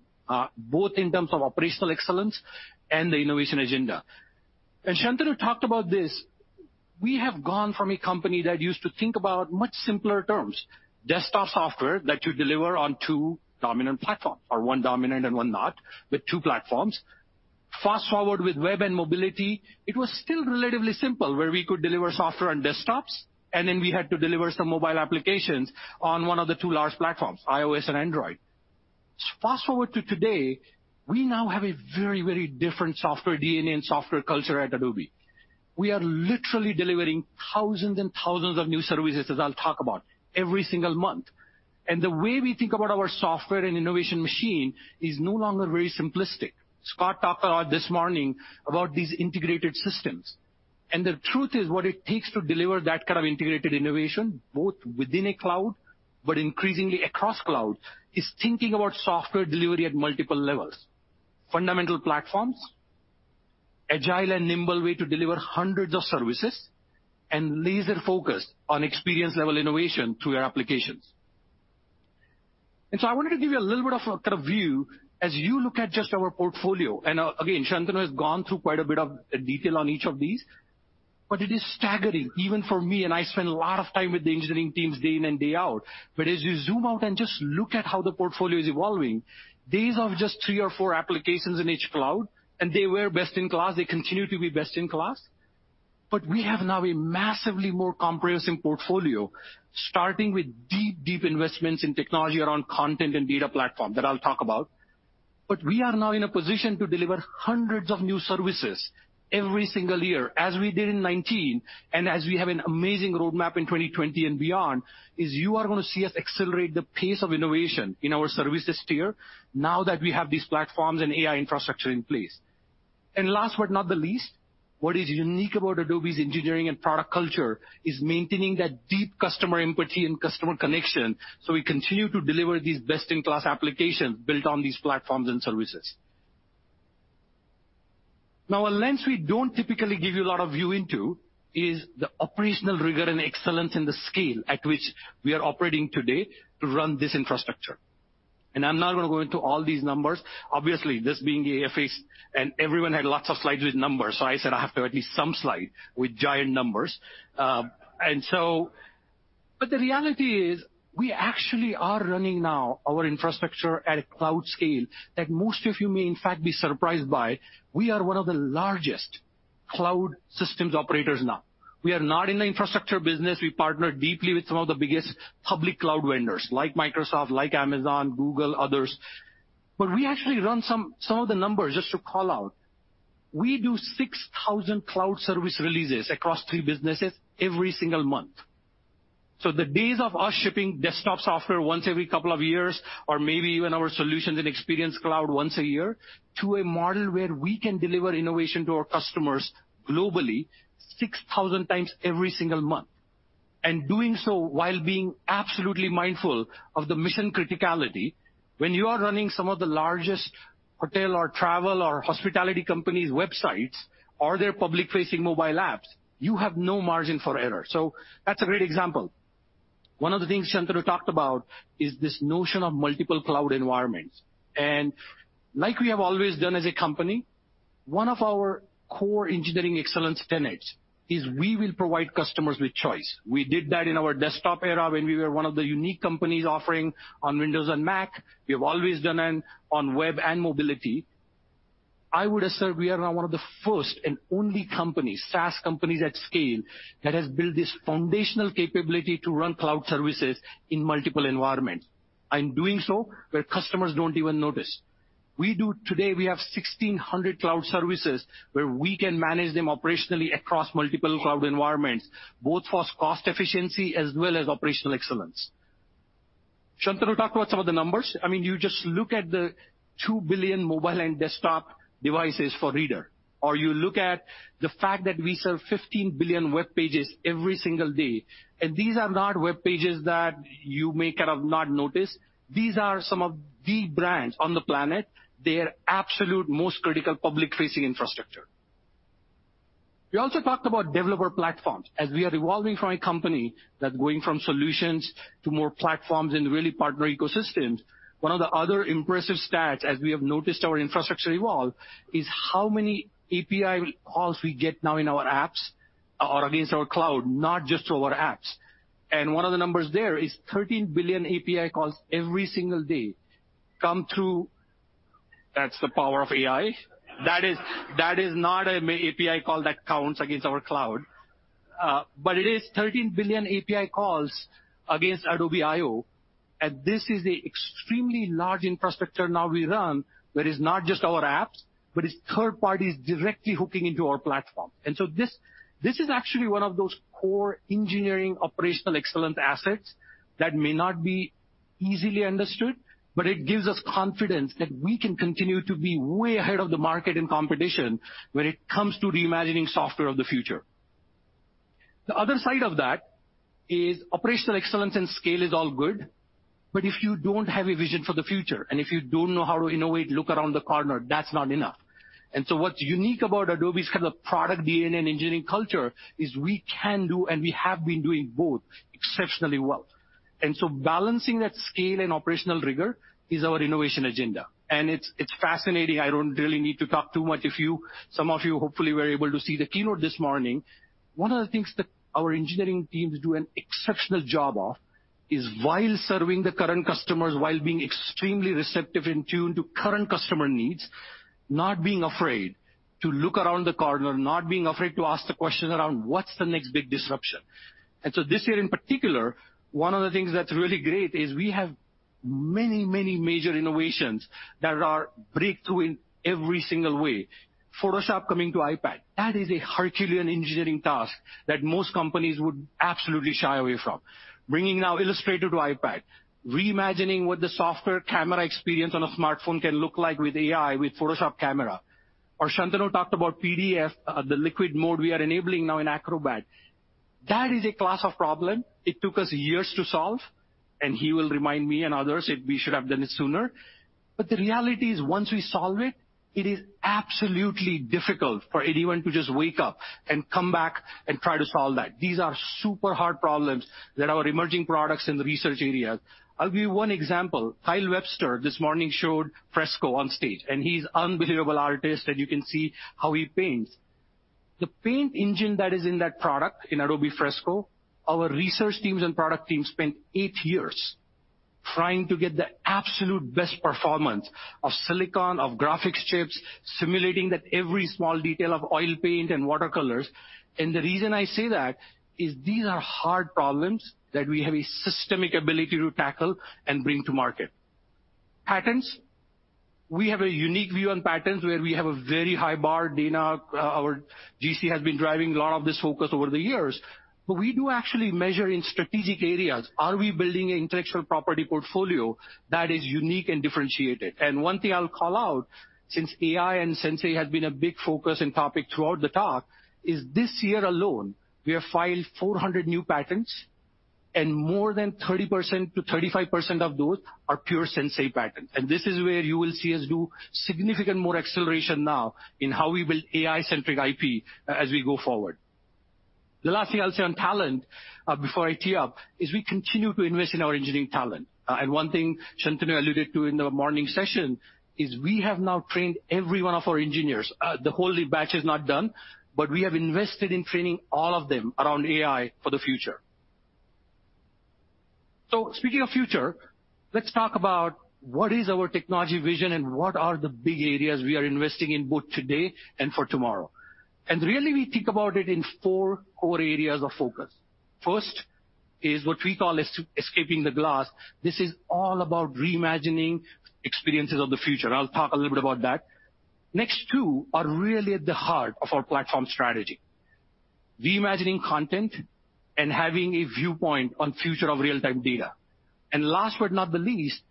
both in terms of operational excellence and the innovation agenda. Shantanu talked about this. We have gone from a company that used to think about much simpler terms, desktop software that you deliver on two dominant platforms, or one dominant and one not, but two platforms. Fast-forward with web and mobility, it was still relatively simple where we could deliver software on desktops, and then we had to deliver some mobile applications on one of the two large platforms, iOS and Android. Fast-forward to today, we now have a very different software DNA and software culture at Adobe. We are literally delivering thousands and thousands of new services, as I'll talk about, every single month. The way we think about our software and innovation machine is no longer very simplistic. Scott talked a lot this morning about these integrated systems. The truth is what it takes to deliver that kind of integrated innovation, both within a cloud, but increasingly across cloud, is thinking about software delivery at multiple levels. Fundamental platforms, agile and nimble way to deliver hundreds of services, and laser-focused on experience-level innovation through our applications. I wanted to give you a little bit of a kind of view as you look at just our portfolio. Again, Shantanu has gone through quite a bit of detail on each of these, but it is staggering even for me, and I spend a lot of time with the engineering teams day in and day out. As you zoom out and just look at how the portfolio is evolving, these are just three or four applications in each cloud, and they were best in class. They continue to be best in class. We have now a massively more comprehensive portfolio, starting with deep investments in technology around content and data platform that I'll talk about. We are now in a position to deliver hundreds of new services every single year as we did in 2019, and as we have an amazing roadmap in 2020 and beyond, is you are going to see us accelerate the pace of innovation in our services tier now that we have these platforms and AI infrastructure in place. Last but not the least, what is unique about Adobe's engineering and product culture is maintaining that deep customer empathy and customer connection, so we continue to deliver these best-in-class applications built on these platforms and services. Now, a lens we don't typically give you a lot of view into is the operational rigor and excellence in the scale at which we are operating today to run this infrastructure. I'm not going to go into all these numbers. Obviously, this being the AFE and everyone had lots of slides with numbers, so I said I have to have at least some slide with giant numbers. The reality is we actually are running now our infrastructure at a cloud scale that most of you may in fact be surprised by. We are one of the largest cloud systems operators now. We are not in the infrastructure business. We partner deeply with some of the biggest public cloud vendors, like Microsoft, like Amazon, Google, others. We actually run some of the numbers just to call out. We do 6,000 cloud service releases across three businesses every single month. The days of us shipping desktop software once every couple of years, or maybe even our solutions in Experience Cloud once a year, to a model where we can deliver innovation to our customers globally 6,000 times every single month. Doing so while being absolutely mindful of the mission criticality. When you are running some of the largest hotel or travel or hospitality companies' websites or their public-facing mobile apps, you have no margin for error. That's a great example. One of the things Shantanu talked about is this notion of multiple cloud environments. Like we have always done as a company, one of our core engineering excellence tenets is we will provide customers with choice. We did that in our desktop era when we were one of the unique companies offering on Windows and Mac. We have always done it on web and mobility. I would assert we are now one of the first and only companies, SaaS companies at scale, that has built this foundational capability to run cloud services in multiple environments, and doing so where customers don't even notice. Today, we have 1,600 cloud services where we can manage them operationally across multiple cloud environments, both for cost efficiency as well as operational excellence. Shantanu talked about some of the numbers. You just look at the 2 billion mobile and desktop devices for Reader, or you look at the fact that we serve 15 billion web pages every single day, and these are not web pages that you may kind of not notice. These are some of the brands on the planet, their absolute most critical public-facing infrastructure. We also talked about developer platforms. As we are evolving from a company that's going from solutions to more platforms and really partner ecosystems, one of the other impressive stats as we have noticed our infrastructure evolve is how many API calls we get now in our apps or against our cloud, not just through our apps. One of the numbers there is 13 billion API calls every single day come through. That's the power of AI. That is not an API call that counts against our cloud. It is 13 billion API calls against Adobe I/O, and this is an extremely large infrastructure now we run that is not just our apps, but it's third parties directly hooking into our platform. This is actually one of those core engineering operational excellence assets that may not be easily understood, but it gives us confidence that we can continue to be way ahead of the market in competition when it comes to reimagining software of the future. The other side of that is operational excellence and scale is all good, but if you don't have a vision for the future, and if you don't know how to innovate, look around the corner, that's not enough. What's unique about Adobe's kind of product DNA and engineering culture is we can do and we have been doing both exceptionally well. Balancing that scale and operational rigor is our innovation agenda. It's fascinating. I don't really need to talk too much. If some of you hopefully were able to see the keynote this morning, one of the things that our engineering teams do an exceptional job of is while serving the current customers, while being extremely receptive in tune to current customer needs, not being afraid to look around the corner, not being afraid to ask the questions around what's the next big disruption. This year in particular, one of the things that's really great is we have many major innovations that are breakthrough in every single way. Photoshop coming to iPad. That is a Herculean engineering task that most companies would absolutely shy away from. Bringing now Illustrator to iPad. Reimagining what the software camera experience on a smartphone can look like with AI, with Photoshop Camera. Shantanu talked about PDF, the Liquid Mode we are enabling now in Acrobat. That is a class of problem it took us years to solve, and he will remind me and others if we should have done it sooner. The reality is once we solve it is absolutely difficult for anyone to just wake up and come back and try to solve that. These are super hard problems that our emerging products in the research areas. I'll give you one example. Kyle Webster this morning showed Fresco on stage, and he's unbelievable artist, and you can see how he paints. The paint engine that is in that product, in Adobe Fresco, our research teams and product teams spent eight years trying to get the absolute best performance of silicon, of graphics chips, simulating that every small detail of oil paint and watercolors. The reason I say that is these are hard problems that we have a systemic ability to tackle and bring to market. Patents. We have a unique view on patents where we have a very high bar. Dana, our GC, has been driving a lot of this focus over the years. We do actually measure in strategic areas. Are we building an intellectual property portfolio that is unique and differentiated? One thing I'll call out, since AI and Sensei have been a big focus and topic throughout the talk, is this year alone, we have filed 400 new patents, and more than 30%-35% of those are pure Sensei patents. This is where you will see us do significant more acceleration now in how we build AI-centric IP as we go forward. The last thing I'll say on talent, before I tee up, is we continue to invest in our engineering talent. One thing Shantanu alluded to in the morning session is we have now trained every one of our engineers. The whole batch is not done, but we have invested in training all of them around AI for the future. Speaking of future, let's talk about what is our technology vision and what are the big areas we are investing in both today and for tomorrow. Really, we think about it in four core areas of focus. First is what we call escaping the glass. This is all about reimagining experiences of the future. I'll talk a little bit about that. Next two are really at the heart of our platform strategy, reimagining content and having a viewpoint on future of real-time data. Last but not the least,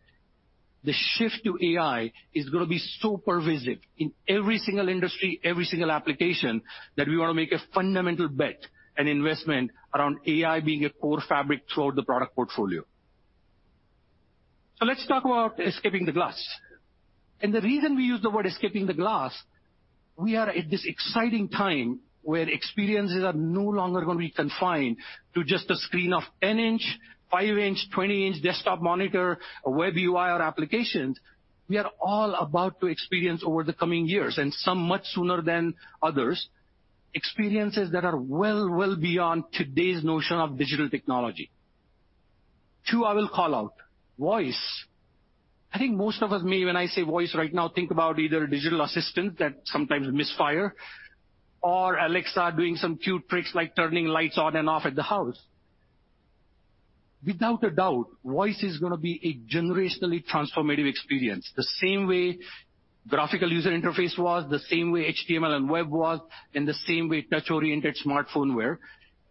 the shift to AI is going to be super visible in every single industry, every single application, that we want to make a fundamental bet and investment around AI being a core fabric throughout the product portfolio. Let's talk about escaping the glass. The reason we use the word escaping the glass, we are at this exciting time where experiences are no longer going to be confined to just a screen of 10-inch, 5-inch, 20-inch desktop monitor or web UI or applications. We are all about to experience over the coming years, and some much sooner than others, experiences that are well beyond today's notion of digital technology. Two I will call out. Voice. I think most of us, maybe when I say voice right now, think about either digital assistants that sometimes misfire or Alexa doing some cute tricks like turning lights on and off at the house. Without a doubt, voice is going to be a generationally transformative experience, the same way graphical user interface was, the same way HTML and web was, and the same way touch-oriented smartphone were.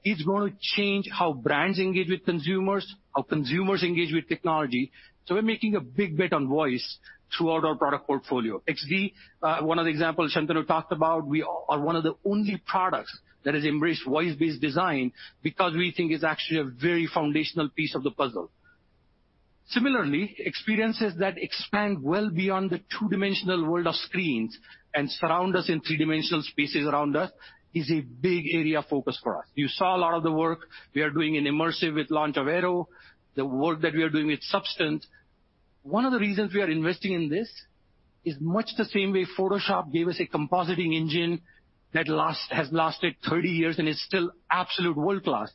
It's going to change how brands engage with consumers, how consumers engage with technology. We're making a big bet on voice throughout our product portfolio. XD, one of the examples Shantanu talked about, we are one of the only products that has embraced voice-based design because we think it's actually a very foundational piece of the puzzle. Similarly, experiences that expand well beyond the two-dimensional world of screens and surround us in three-dimensional spaces around us is a big area of focus for us. You saw a lot of the work we are doing in immersive with launch of Aero, the work that we are doing with Substance. One of the reasons we are investing in this is much the same way Photoshop gave us a compositing engine that has lasted 30 years and is still absolute world-class.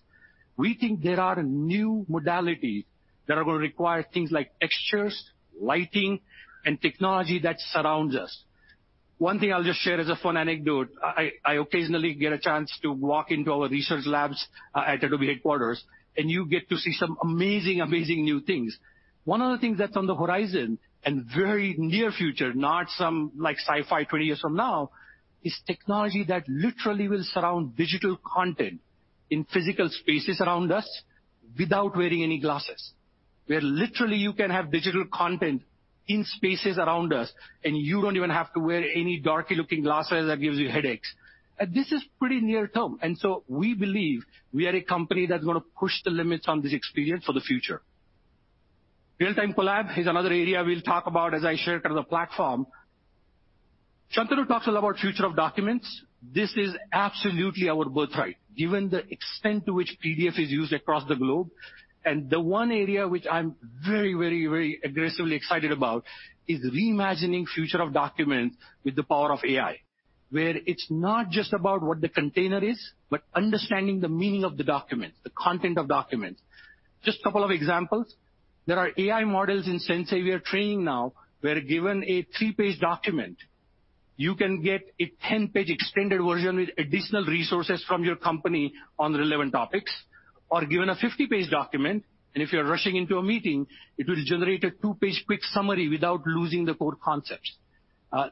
We think there are new modalities that are going to require things like textures, lighting, and technology that surrounds us. One thing I'll just share as a fun anecdote. I occasionally get a chance to walk into our research labs at Adobe headquarters, and you get to see some amazing new things. One of the things that's on the horizon and very near future, not some sci-fi 20 years from now, is technology that literally will surround digital content in physical spaces around us without wearing any glasses. Where literally you can have digital content in spaces around us, and you don't even have to wear any dark-looking glasses that gives you headaches. This is pretty near-term, and so we believe we are a company that's going to push the limits on this experience for the future. Real-time collab is another area we'll talk about as I share kind of the platform. Shantanu talked a lot about future of documents. This is absolutely our birthright, given the extent to which PDF is used across the globe. The one area which I'm very aggressively excited about is reimagining future of documents with the power of AI, where it's not just about what the container is, but understanding the meaning of the document, the content of documents. Just a couple of examples. There are AI models in Sensei we are training now, where given a three-page document, you can get a 10-page extended version with additional resources from your company on relevant topics, or given a 50-page document, if you're rushing into a meeting, it will generate a two-page quick summary without losing the core concepts.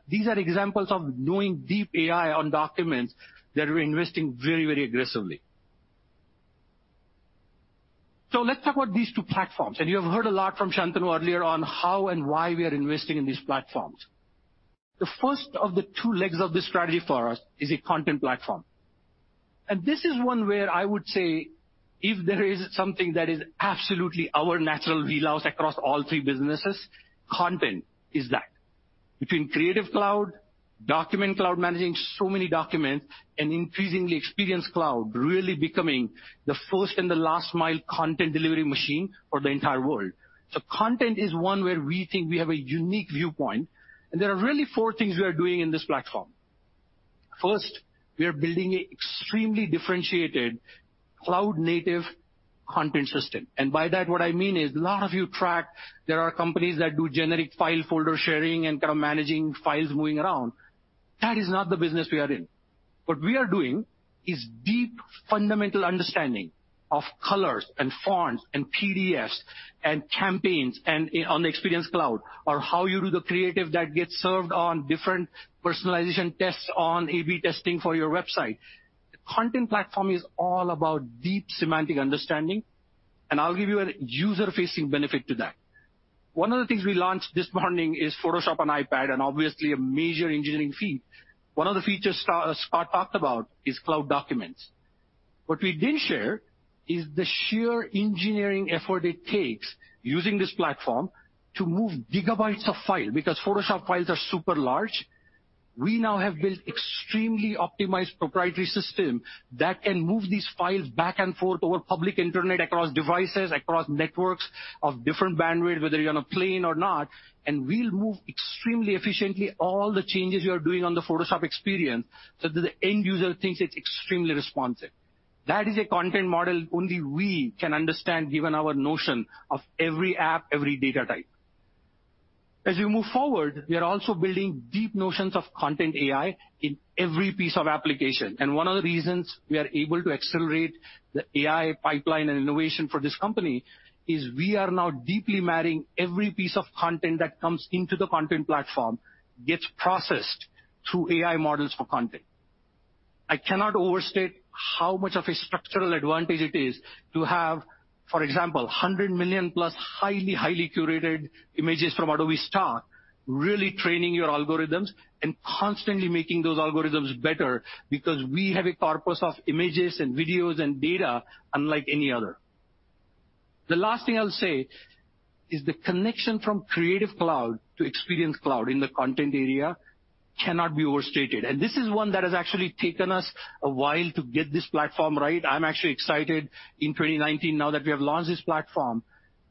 These are examples of doing deep AI on documents that we're investing very aggressively. Let's talk about these two platforms. You have heard a lot from Shantanu earlier on how and why we are investing in these platforms. The first of the two legs of this strategy for us is a content platform. This is one where I would say if there is something that is absolutely our natural wheelhouse across all three businesses, content is that. Between Creative Cloud, Document Cloud, managing so many documents, and increasingly Experience Cloud really becoming the first and the last-mile content delivery machine for the entire world. Content is one where we think we have a unique viewpoint, and there are really four things we are doing in this platform. First, we are building an extremely differentiated cloud-native content system. By that, what I mean is a lot of you track there are companies that do generic file folder sharing and kind of managing files moving around. That is not the business we are in. What we are doing is deep fundamental understanding of colors and fonts and PDFs and campaigns on the Experience Cloud, or how you do the creative that gets served on different personalization tests on A/B testing for your website. The content platform is all about deep semantic understanding. I'll give you a user-facing benefit to that. One of the things we launched this morning is Photoshop on iPad. Obviously a major engineering feat. One of the features Scott talked about is Cloud Documents. What we didn't share is the sheer engineering effort it takes using this platform to move gigabytes of file, because Photoshop files are super large. We now have built extremely optimized proprietary system that can move these files back and forth over public internet, across devices, across networks of different bandwidth, whether you're on a plane or not, and we'll move extremely efficiently all the changes you are doing on the Photoshop experience, so that the end user thinks it's extremely responsive. That is a content model only we can understand given our notion of every app, every data type. We are also building deep notions of content AI in every piece of application. One of the reasons we are able to accelerate the AI pipeline and innovation for this company is we are now deeply marrying every piece of content that comes into the content platform, gets processed through AI models for content. I cannot overstate how much of a structural advantage it is to have, for example, 100 million+ highly curated images from Adobe Stock, really training your algorithms and constantly making those algorithms better because we have a corpus of images and videos and data unlike any other. The last thing I'll say is the connection from Creative Cloud to Experience Cloud in the content area cannot be overstated. This is one that has actually taken us a while to get this platform right. I'm actually excited in 2019 now that we have launched this platform.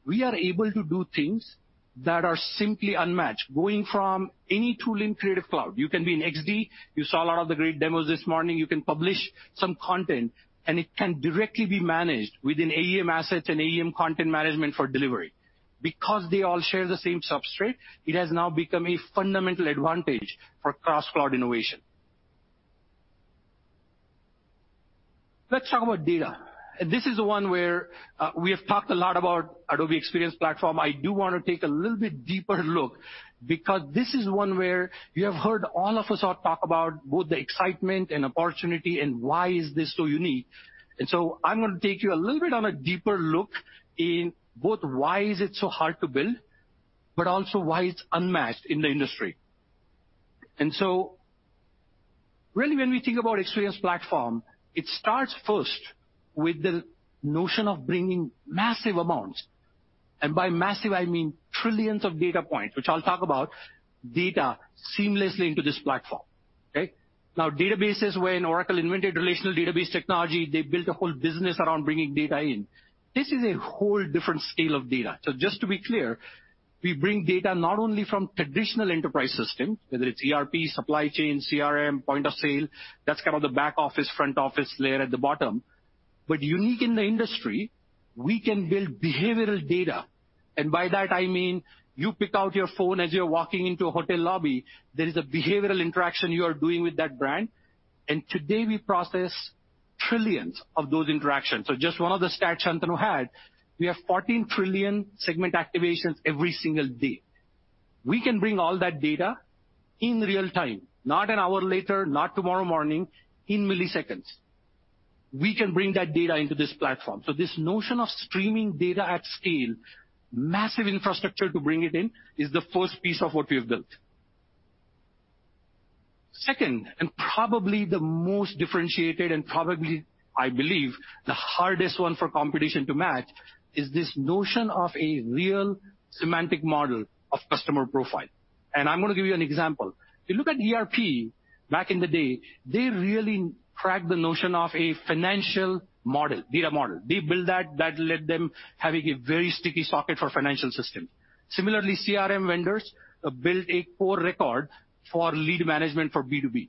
We are able to do things that are simply unmatched, going from any tool in Creative Cloud. You can be in Adobe XD, you saw a lot of the great demos this morning. You can publish some content and it can directly be managed within AEM Assets and AEM Content Management for delivery. Because they all share the same substrate, it has now become a fundamental advantage for cross-cloud innovation. Let's talk about data. This is the one where we have talked a lot about Adobe Experience Platform. I do want to take a little bit deeper look because this is one where you have heard all of us talk about both the excitement and opportunity and why is this so unique. I'm going to take you a little bit on a deeper look in both why is it so hard to build, but also why it's unmatched in the industry. Really when we think about Experience Platform, it starts first with the notion of bringing massive amounts, and by massive I mean trillions of data points, which I'll talk about, data seamlessly into this platform. Okay? Databases, when Oracle invented relational database technology, they built a whole business around bringing data in. This is a whole different scale of data. Just to be clear, we bring data not only from traditional enterprise system, whether it's ERP, supply chain, CRM, point of sale, that's kind of the back office/front office layer at the bottom, unique in the industry, we can build behavioral data. By that I mean you picked out your phone as you're walking into a hotel lobby. There is a behavioral interaction you are doing with that brand. Today we process trillions of those interactions. Just one of the stats Shantanu had, we have 14 trillion segment activations every single day. We can bring all that data in real time, not an hour later, not tomorrow morning, in milliseconds. We can bring that data into this platform. This notion of streaming data at scale, massive infrastructure to bring it in, is the first piece of what we have built. Second, and probably the most differentiated and probably, I believe, the hardest one for competition to match is this notion of a real semantic model of customer profile. I'm going to give you an example. If you look at ERP back in the day, they really cracked the notion of a financial model, data model. They built that led them having a very sticky socket for financial system. Similarly, CRM vendors built a core record for lead management for B2B.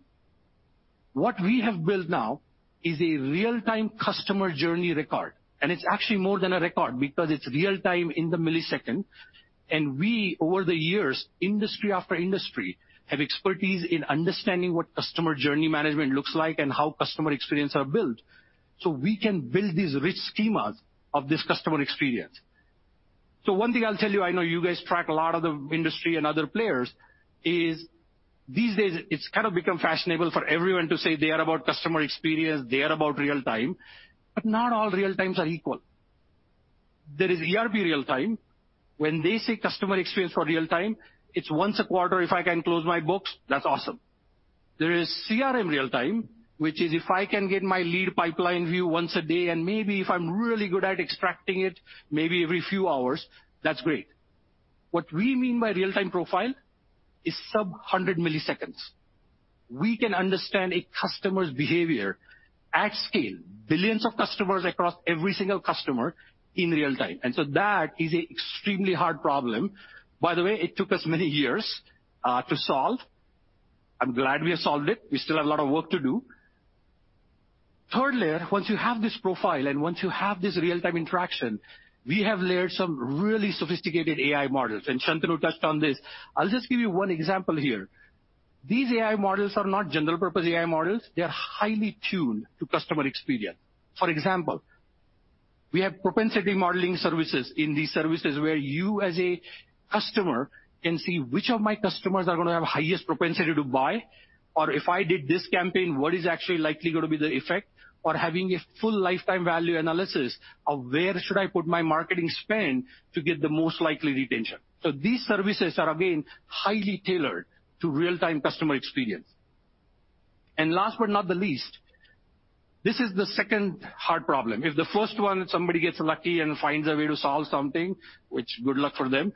What we have built now is a real-time customer journey record, and it's actually more than a record because it's real time in the millisecond. We, over the years, industry after industry, have expertise in understanding what customer journey management looks like and how customer experience are built. We can build these rich schemas of this customer experience. One thing I'll tell you, I know you guys track a lot of the industry and other players, is these days it's kind of become fashionable for everyone to say they are about customer experience, they are about real time, but not all real times are equal. There is ERP real time. When they say customer experience for real time, it's once a quarter if I can close my books, that's awesome. There is CRM real time, which is if I can get my lead pipeline view once a day and maybe if I'm really good at extracting it, maybe every few hours, that's great. What we mean by real-time profile is sub-100 milliseconds. We can understand a customer's behavior at scale, billions of customers across every single customer in real time. That is an extremely hard problem. By the way, it took us many years to solve. I'm glad we have solved it. We still have a lot of work to do. Third layer, once you have this profile and once you have this real-time interaction, we have layered some really sophisticated AI models, and Shantanu touched on this. I'll just give you one example here. These AI models are not general-purpose AI models. They are highly tuned to customer experience. For example, we have propensity modeling services in these services where you, as a customer, can see which of my customers are going to have the highest propensity to buy. If I did this campaign, what is actually likely going to be the effect? Having a full lifetime value analysis of where should I put my marketing spend to get the most likely retention. These services are again, highly tailored to real-time customer experience. Last but not the least, this is the second hard problem. If the first one, somebody gets lucky and finds a way to solve something, which good luck for them.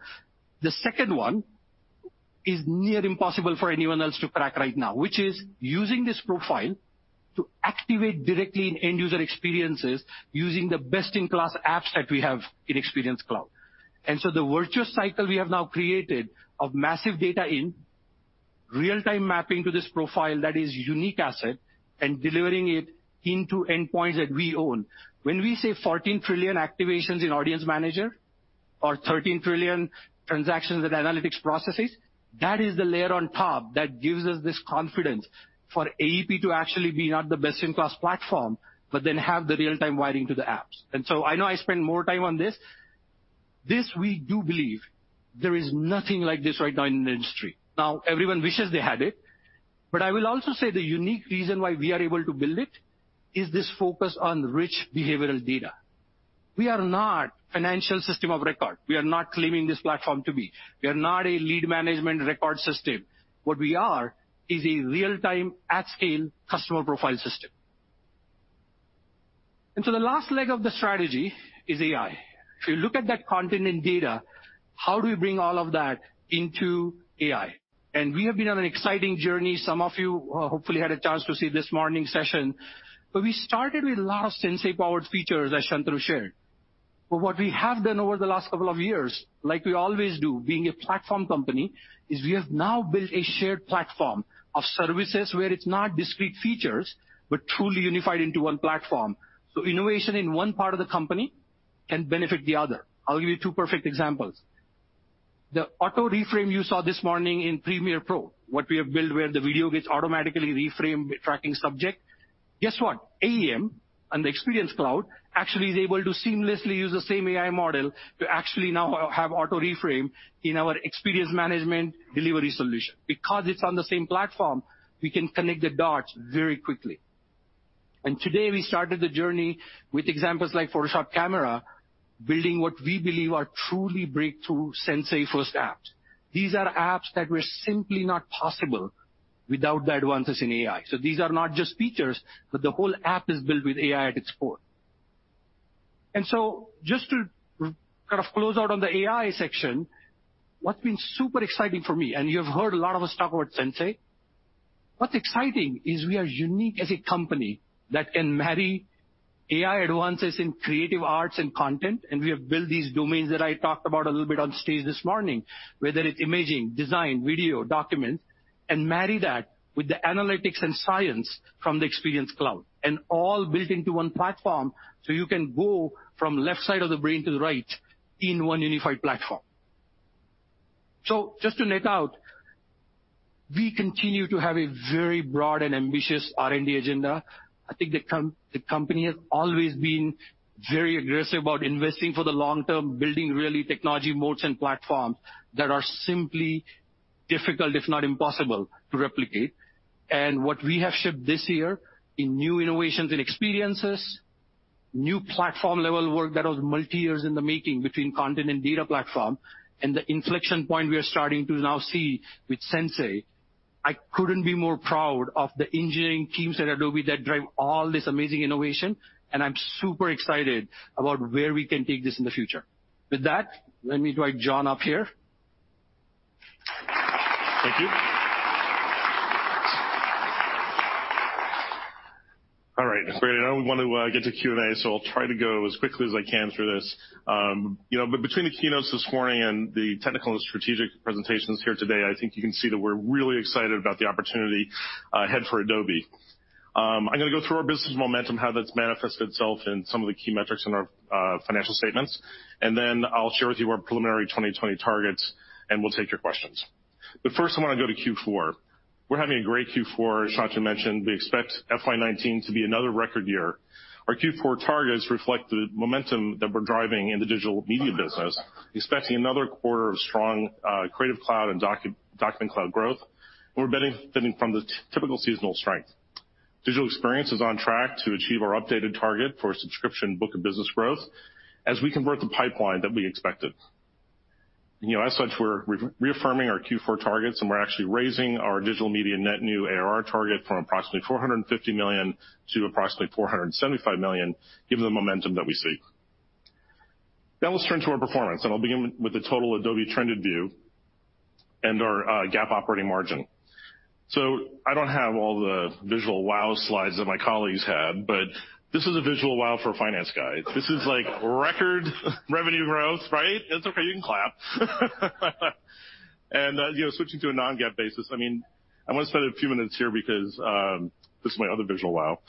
The second one is near impossible for anyone else to crack right now, which is using this profile to activate directly in end-user experiences using the best-in-class apps that we have in Experience Cloud. The virtuous cycle we have now created of massive data in, real-time mapping to this profile that is a unique asset, and delivering it into endpoints that we own. When we say 14 trillion activations in Audience Manager or 13 trillion transactions that Analytics processes, that is the layer on top that gives us this confidence for AEP to actually be not the best-in-class platform, but then have the real-time wiring to the apps. I know I spend more time on this. This we do believe there is nothing like this right now in the industry. Everyone wishes they had it, but I will also say the unique reason why we are able to build it is this focus on rich behavioral data. We are not a financial system of record. We are not claiming this platform to be. We are not a lead management record system. What we are is a real-time, at-scale customer profile system. The last leg of the strategy is AI. If you look at that content and data, how do we bring all of that into AI? We have been on an exciting journey. Some of you hopefully had a chance to see this morning's session, but we started with a lot of Sensei-powered features that Shantanu shared. What we have done over the last couple of years, like we always do, being a platform company, is we have now built a shared platform of services where it's not discrete features, but truly unified into one platform. Innovation in one part of the company can benefit the other. I'll give you two perfect examples. The auto reframe you saw this morning in Premiere Pro, what we have built where the video gets automatically reframed with tracking subject. Guess what? AEM and the Experience Cloud actually is able to seamlessly use the same AI model to actually now have auto reframe in our experience management delivery solution. Because it's on the same platform, we can connect the dots very quickly. Today, we started the journey with examples like Photoshop Camera, building what we believe are truly breakthrough Sensei first apps. These are apps that were simply not possible without the advances in AI. These are not just features, but the whole app is built with AI at its core. Just to kind of close out on the AI section, what's been super exciting for me, and you have heard a lot of us talk about Sensei. What's exciting is we are unique as a company that can marry AI advances in creative arts and content. We have built these domains that I talked about a little bit on stage this morning, whether it's imaging, design, video, documents, and marry that with the analytics and science from the Experience Cloud, all built into one platform. You can go from left side of the brain to the right in one unified platform. Just to net out, we continue to have a very broad and ambitious R&D agenda. I think the company has always been very aggressive about investing for the long term, building really technology moats and platforms that are simply difficult, if not impossible, to replicate. What we have shipped this year in new innovations and experiences, new platform-level work that was multi-years in the making between content and data platform, and the inflection point we are starting to now see with Sensei, I couldn't be more proud of the engineering teams at Adobe that drive all this amazing innovation, and I'm super excited about where we can take this in the future. With that, let me invite John up here. Thank you. All right. Great. I know we want to get to Q&A, so I'll try to go as quickly as I can through this. Between the keynotes this morning and the technical and strategic presentations here today, I think you can see that we're really excited about the opportunity ahead for Adobe. I'm going to go through our business momentum, how that's manifested itself in some of the key metrics in our financial statements, and then I'll share with you our preliminary 2020 targets, and we'll take your questions. First, I want to go to Q4. We're having a great Q4. Shantanu mentioned we expect FY 2019 to be another record year. Our Q4 targets reflect the momentum that we're driving in the digital media business, expecting another quarter of strong Creative Cloud and Document Cloud growth. We're benefiting from the typical seasonal strength. Digital Experience is on track to achieve our updated target for subscription book of business growth as we convert the pipeline that we expected. As such, we're reaffirming our Q4 targets, and we're actually raising our Digital Media net new ARR target from approximately $450 million to approximately $475 million, given the momentum that we see. Now let's turn to our performance, and I'll begin with the total Adobe trended view and our GAAP operating margin. I don't have all the visual wow slides that my colleagues had, but this is a visual wow for a finance guy. This is like record revenue growth, right? It's okay, you can clap. Switching to a non-GAAP basis, I want to spend a few minutes here because this is my other visual wow.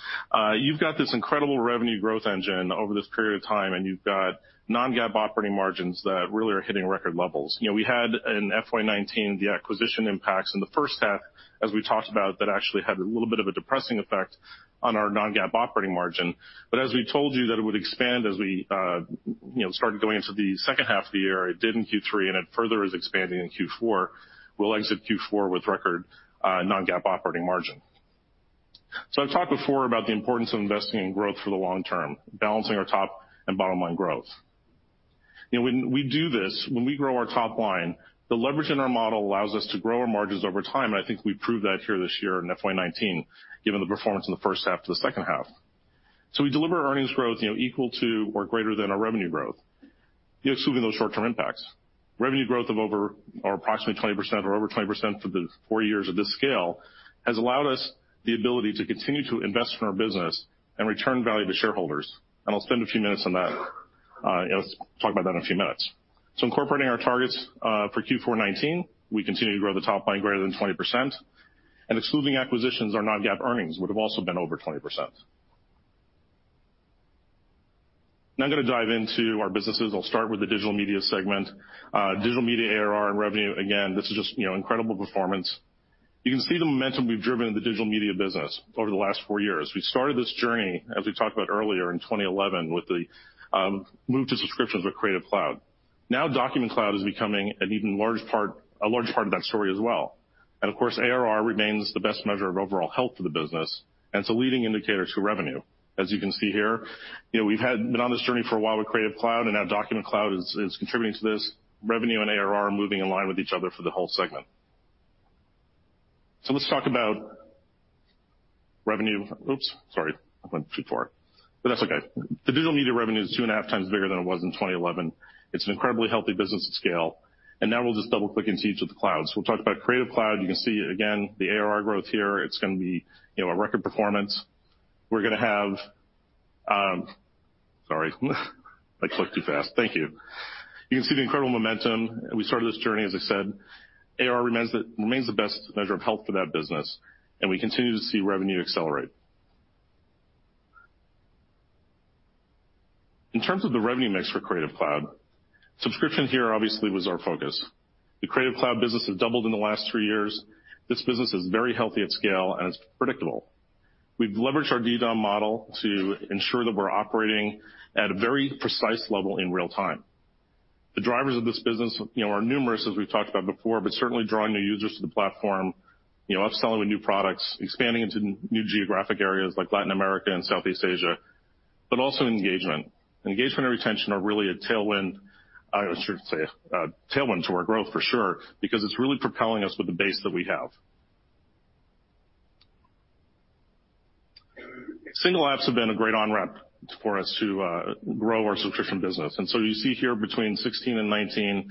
You've got this incredible revenue growth engine over this period of time, and you've got non-GAAP operating margins that really are hitting record levels. We had in FY 2019, the acquisition impacts in the first half, as we talked about, that actually had a little bit of a depressing effect on our non-GAAP operating margin. As we told you that it would expand as we started going into the second half of the year, it did in Q3, and it further is expanding in Q4. We'll exit Q4 with record non-GAAP operating margin. I've talked before about the importance of investing in growth for the long term, balancing our top and bottom line growth. When we do this, when we grow our top line, the leverage in our model allows us to grow our margins over time, and I think we proved that here this year in FY 2019, given the performance in the first half to the second half. We deliver earnings growth equal to or greater than our revenue growth, excluding those short-term impacts. Revenue growth of approximately 20% or over 20% for the four years of this scale has allowed us the ability to continue to invest in our business and return value to shareholders, and I'll spend a few minutes on that. Let's talk about that in a few minutes. Incorporating our targets for Q4 2019, we continue to grow the top line greater than 20%, and excluding acquisitions, our non-GAAP earnings would have also been over 20%. Now I'm going to dive into our businesses. I'll start with the Digital Media segment. Digital Media ARR and revenue, again, this is just incredible performance. You can see the momentum we've driven in the Digital Media business over the last four years. We started this journey, as we talked about earlier, in 2011 with the move to subscriptions with Creative Cloud. Now Document Cloud is becoming a large part of that story as well. ARR remains the best measure of overall health of the business, and it's a leading indicator to revenue. As you can see here, we've been on this journey for a while with Creative Cloud, and now Document Cloud is contributing to this. Revenue and ARR are moving in line with each other for the whole segment. Let's talk about revenue. Oops, sorry. I went too far. That's okay. The Digital Media revenue is two and a half times bigger than it was in 2011. It's an incredibly healthy business at scale. Now we'll just double-click into each of the clouds. We'll talk about Creative Cloud. You can see again, the ARR growth here. It's going to be a record performance. Sorry. I clicked too fast. Thank you. You can see the incredible momentum. We started this journey, as I said. ARR remains the best measure of health for that business, and we continue to see revenue accelerate. In terms of the revenue mix for Creative Cloud, subscription here obviously was our focus. The Creative Cloud business has doubled in the last three years. This business is very healthy at scale, and it's predictable. We've leveraged our DDOM model to ensure that we're operating at a very precise level in real time. The drivers of this business are numerous, as we've talked about before, but certainly drawing new users to the platform, upselling with new products, expanding into new geographic areas like Latin America and Southeast Asia, but also engagement. Engagement and retention are really a tailwind to our growth for sure, because it's really propelling us with the base that we have. Single apps have been a great on-ramp for us to grow our subscription business. You see here between 2016 and 2019,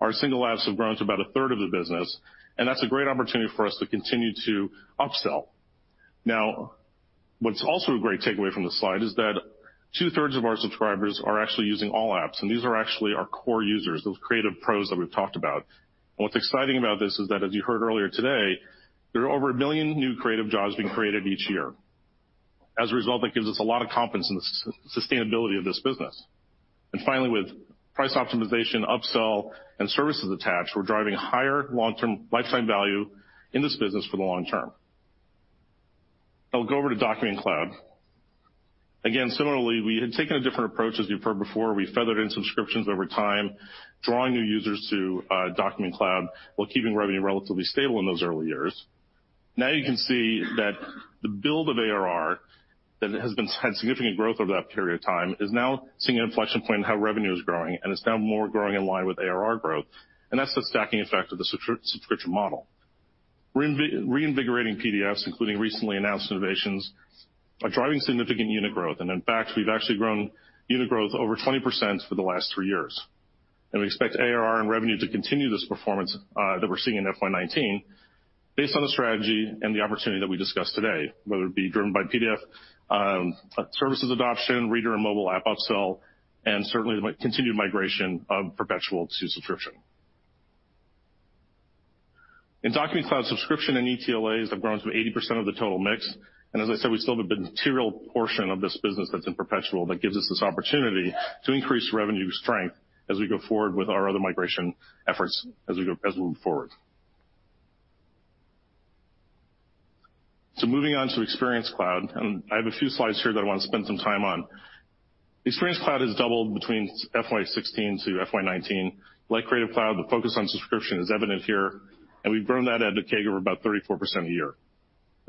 our single apps have grown to about 1/3 of the business, and that's a great opportunity for us to continue to upsell. What's also a great takeaway from this slide is that 2/3 of our subscribers are actually using all apps, and these are actually our core users, those creative pros that we've talked about. What's exciting about this is that, as you heard earlier today, there are over 1 billion new creative jobs being created each year. As a result, that gives us a lot of confidence in the sustainability of this business. Finally, with price optimization, upsell, and services attached, we're driving higher long-term lifetime value in this business for the long term. I'll go over to Document Cloud. Similarly, we had taken a different approach, as you've heard before. We feathered in subscriptions over time, drawing new users to Document Cloud while keeping revenue relatively stable in those early years. Now you can see that the build of ARR that has had significant growth over that period of time is now seeing an inflection point in how revenue is growing, and it's now more growing in line with ARR growth. That's the stacking effect of the subscription model. Reinvigorating PDFs, including recently announced innovations, are driving significant unit growth. In fact, we've actually grown unit growth over 20% for the last three years. We expect ARR and revenue to continue this performance that we're seeing in FY 2019 based on the strategy and the opportunity that we discussed today, whether it be driven by PDF services adoption, reader and mobile app upsell, and certainly the continued migration of perpetual to subscription. In Document Cloud, subscription and ETLAs have grown to 80% of the total mix. As I said, we still have a material portion of this business that's in perpetual that gives us this opportunity to increase revenue strength as we go forward with our other migration efforts as we move forward. Moving on to Experience Cloud, and I have a few slides here that I want to spend some time on. Experience Cloud has doubled between FY 2016 to FY 2019. Like Adobe Creative Cloud, the focus on subscription is evident here, and we've grown that at a CAGR of about 34% a year.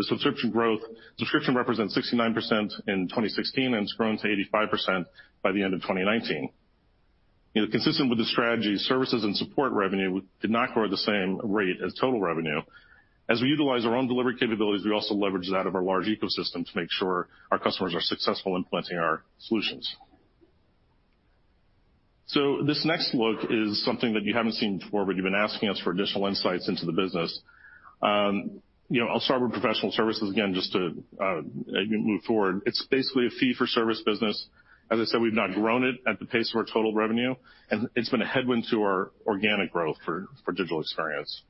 Subscription represents 69% in 2016, and it's grown to 85% by the end of 2019. Consistent with the strategy, services and support revenue did not grow at the same rate as total revenue. As we utilize our own delivery capabilities, we also leverage that of our large ecosystem to make sure our customers are successful implementing our solutions. This next look is something that you haven't seen before, but you've been asking us for additional insights into the business. I'll start with professional services again just to move forward. It's basically a fee-for-service business. As I said, we've not grown it at the pace of our total revenue. It's been a headwind to our organic growth for Digital Experience.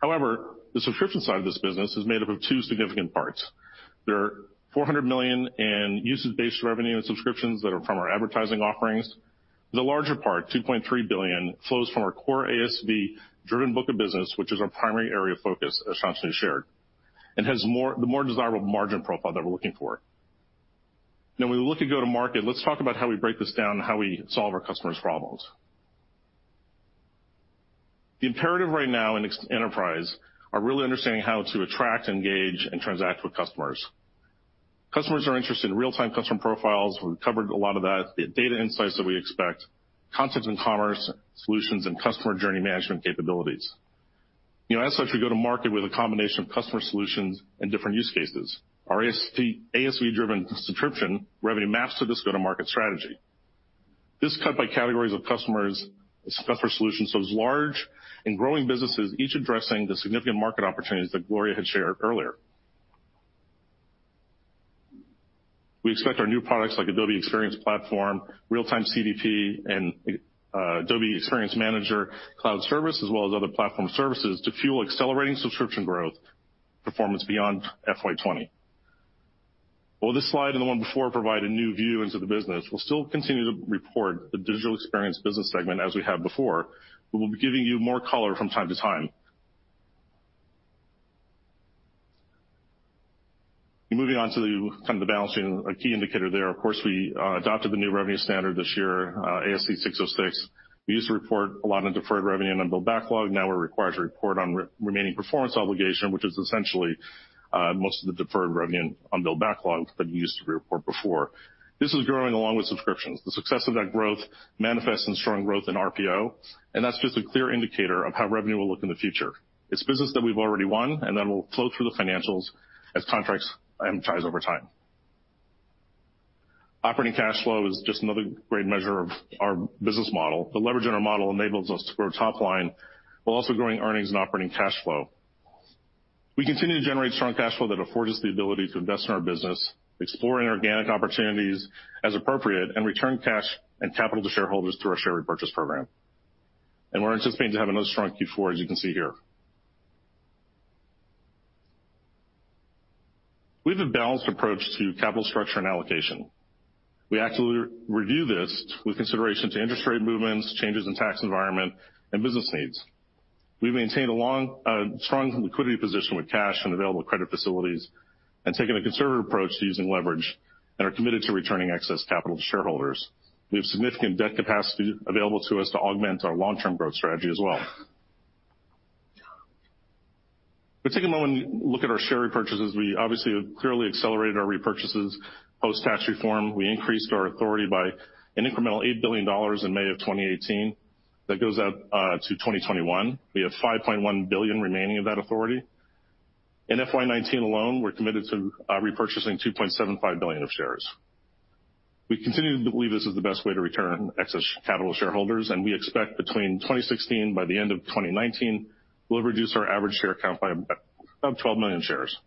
The subscription side of this business is made up of two significant parts. There are $400 million in usage-based revenue and subscriptions that are from our advertising offerings. The larger part, $2.3 billion, flows from our core ASV driven book of business, which is our primary area of focus, as Shantanu shared, and has the more desirable margin profile that we're looking for. When we look at go-to-market, let's talk about how we break this down and how we solve our customers' problems. The imperative right now in enterprise are really understanding how to attract, engage, and transact with customers. Customers are interested in real-time customer profiles. We've covered a lot of that. The data insights that we expect, content and commerce solutions, and customer journey management capabilities. We go to market with a combination of customer solutions and different use cases. Our ASV driven subscription revenue maps to this go-to-market strategy. This cut by categories of customers, customer solutions, it's large and growing businesses, each addressing the significant market opportunities that Gloria had shared earlier. We expect our new products like Adobe Experience Platform, real-time CDP, and Adobe Experience Manager Cloud Service, as well as other platform services, to fuel accelerating subscription growth performance beyond FY 2020. While this slide and the one before provide a new view into the business, we'll still continue to report the Digital Experience business segment as we have before. We will be giving you more color from time to time. Moving on to the balancing a key indicator there. We adopted the new revenue standard this year, ASC 606. We used to report a lot of deferred revenue and unbilled backlog. Now we're required to report on remaining performance obligation, which is essentially, most of the deferred revenue, unbilled backlog that used to be reported before. This is growing along with subscriptions. The success of that growth manifests in strong growth in RPO, that's just a clear indicator of how revenue will look in the future. It's business that we've already won, that will flow through the financials as contracts amortize over time. Operating cash flow is just another great measure of our business model. The leverage in our model enables us to grow top line while also growing earnings and operating cash flow. We continue to generate strong cash flow that affords us the ability to invest in our business, explore inorganic opportunities as appropriate, and return cash and capital to shareholders through our share repurchase program. We're anticipating to have another strong Q4, as you can see here. We have a balanced approach to capital structure and allocation. We actively review this with consideration to interest rate movements, changes in tax environment, and business needs. We've maintained a long, strong liquidity position with cash and available credit facilities and taken a conservative approach to using leverage and are committed to returning excess capital to shareholders. We have significant debt capacity available to us to augment our long-term growth strategy as well. Let's take a moment and look at our share repurchases. We obviously have clearly accelerated our repurchases post tax reform. We increased our authority by an incremental $8 billion in May of 2018. That goes out to 2021. We have $5.1 billion remaining of that authority. In FY 2019 alone, we're committed to repurchasing $2.75 billion of shares. We continue to believe this is the best way to return excess capital to shareholders, and we expect between 2016, by the end of 2019, we'll have reduced our average share count by about 12 million shares.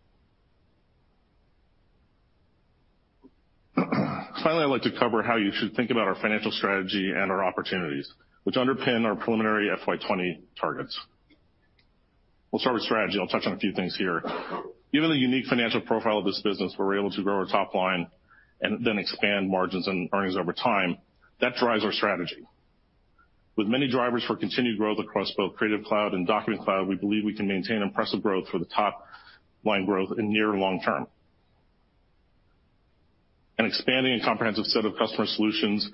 Finally, I'd like to cover how you should think about our financial strategy and our opportunities, which underpin our preliminary FY 2020 targets. We'll start with strategy. I'll touch on a few things here. Given the unique financial profile of this business, we're able to grow our top line and then expand margins and earnings over time. That drives our strategy. With many drivers for continued growth across both Creative Cloud and Document Cloud, we believe we can maintain impressive growth for the top line growth in near and long term. An expanding and comprehensive set of customer solutions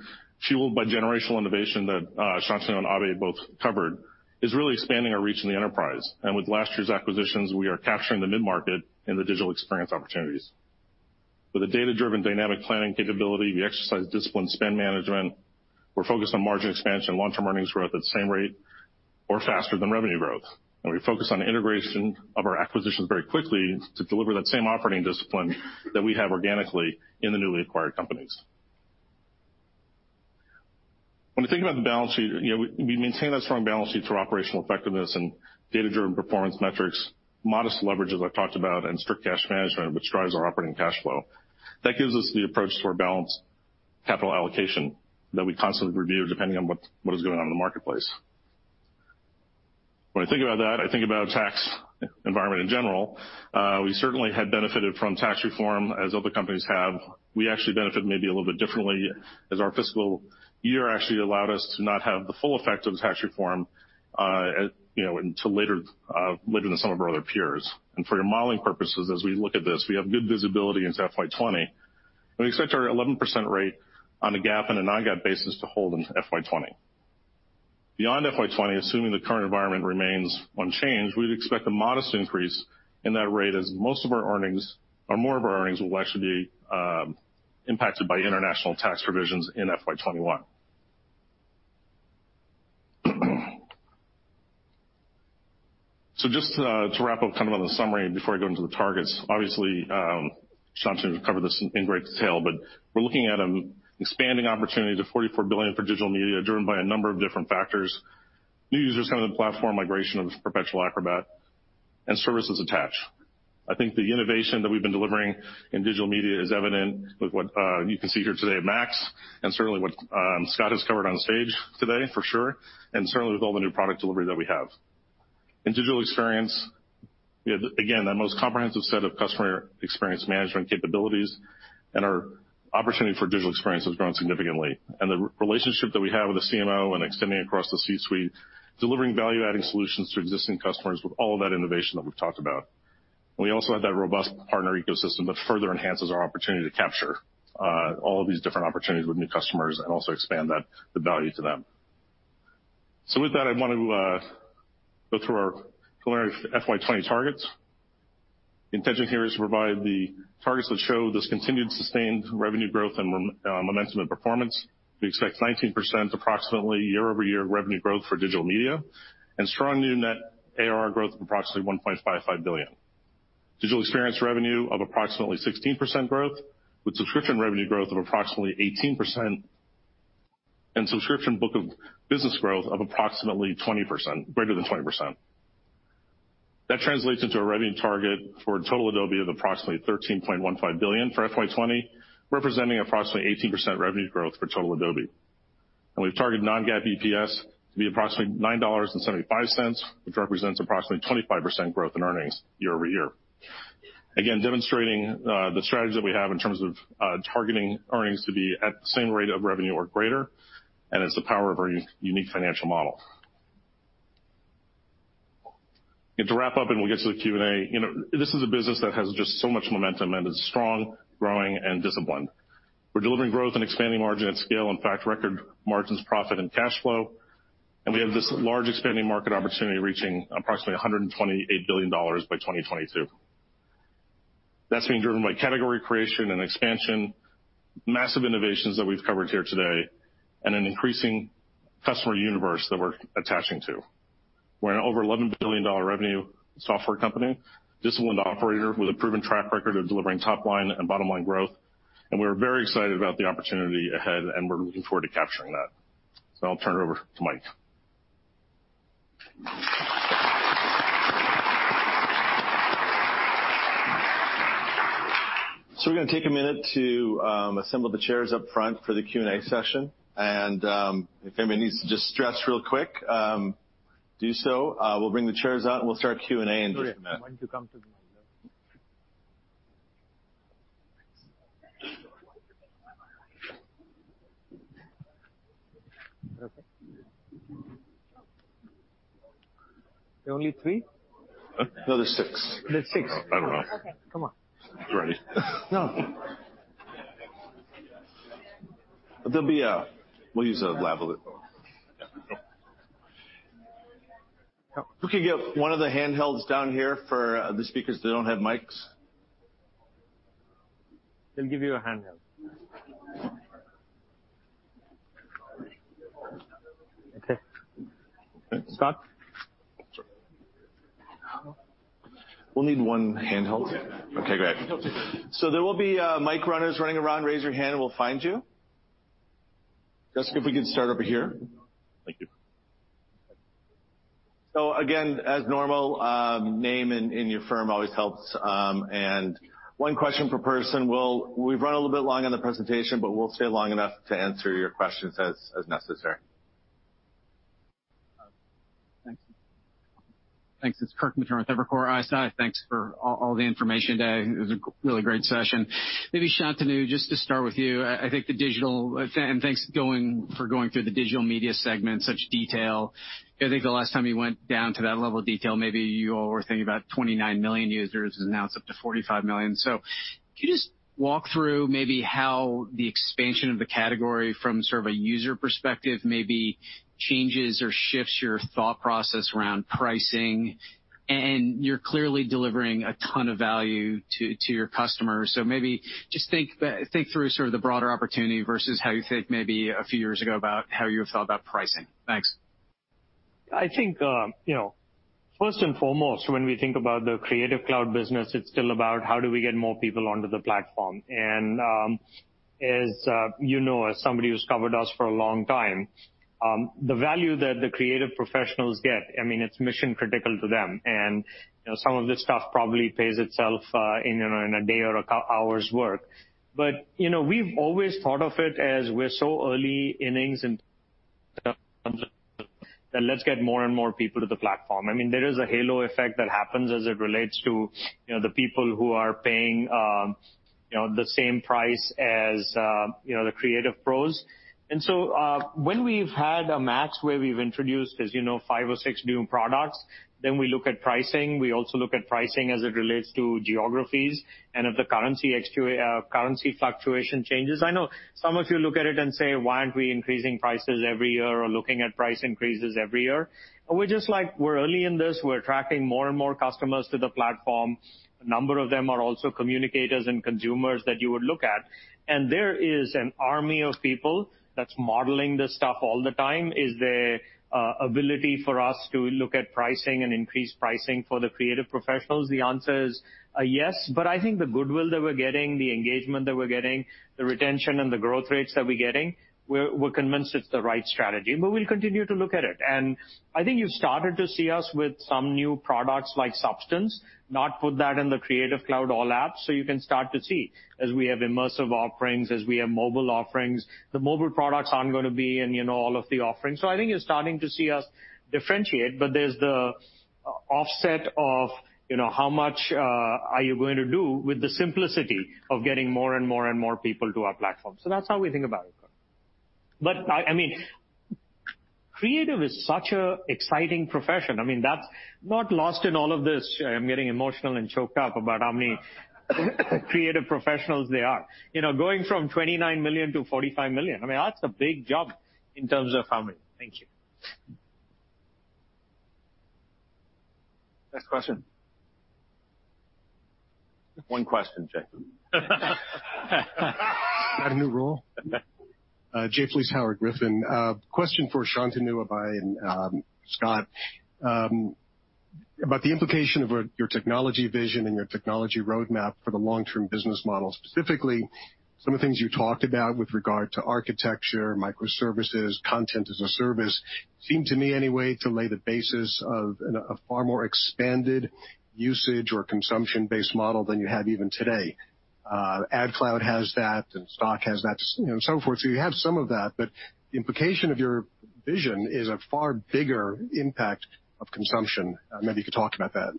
fueled by generational innovation that Shantanu and Abhay both covered is really expanding our reach in the enterprise. With last year's acquisitions, we are capturing the mid-market in the digital experience opportunities. With a data-driven dynamic planning capability, we exercise disciplined spend management. We're focused on margin expansion and long-term earnings growth at the same rate or faster than revenue growth. We focus on the integration of our acquisitions very quickly to deliver that same operating discipline that we have organically in the newly acquired companies. When we think about the balance sheet, we maintain that strong balance sheet through operational effectiveness and data-driven performance metrics, modest leverage, as I've talked about, and strict cash management, which drives our operating cash flow. That gives us the approach to our balanced capital allocation that we constantly review depending on what is going on in the marketplace. When I think about that, I think about tax environment in general. We certainly had benefited from tax reform, as other companies have. We actually benefit maybe a little bit differently as our fiscal year actually allowed us to not have the full effect of tax reform until later than some of our other peers. For your modeling purposes, as we look at this, we have good visibility into FY 2020, and we expect our 11% rate on a GAAP and a non-GAAP basis to hold in FY 2020. Beyond FY 2020, assuming the current environment remains unchanged, we'd expect a modest increase in that rate as most of our earnings or more of our earnings will actually be impacted by international tax provisions in FY 2021. Just to wrap up on the summary before I go into the targets, obviously, Shantanu covered this in great detail, but we're looking at an expanding opportunity to $44 billion for Digital Media, driven by a number of different factors, new users coming to the platform, migration of Perpetual Acrobat, and services attach. I think the innovation that we've been delivering in Digital Media is evident with what you can see here today at MAX, and certainly what Scott has covered on stage today, for sure, and certainly with all the new product delivery that we have. In digital experience, we have, again, the most comprehensive set of customer experience management capabilities. Our opportunity for digital experience has grown significantly. The relationship that we have with the CMO and extending across the C-suite, delivering value-adding solutions to existing customers with all of that innovation that we've talked about. We also have that robust partner ecosystem that further enhances our opportunity to capture all of these different opportunities with new customers and also expand the value to them. With that, I want to go through our preliminary FY 2020 targets. The intention here is to provide the targets that show this continued sustained revenue growth and momentum and performance. We expect 19% approximately year-over-year revenue growth for digital media and strong new net ARR growth of approximately $1.55 billion. Digital experience revenue of approximately 16% growth, with subscription revenue growth of approximately 18%, and subscription book of business growth of approximately greater than 20%. That translates into a revenue target for total Adobe of approximately $13.15 billion for FY 2020, representing approximately 18% revenue growth for total Adobe. We've targeted non-GAAP EPS to be approximately $9.75, which represents approximately 25% growth in earnings year-over-year. Again, demonstrating the strategy that we have in terms of targeting earnings to be at the same rate of revenue or greater, and is the power of our unique financial model. To wrap up, we'll get to the Q&A. This is a business that has just so much momentum and is strong, growing, and disciplined. We're delivering growth and expanding margin at scale. In fact, record margins, profit, and cash flow. We have this large expanding market opportunity reaching approximately $128 billion by 2022. That's being driven by category creation and expansion, massive innovations that we've covered here today, and an increasing customer universe that we're attaching to. We're an over $11 billion revenue software company, disciplined operator with a proven track record of delivering top-line and bottom-line growth. We are very excited about the opportunity ahead, and we're looking forward to capturing that. I'll turn it over to Mike. We're going to take a minute to assemble the chairs up front for the Q&A session. If anybody needs to just stretch real quick, do so. We'll bring the chairs out, and we'll start Q&A in just a minute. Why don't you come to the mic? Okay. There are only three? No, there's six. There's six. I don't know. Okay. Come on. Ready. No. We'll use a lavalier. Yeah. Who can get one of the handhelds down here for the speakers? They don't have mics. They'll give you a handheld. Okay. Scott? We'll need one handheld. Okay, great. There will be mic runners running around. Raise your hand and we'll find you. Jessica, if we could start over here. Thank you. Again, as normal, name and your firm always helps, and one question per person. We've run a little bit long on the presentation, but we'll stay long enough to answer your questions as necessary. Thanks. It's Kirk Materne with Evercore ISI. Thanks for all the information today. It was a really great session. Maybe, Shantanu, just to start with you, thanks for going through the Digital Media segment in such detail. I think the last time you went down to that level of detail, maybe you all were thinking about 29 million users, and now it's up to 45 million. Can you just walk through maybe how the expansion of the category from sort of a user perspective maybe changes or shifts your thought process around pricing? You're clearly delivering a ton of value to your customers. Maybe just think through sort of the broader opportunity versus how you think maybe a few years ago about how you felt about pricing. Thanks. I think, first and foremost, when we think about the Creative Cloud business, it's still about how do we get more people onto the platform. As you know, as somebody who's covered us for a long time, the value that the creative professionals get, it's mission-critical to them. Some of this stuff probably pays itself in a day or a hour's work. We've always thought of it as we're so early innings in terms of, let's get more and more people to the platform. There is a halo effect that happens as it relates to the people who are paying the same price as the creative pros. When we've had a MAX where we've introduced, as you know, five or six new products, then we look at pricing. We also look at pricing as it relates to geographies and if the currency fluctuation changes. I know some of you look at it and say, "Why aren't we increasing prices every year or looking at price increases every year?" We're just like, we're early in this. We're attracting more and more customers to the platform. A number of them are also communicators and consumers that you would look at. There is an army of people that's modeling this stuff all the time. Is there ability for us to look at pricing and increase pricing for the creative professionals? The answer is yes. I think the goodwill that we're getting, the engagement that we're getting, the retention and the growth rates that we're getting, we're convinced it's the right strategy. We'll continue to look at it. I think you've started to see us with some new products like Substance, not put that in the Creative Cloud all apps. You can start to see as we have immersive offerings, as we have mobile offerings. The mobile products aren't going to be in all of the offerings. I think you're starting to see us differentiate, but there's the offset of how much are you going to do with the simplicity of getting more and more people to our platform? That's how we think about it. I mean Creative is such an exciting profession. That's not lost in all of this. I'm getting emotional and choked up about how many creative professionals there are. Going from 29 million to 45 million, that's a big jump in terms of how many. Thank you. Next question. One question, gentlemen. Is that a new rule? Jay Vleeschhouwer, Griffin Securities. Question for Shantanu, Abhay, and Scott about the implication of your technology vision and your technology roadmap for the long-term business model. Specifically, some of the things you talked about with regard to architecture, microservices, content as a service, seem to me, anyway, to lay the basis of a far more expanded usage or consumption-based model than you have even today. AdCloud has that, and Stock has that, and so forth. You have some of that, but the implication of your vision is a far bigger impact of consumption. Maybe you could talk about that.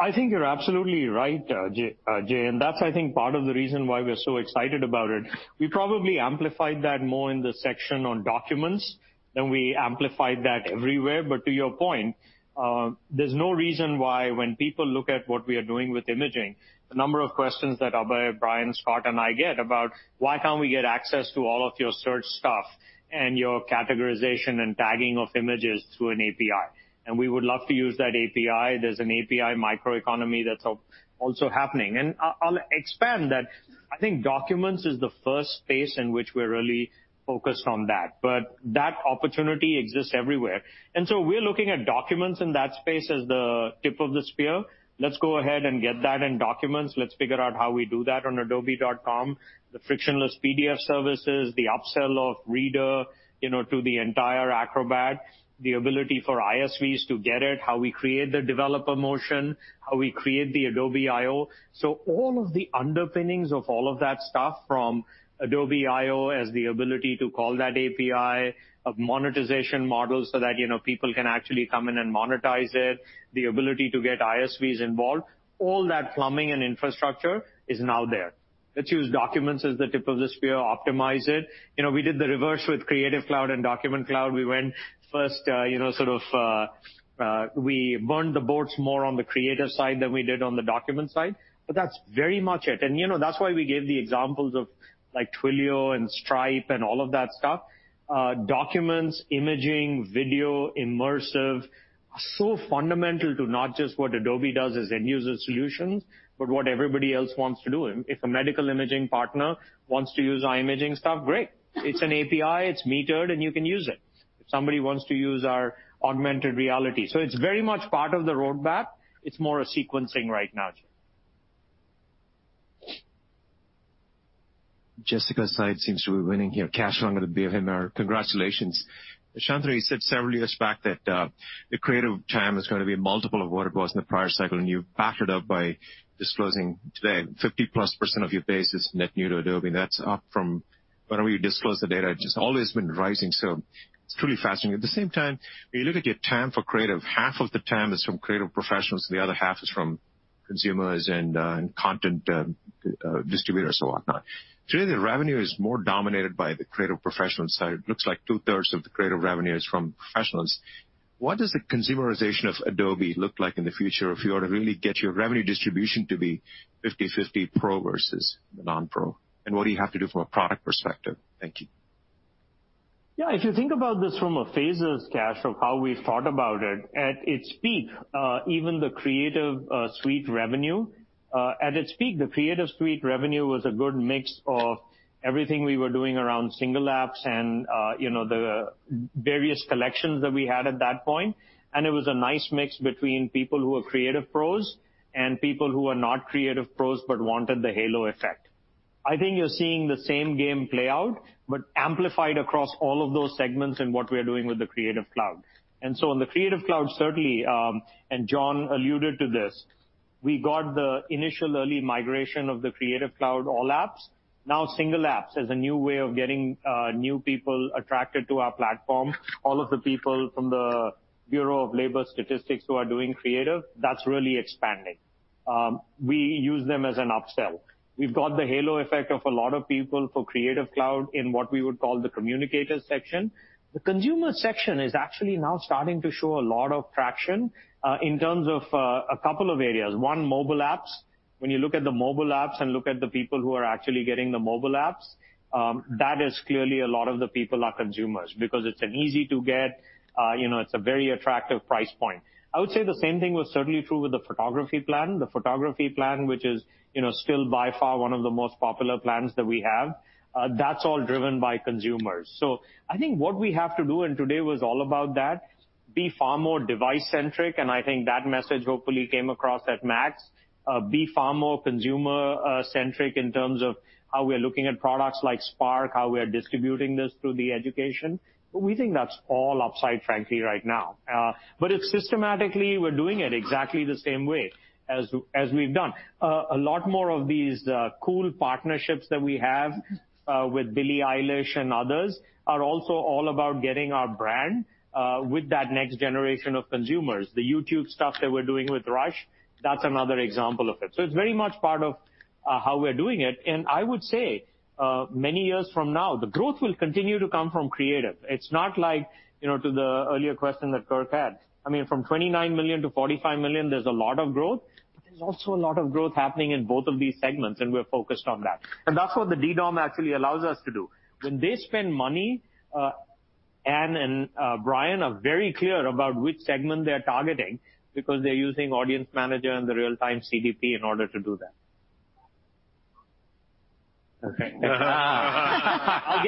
I think you're absolutely right, Jay, and that's, I think, part of the reason why we're so excited about it. We probably amplified that more in the section on Documents than we amplified that everywhere. To your point, there's no reason why when people look at what we are doing with imaging, the number of questions that Abhay, Bryan, Scott, and I get about why can't we get access to all of your search stuff and your categorization and tagging of images through an API? We would love to use that API. There's an API microeconomy that's also happening. I'll expand that. I think Documents is the first space in which we're really focused on that, but that opportunity exists everywhere. We're looking at Documents in that space as the tip of the spear. Let's go ahead and get that in Documents. Let's figure out how we do that on adobe.com. The frictionless PDF services, the upsell of Reader to the entire Acrobat, the ability for ISVs to get it, how we create the developer motion, how we create the Adobe I/O. All of the underpinnings of all of that stuff, from Adobe I/O as the ability to call that API, of monetization models so that people can actually come in and monetize it, the ability to get ISVs involved, all that plumbing and infrastructure is now there. Let's use Documents as the tip of the spear, optimize it. We did the reverse with Creative Cloud and Document Cloud. We went first, we burned the boats more on the creative side than we did on the document side, but that's very much it. That's why we gave the examples of Twilio and Stripe and all of that stuff. Documents, imaging, video, immersive are so fundamental to not just what Adobe does as end-user solutions, but what everybody else wants to do. If a medical imaging partner wants to use our imaging stuff, great. It's an API, it's metered, and you can use it. If somebody wants to use our augmented reality. It's very much part of the roadmap. It's more a sequencing right now. Jessica's side seems to be winning here. Kash Rangan of BMO, congratulations. Shantanu, you said several years back that the Creative TAM is going to be a multiple of what it was in the prior cycle, and you backed it up by disclosing today 50%+ of your base is net new to Adobe, and that's up from whenever you disclose the data. It's just always been rising, so it's truly fascinating. At the same time, when you look at your TAM for Creative, half of the TAM is from Creative professionals, and the other half is from consumers and content distributors and whatnot. Today, the revenue is more dominated by the Creative professional side. It looks like two-thirds of the Creative revenue is from professionals. What does the consumerization of Adobe look like in the future if you were to really get your revenue distribution to be 50/50 pro versus the non-pro? What do you have to do from a product perspective? Thank you. Yeah, if you think about this from a phases, Kash, of how we thought about it, at its peak even the Creative Suite revenue was a good mix of everything we were doing around single apps and the various collections that we had at that point. It was a nice mix between people who were creative pros and people who were not creative pros but wanted the halo effect. I think you're seeing the same game play out, amplified across all of those segments in what we are doing with the Creative Cloud. In the Creative Cloud, certainly, and John alluded to this, we got the initial early migration of the Creative Cloud all apps. Now single apps as a new way of getting new people attracted to our platform. All of the people from the Bureau of Labor Statistics who are doing creative, that's really expanding. We use them as an upsell. We've got the halo effect of a lot of people for Creative Cloud in what we would call the communicators section. The consumer section is actually now starting to show a lot of traction in terms of a couple of areas. One, mobile apps. When you look at the mobile apps and look at the people who are actually getting the mobile apps, that is clearly a lot of the people are consumers because it's an easy to get. It's a very attractive price point. I would say the same thing was certainly true with the photography plan. The photography plan, which is still by far one of the most popular plans that we have, that's all driven by consumers. I think what we have to do, and today was all about that, be far more device-centric, and I think that message hopefully came across at MAX. Be far more consumer-centric in terms of how we are looking at products like Spark, how we are distributing this through the education. We think that's all upside, frankly, right now. It's systematically, we're doing it exactly the same way as we've done. A lot more of these cool partnerships that we have with Billie Eilish and others are also all about getting our brand with that next generation of consumers. The YouTube stuff that we're doing with Rush, that's another example of it. It's very much part of how we're doing it. I would say, many years from now, the growth will continue to come from Creative. It's not like to the earlier question that Kirk had. From $29 million to $45 million, there's a lot of growth. There's also a lot of growth happening in both of these segments, and we're focused on that. That's what the DDOM actually allows us to do. When they spend money, Ann and Bryan are very clear about which segment they're targeting because they're using Audience Manager and the real-time CDP in order to do that. Okay. I'll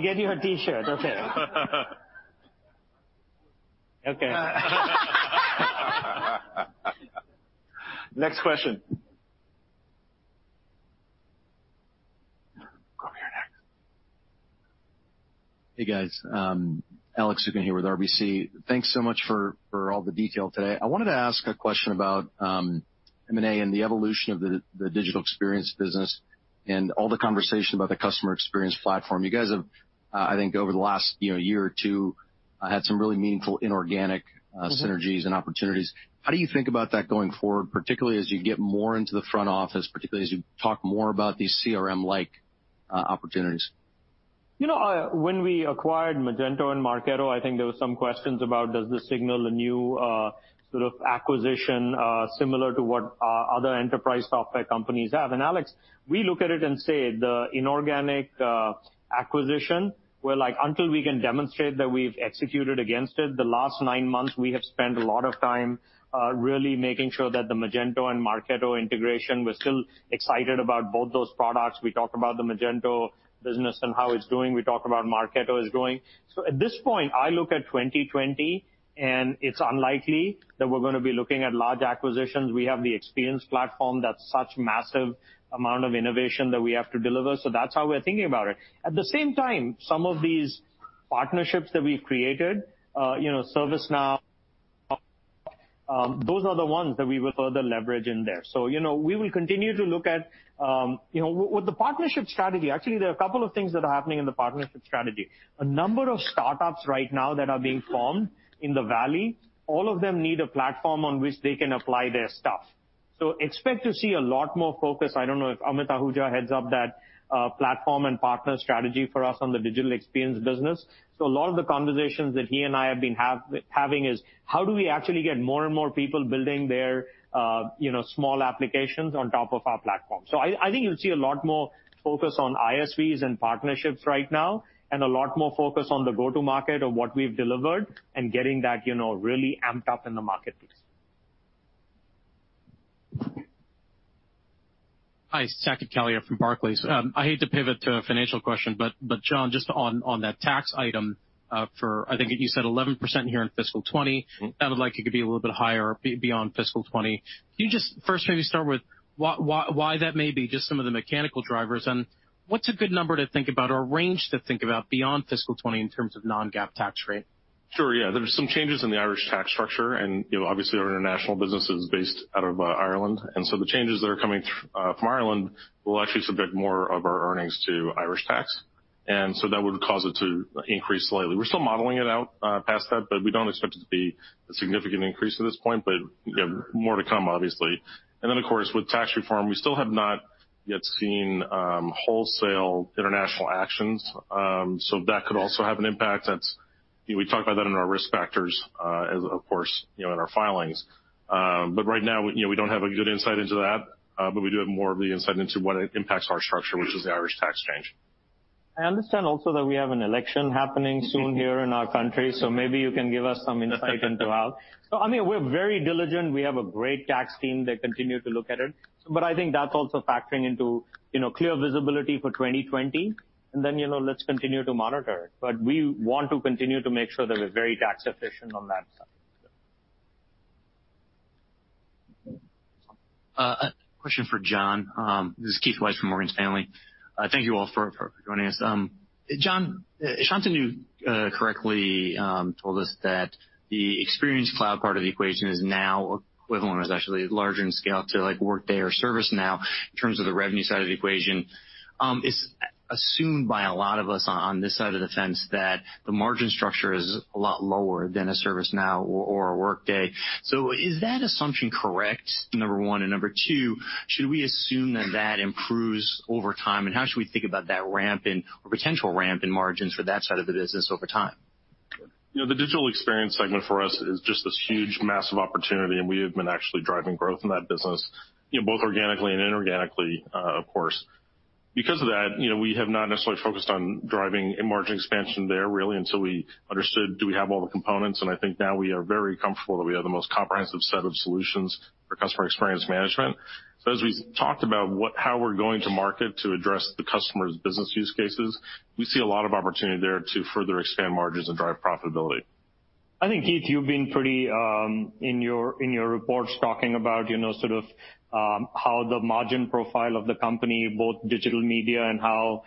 give you a T-shirt. Okay. Next question. Go ahead, Alex. Hey, guys. Alex Zukin here with RBC. Thanks so much for all the detail today. I wanted to ask a question about M&A and the evolution of the digital experience business, and all the conversation about the customer experience platform. You guys have, I think, over the last year or two, had some really meaningful inorganic synergies and opportunities. How do you think about that going forward, particularly as you get more into the front office, particularly as you talk more about these CRM-like opportunities? When we acquired Magento and Marketo, I think there were some questions about, does this signal a new sort of acquisition, similar to what other enterprise software companies have? Alex, we look at it and say, the inorganic acquisition, we're like, until we can demonstrate that we've executed against it, the last nine months, we have spent a lot of time really making sure that the Magento and Marketo integration, we're still excited about both those products. We talked about the Magento business and how it's doing. We talked about Marketo is doing. At this point, I look at 2020, and it's unlikely that we're going to be looking at large acquisitions. We have the Experience Platform that's such massive amount of innovation that we have to deliver. That's how we're thinking about it. At the same time, some of these partnerships that we've created, ServiceNow, those are the ones that we will further leverage in there. With the partnership strategy, actually, there are a couple of things that are happening in the partnership strategy. A number of startups right now that are being formed in the Valley, all of them need a platform on which they can apply their stuff. Expect to see a lot more focus. I don't know if Amit Ahuja heads up that platform and partner strategy for us on the digital experience business. A lot of the conversations that he and I have been having is how do we actually get more and more people building their small applications on top of our platform? I think you'll see a lot more focus on ISVs and partnerships right now, and a lot more focus on the go-to market of what we've delivered and getting that really amped up in the marketplace. Hi, it's Saket Kalia from Barclays. I hate to pivot to a financial question, but John, just on that tax item for, I think you said 11% here in fiscal 2020. Sounded like it could be a little bit higher beyond fiscal 2020. Can you just first maybe start with why that may be, just some of the mechanical drivers, and what's a good number to think about or range to think about beyond fiscal 2020 in terms of non-GAAP tax rate? Sure, yeah. There's some changes in the Irish tax structure. Obviously, our international business is based out of Ireland. The changes that are coming from Ireland will actually submit more of our earnings to Irish tax. That would cause it to increase slightly. We're still modeling it out past that. We don't expect it to be a significant increase at this point. More to come, obviously. Of course, with tax reform, we still have not yet seen wholesale international actions. That could also have an impact. We talk about that in our risk factors of course, in our filings. Right now, we don't have a good insight into that. We do have more of the insight into what impacts our structure, which is the Irish tax change. I understand also that we have an election happening soon here in our country, so maybe you can give us some insight into how. Amit, we're very diligent. We have a great tax team that continue to look at it. I think that's also factoring into clear visibility for 2020, and then let's continue to monitor it. We want to continue to make sure that we're very tax efficient on that side. A question for John. This is Keith Weiss from Morgan Stanley. Thank you all for joining us. John, Shantanu correctly told us that the Experience Cloud part of the equation is now equivalent or is actually larger in scale to Workday or ServiceNow in terms of the revenue side of the equation. It's assumed by a lot of us on this side of the fence that the margin structure is a lot lower than a ServiceNow or a Workday. Is that assumption correct, number one? Number two, should we assume that that improves over time, and how should we think about that ramp, or potential ramp in margins for that side of the business over time? The digital experience segment for us is just this huge, massive opportunity. We have been actually driving growth in that business, both organically and inorganically, of course. Because of that, we have not necessarily focused on driving a margin expansion there really until we understood, do we have all the components? I think now we are very comfortable that we have the most comprehensive set of solutions for customer experience management. As we talked about how we're going to market to address the customer's business use cases, we see a lot of opportunity there to further expand margins and drive profitability. I think, Keith, you've been pretty, in your reports, talking about sort of how the margin profile of the company, both Digital Media and how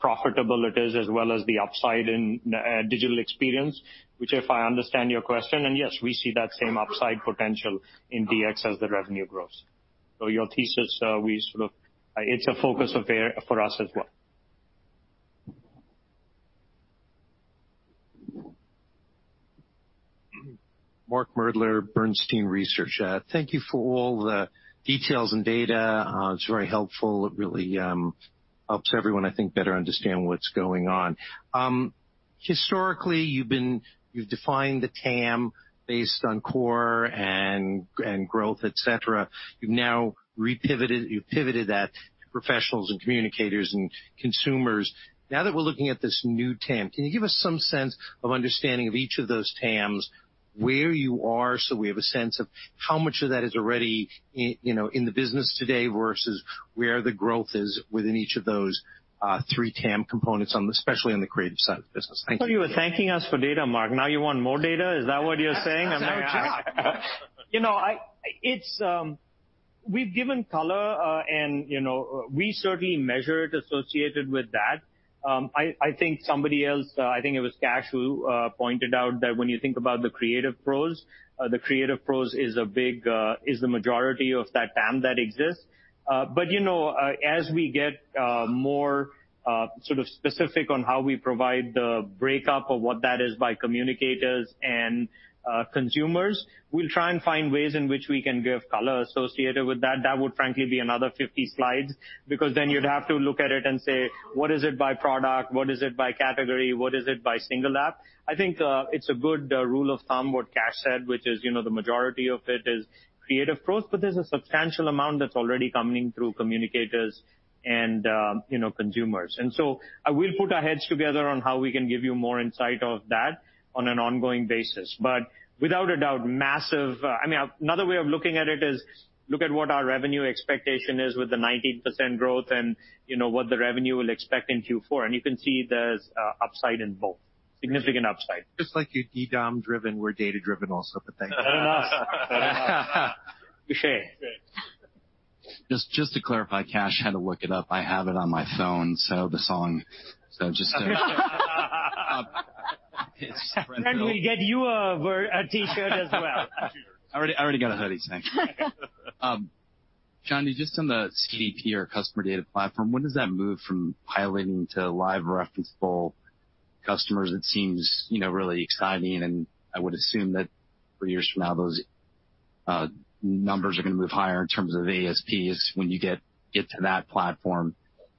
profitable it is, as well as the upside in Digital Experience, which if I understand your question, yes, we see that same upside potential in DX as the revenue grows. Your thesis, it's a focus for us as well. Thank you for all the details and data. It's very helpful. It really helps everyone, I think, better understand what's going on. Historically, you've defined the TAM based on core and growth, et cetera. You've now repivoted that to professionals and communicators and consumers. Now that we're looking at this new TAM, can you give us some sense of understanding of each of those TAMs, where you are, so we have a sense of how much of that is already in the business today versus where the growth is within each of those three TAM components, especially on the creative side of the business. Thank you. I thought you were thanking us for data, Mark. Now you want more data? Is that what you're saying? No, I'm not. We've given color, and we certainly measure it associated with that. I think somebody else, I think it was Kash, who pointed out that when you think about the creative pros, the creative pros is the majority of that TAM that exists. As we get more sort of specific on how we provide the breakup of what that is by communicators and consumers, we'll try and find ways in which we can give color associated with that. That would frankly be another 50 slides, because then you'd have to look at it and say, what is it by product, what is it by category? What is it by single app? I think it's a good rule of thumb what Kash said, which is the majority of it is creative pros, but there's a substantial amount that's already coming through communicators and consumers. We'll put our heads together on how we can give you more insight of that on an ongoing basis. Without a doubt. Another way of looking at it is, look at what our revenue expectation is with the 19% growth and what the revenue we'll expect in Q4. You can see there's upside in both. Significant upside. Just like you're DDOM driven, we're data driven also, but thank you. Fair enough. Touche. Just to clarify, Kash had to look it up. I have it on my phone, so the song. We get you a T-shirt as well. I already got a hoodie. Thank you. Shanti, just on the CDP or Customer Data Platform, when does that move from piloting to live referenceable customers? It seems really exciting, I would assume that three years from now, those numbers are going to move higher in terms of ASPs when you get to that platform.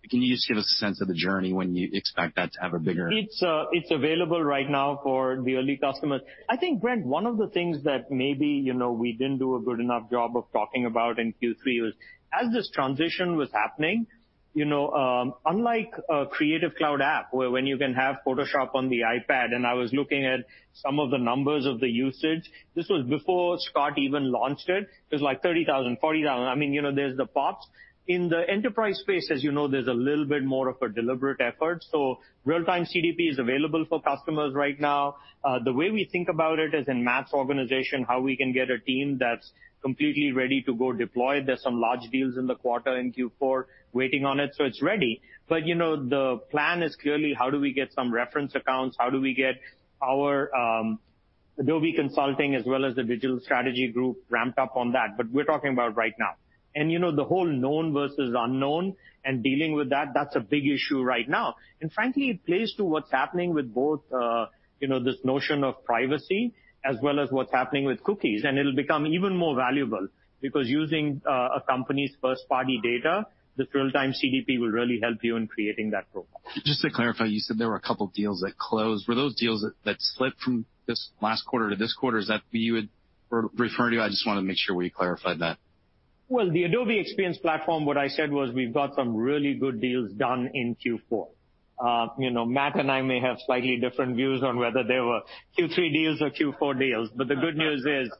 Can you just give us a sense of the journey when you expect that to have a bigger- It's available right now for the early customers. I think, Brent, one of the things that maybe we didn't do a good enough job of talking about in Q3 was, as this transition was happening, unlike a Creative Cloud app, where when you can have Photoshop on the iPad, and I was looking at some of the numbers of the usage. This was before Scott even launched it. It was like 30,000, 40,000. There's the pops. In the enterprise space, as you know, there's a little bit more of a deliberate effort. Real-Time CDP is available for customers right now. The way we think about it as in Matt's organization, how we can get a team that's completely ready to go deploy. There's some large deals in the quarter in Q4 waiting on it. It's ready. The plan is clearly how do we get some reference accounts? How do we get our Adobe Consulting as well as the digital strategy group ramped up on that? We're talking about right now. The whole known versus unknown and dealing with that's a big issue right now. Frankly, it plays to what's happening with both this notion of privacy as well as what's happening with cookies. It'll become even more valuable because using a company's first-party data, this real-time CDP will really help you in creating that profile. Just to clarify, you said there were a couple deals that closed. Were those deals that slipped from this last quarter to this quarter? Is that what you would refer to? I just want to make sure we clarified that. Well, the Adobe Experience Platform, what I said was we've got some really good deals done in Q4. Matt and I may have slightly different views on whether they were Q3 deals or Q4 deals, but the good news is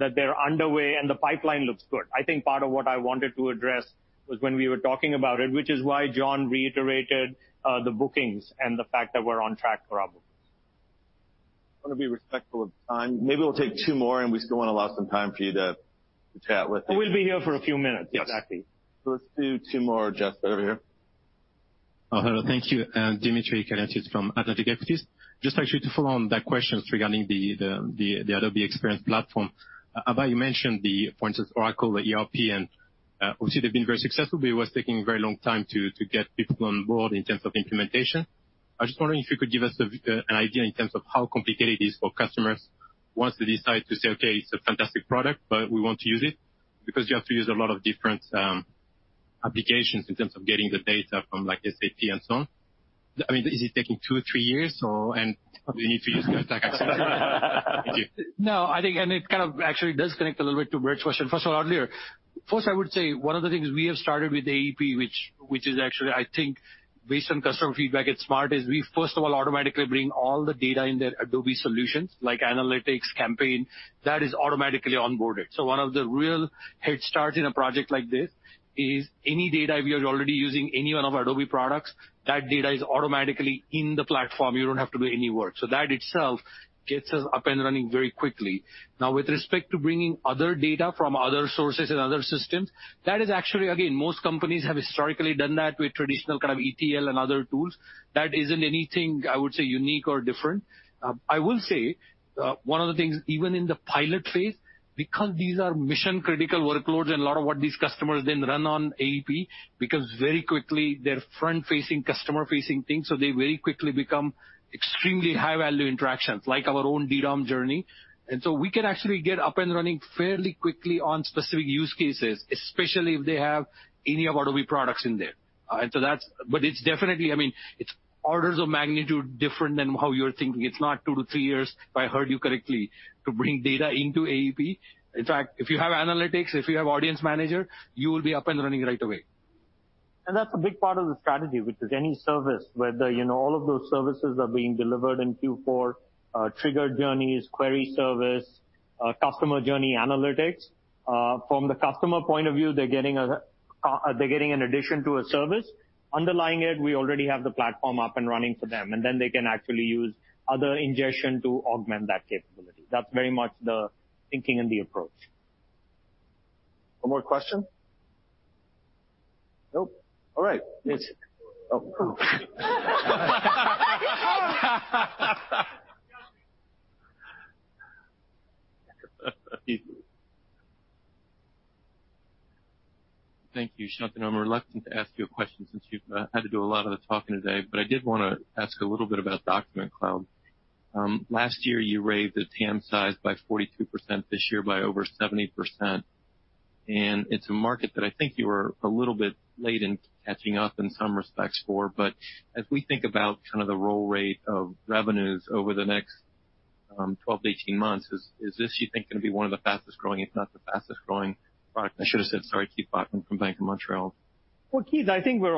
that they're underway, and the pipeline looks good. I think part of what I wanted to address was when we were talking about it, which is why John reiterated the bookings and the fact that we're on track for our bookings. I want to be respectful of time. Maybe we'll take two more, and we still want to allow some time for you to chat with us. We'll be here for a few minutes. Exactly. Yes. Let's do two more. Mike, over here. Oh, hello. Thank you. Dimitri Kerantos from Atlantic Equities. Just actually to follow on that questions regarding the Adobe Experience Platform. Abhay, you mentioned the points of Oracle, the ERP, and obviously, they've been very successful, but it was taking a very long time to get people on board in terms of implementation. I was just wondering if you could give us an idea in terms of how complicated it is for customers once they decide to say, "Okay, it's a fantastic product, but we want to use it," because you have to use a lot of different applications in terms of getting the data from SAP and so on. Is it taking two or three years, or and do we need to use the attack strategy? Thank you. I think it kind of actually does connect a little bit to Brent's question, first of all, earlier. First, I would say one of the things we have started with AEP, which is actually, I think based on customer feedback, it's smart, is we first of all automatically bring all the data in their Adobe solutions, like Adobe Analytics, Adobe Campaign. That is automatically onboarded. One of the real head starts in a project like this is any data we are already using, any one of Adobe products, that data is automatically in the platform. You don't have to do any work. That itself gets us up and running very quickly. Now, with respect to bringing other data from other sources and other systems, that is actually, again, most companies have historically done that with traditional kind of ETL and other tools. That isn't anything, I would say, unique or different. I will say, one of the things, even in the pilot phase, because these are mission-critical workloads and a lot of what these customers then run on AEP, because very quickly they're front-facing, customer-facing things, so they very quickly become extremely high-value interactions, like our own DDOM journey. We can actually get up and running fairly quickly on specific use cases, especially if they have any of Adobe products in there. It's definitely, it's orders of magnitude different than how you're thinking. It's not two to three years, if I heard you correctly, to bring data into AEP. In fact, if you have analytics, if you have Audience Manager, you will be up and running right away. That's a big part of the strategy, which is any service where all of those services are being delivered in Q4, triggered journeys, query service, customer journey analytics. From the customer point of view, they're getting an addition to a service. Underlying it, we already have the platform up and running for them, and then they can actually use other ingestion to augment that capability. That's very much the thinking and the approach. One more question? Nope. All right. Yes. Oh. Keith. Thank you, Shantanu. I'm reluctant to ask you a question since you've had to do a lot of the talking today, but I did want to ask a little bit about Document Cloud. Last year, you raised the TAM size by 42%, this year by over 70%, and it's a market that I think you were a little bit late in catching up in some respects for. As we think about the roll rate of revenues over the next 12 to 18 months, is this, you think, going to be one of the fastest-growing, if not the fastest-growing product? I should've said. Sorry. Keith Bachman from Bank of Montreal. Well, Keith, I think we've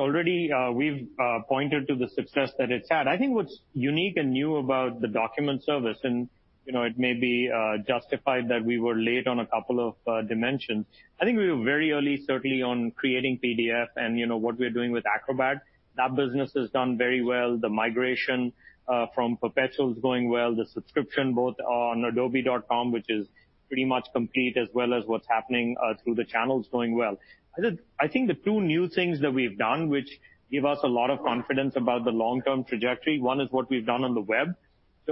pointed to the success that it's had. I think what's unique and new about the document service, and it may be justified that we were late on a couple of dimensions. I think we were very early, certainly, on creating PDF and what we are doing with Acrobat. That business has done very well. The migration from perpetual is going well. The subscription, both on adobe.com, which is pretty much complete, as well as what's happening through the channel, is going well. I think the two new things that we've done, which give us a lot of confidence about the long-term trajectory, one is what we've done on the web.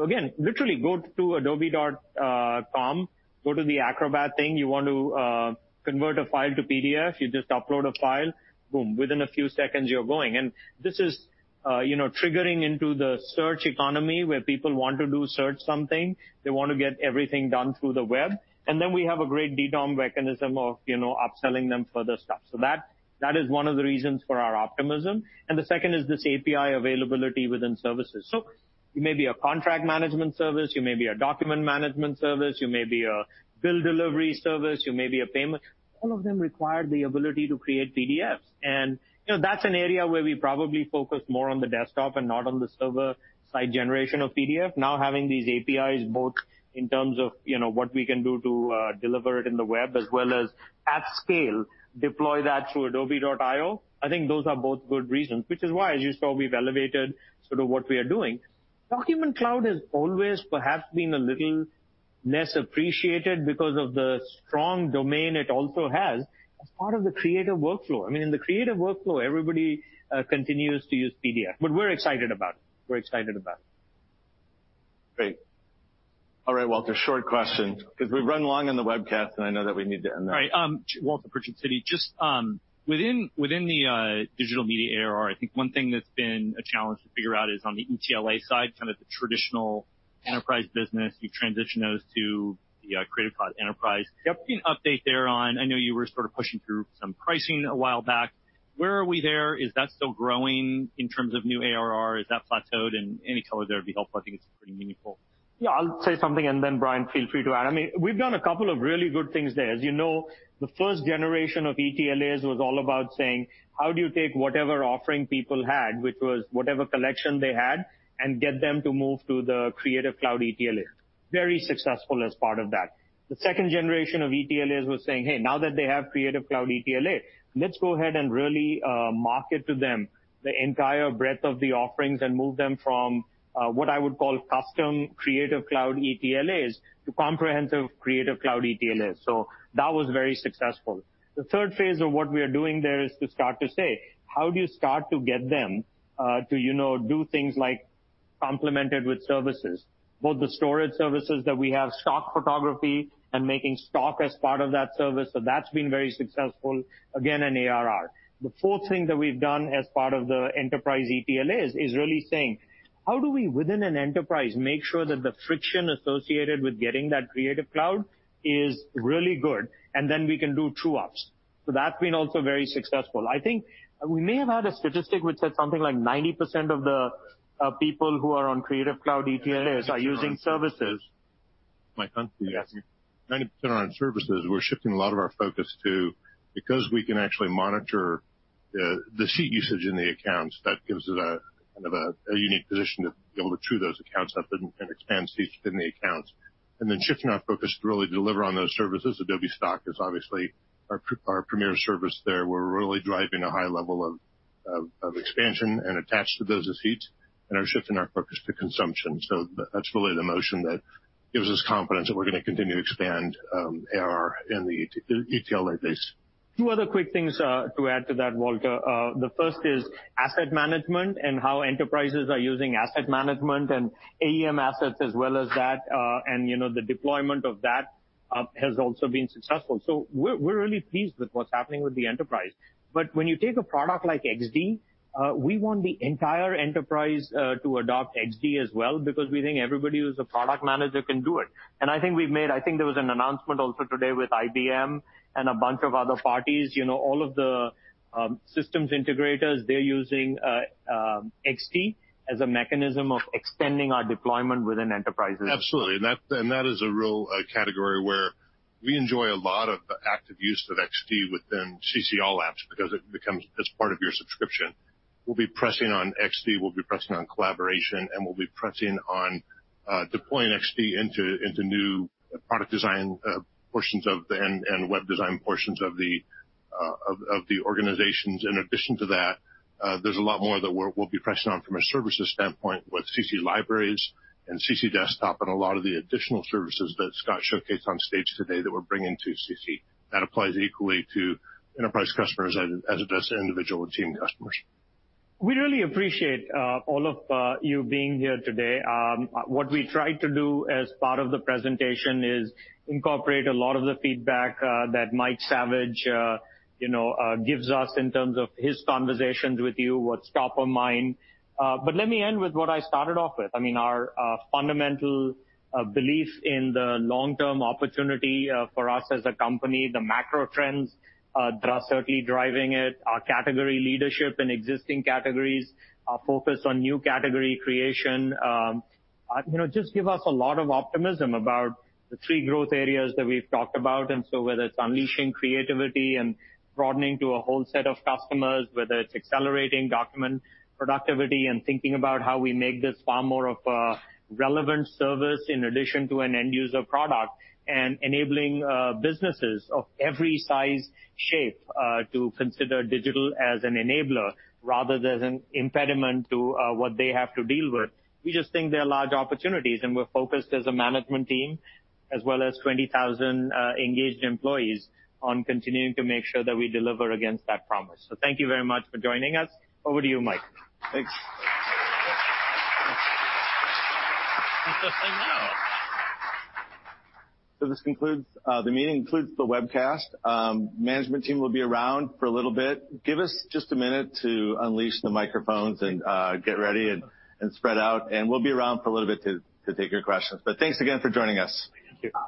Again, literally go to adobe.com, go to the Acrobat thing. You want to convert a file to PDF, you just upload a file, boom. Within a few seconds, you're going. This is triggering into the search economy, where people want to do search something, they want to get everything done through the web. Then we have a great DDOM mechanism of upselling them further stuff. That is one of the reasons for our optimism, and the second is this API availability within services. You may be a contract management service, you may be a document management service, you may be a bill delivery service, you may be a payment. All of them require the ability to create PDFs. That's an area where we probably focus more on the desktop and not on the server-side generation of PDF. Having these APIs both in terms of what we can do to deliver it in the web as well as at scale deploy that through Adobe I/O I think those are both good reasons, which is why, as you saw, we've elevated what we are doing. Document Cloud has always perhaps been a little less appreciated because of the strong domain it also has as part of the creative workflow. In the creative workflow, everybody continues to use PDF, we're excited about it. Great. All right, Walter, short question because we've run long on the webcast, I know that we need to end now. Right. Walter, Citi. Just within the digital media ARR, I think one thing that's been a challenge to figure out is on the ETLA side, kind of the traditional enterprise business, you transition those to the Creative Cloud Enterprise. Yep. An update there on, I know you were sort of pushing through some pricing a while back. Where are we there? Is that still growing in terms of new ARR? Is that plateaued? Any color there would be helpful. I think it's pretty meaningful. Yeah, I'll say something, and then Bryan, feel free to add. We've done a couple of really good things there. As you know, the first generation of ETLAs was all about saying, how do you take whatever offering people had, which was whatever collection they had, and get them to move to the Creative Cloud ETLA? Very successful as part of that. The second generation of ETLAs was saying, "Hey, now that they have Creative Cloud ETLA, let's go ahead and really market to them the entire breadth of the offerings and move them from," what I would call, "custom Creative Cloud ETLAs to comprehensive Creative Cloud ETLAs." That was very successful. The third phase of what we are doing there is to start to say, how do you start to get them to do things like complement it with services? Both the storage services that we have, stock photography, and making stock as part of that service. That's been very successful, again, in ARR. The fourth thing that we've done as part of the enterprise ETLAs is really saying, how do we, within an enterprise, make sure that the friction associated with getting that Creative Cloud is really good, and then we can do true ops? That's been also very successful. I think we may have had a statistic which said something like 90% of the people who are on Creative Cloud ETLAs are using services. Mike Saviage. Yes. 90% are on services. We're shifting a lot of our focus to, because we can actually monitor the seat usage in the accounts, that gives it a kind of a unique position to be able to true those accounts up and expand seats in the accounts. Shifting our focus to really deliver on those services. Adobe Stock is obviously our premier service there. We're really driving a high level of expansion and attached to those seats and are shifting our focus to consumption. That's really the motion that gives us confidence that we're going to continue to expand ARR in the ETLAs base. Two other quick things to add to that, Walter. The first is asset management and how enterprises are using asset management and AEM Assets as well as that, and the deployment of that has also been successful. We're really pleased with what's happening with the enterprise. When you take a product like XD. We want the entire enterprise to adopt XD as well, because we think everybody who's a product manager can do it. I think there was an announcement also today with IBM and a bunch of other parties. All of the systems integrators, they're using XD as a mechanism of extending our deployment within enterprises. Absolutely. That is a real category where we enjoy a lot of active use of XD within CC All apps, because it becomes as part of your subscription. We'll be pressing on XD, we'll be pressing on collaboration, and we'll be pressing on deploying XD into new product design and web design portions of the organizations. In addition to that, there's a lot more that we'll be pressing on from a services standpoint with Creative Cloud Libraries, and Creative Cloud for desktop, and a lot of the additional services that Scott showcased on stage today that we're bringing to CC. That applies equally to enterprise customers as it does to individual team customers. We really appreciate all of you being here today. What we tried to do as part of the presentation is incorporate a lot of the feedback that Mike Saviage gives us in terms of his conversations with you, what's top of mind. Let me end with what I started off with. Our fundamental belief in the long-term opportunity for us as a company, the macro trends that are certainly driving it, our category leadership in existing categories, our focus on new category creation, just give us a lot of optimism about the three growth areas that we've talked about. Whether it's unleashing creativity and broadening to a whole set of customers, whether it's accelerating document productivity and thinking about how we make this far more of a relevant service in addition to an end-user product, and enabling businesses of every size, shape to consider digital as an enabler rather than an impediment to what they have to deal with. We just think there are large opportunities, and we're focused as a management team, as well as 20,000 engaged employees, on continuing to make sure that we deliver against that promise. Thank you very much for joining us. Over to you, Mike. Thanks. This concludes the meeting, includes the webcast. Management team will be around for a little bit. Give us just a minute to unleash the microphones and get ready and spread out, and we'll be around for a little bit to take your questions. Thanks again for joining us. Thank you.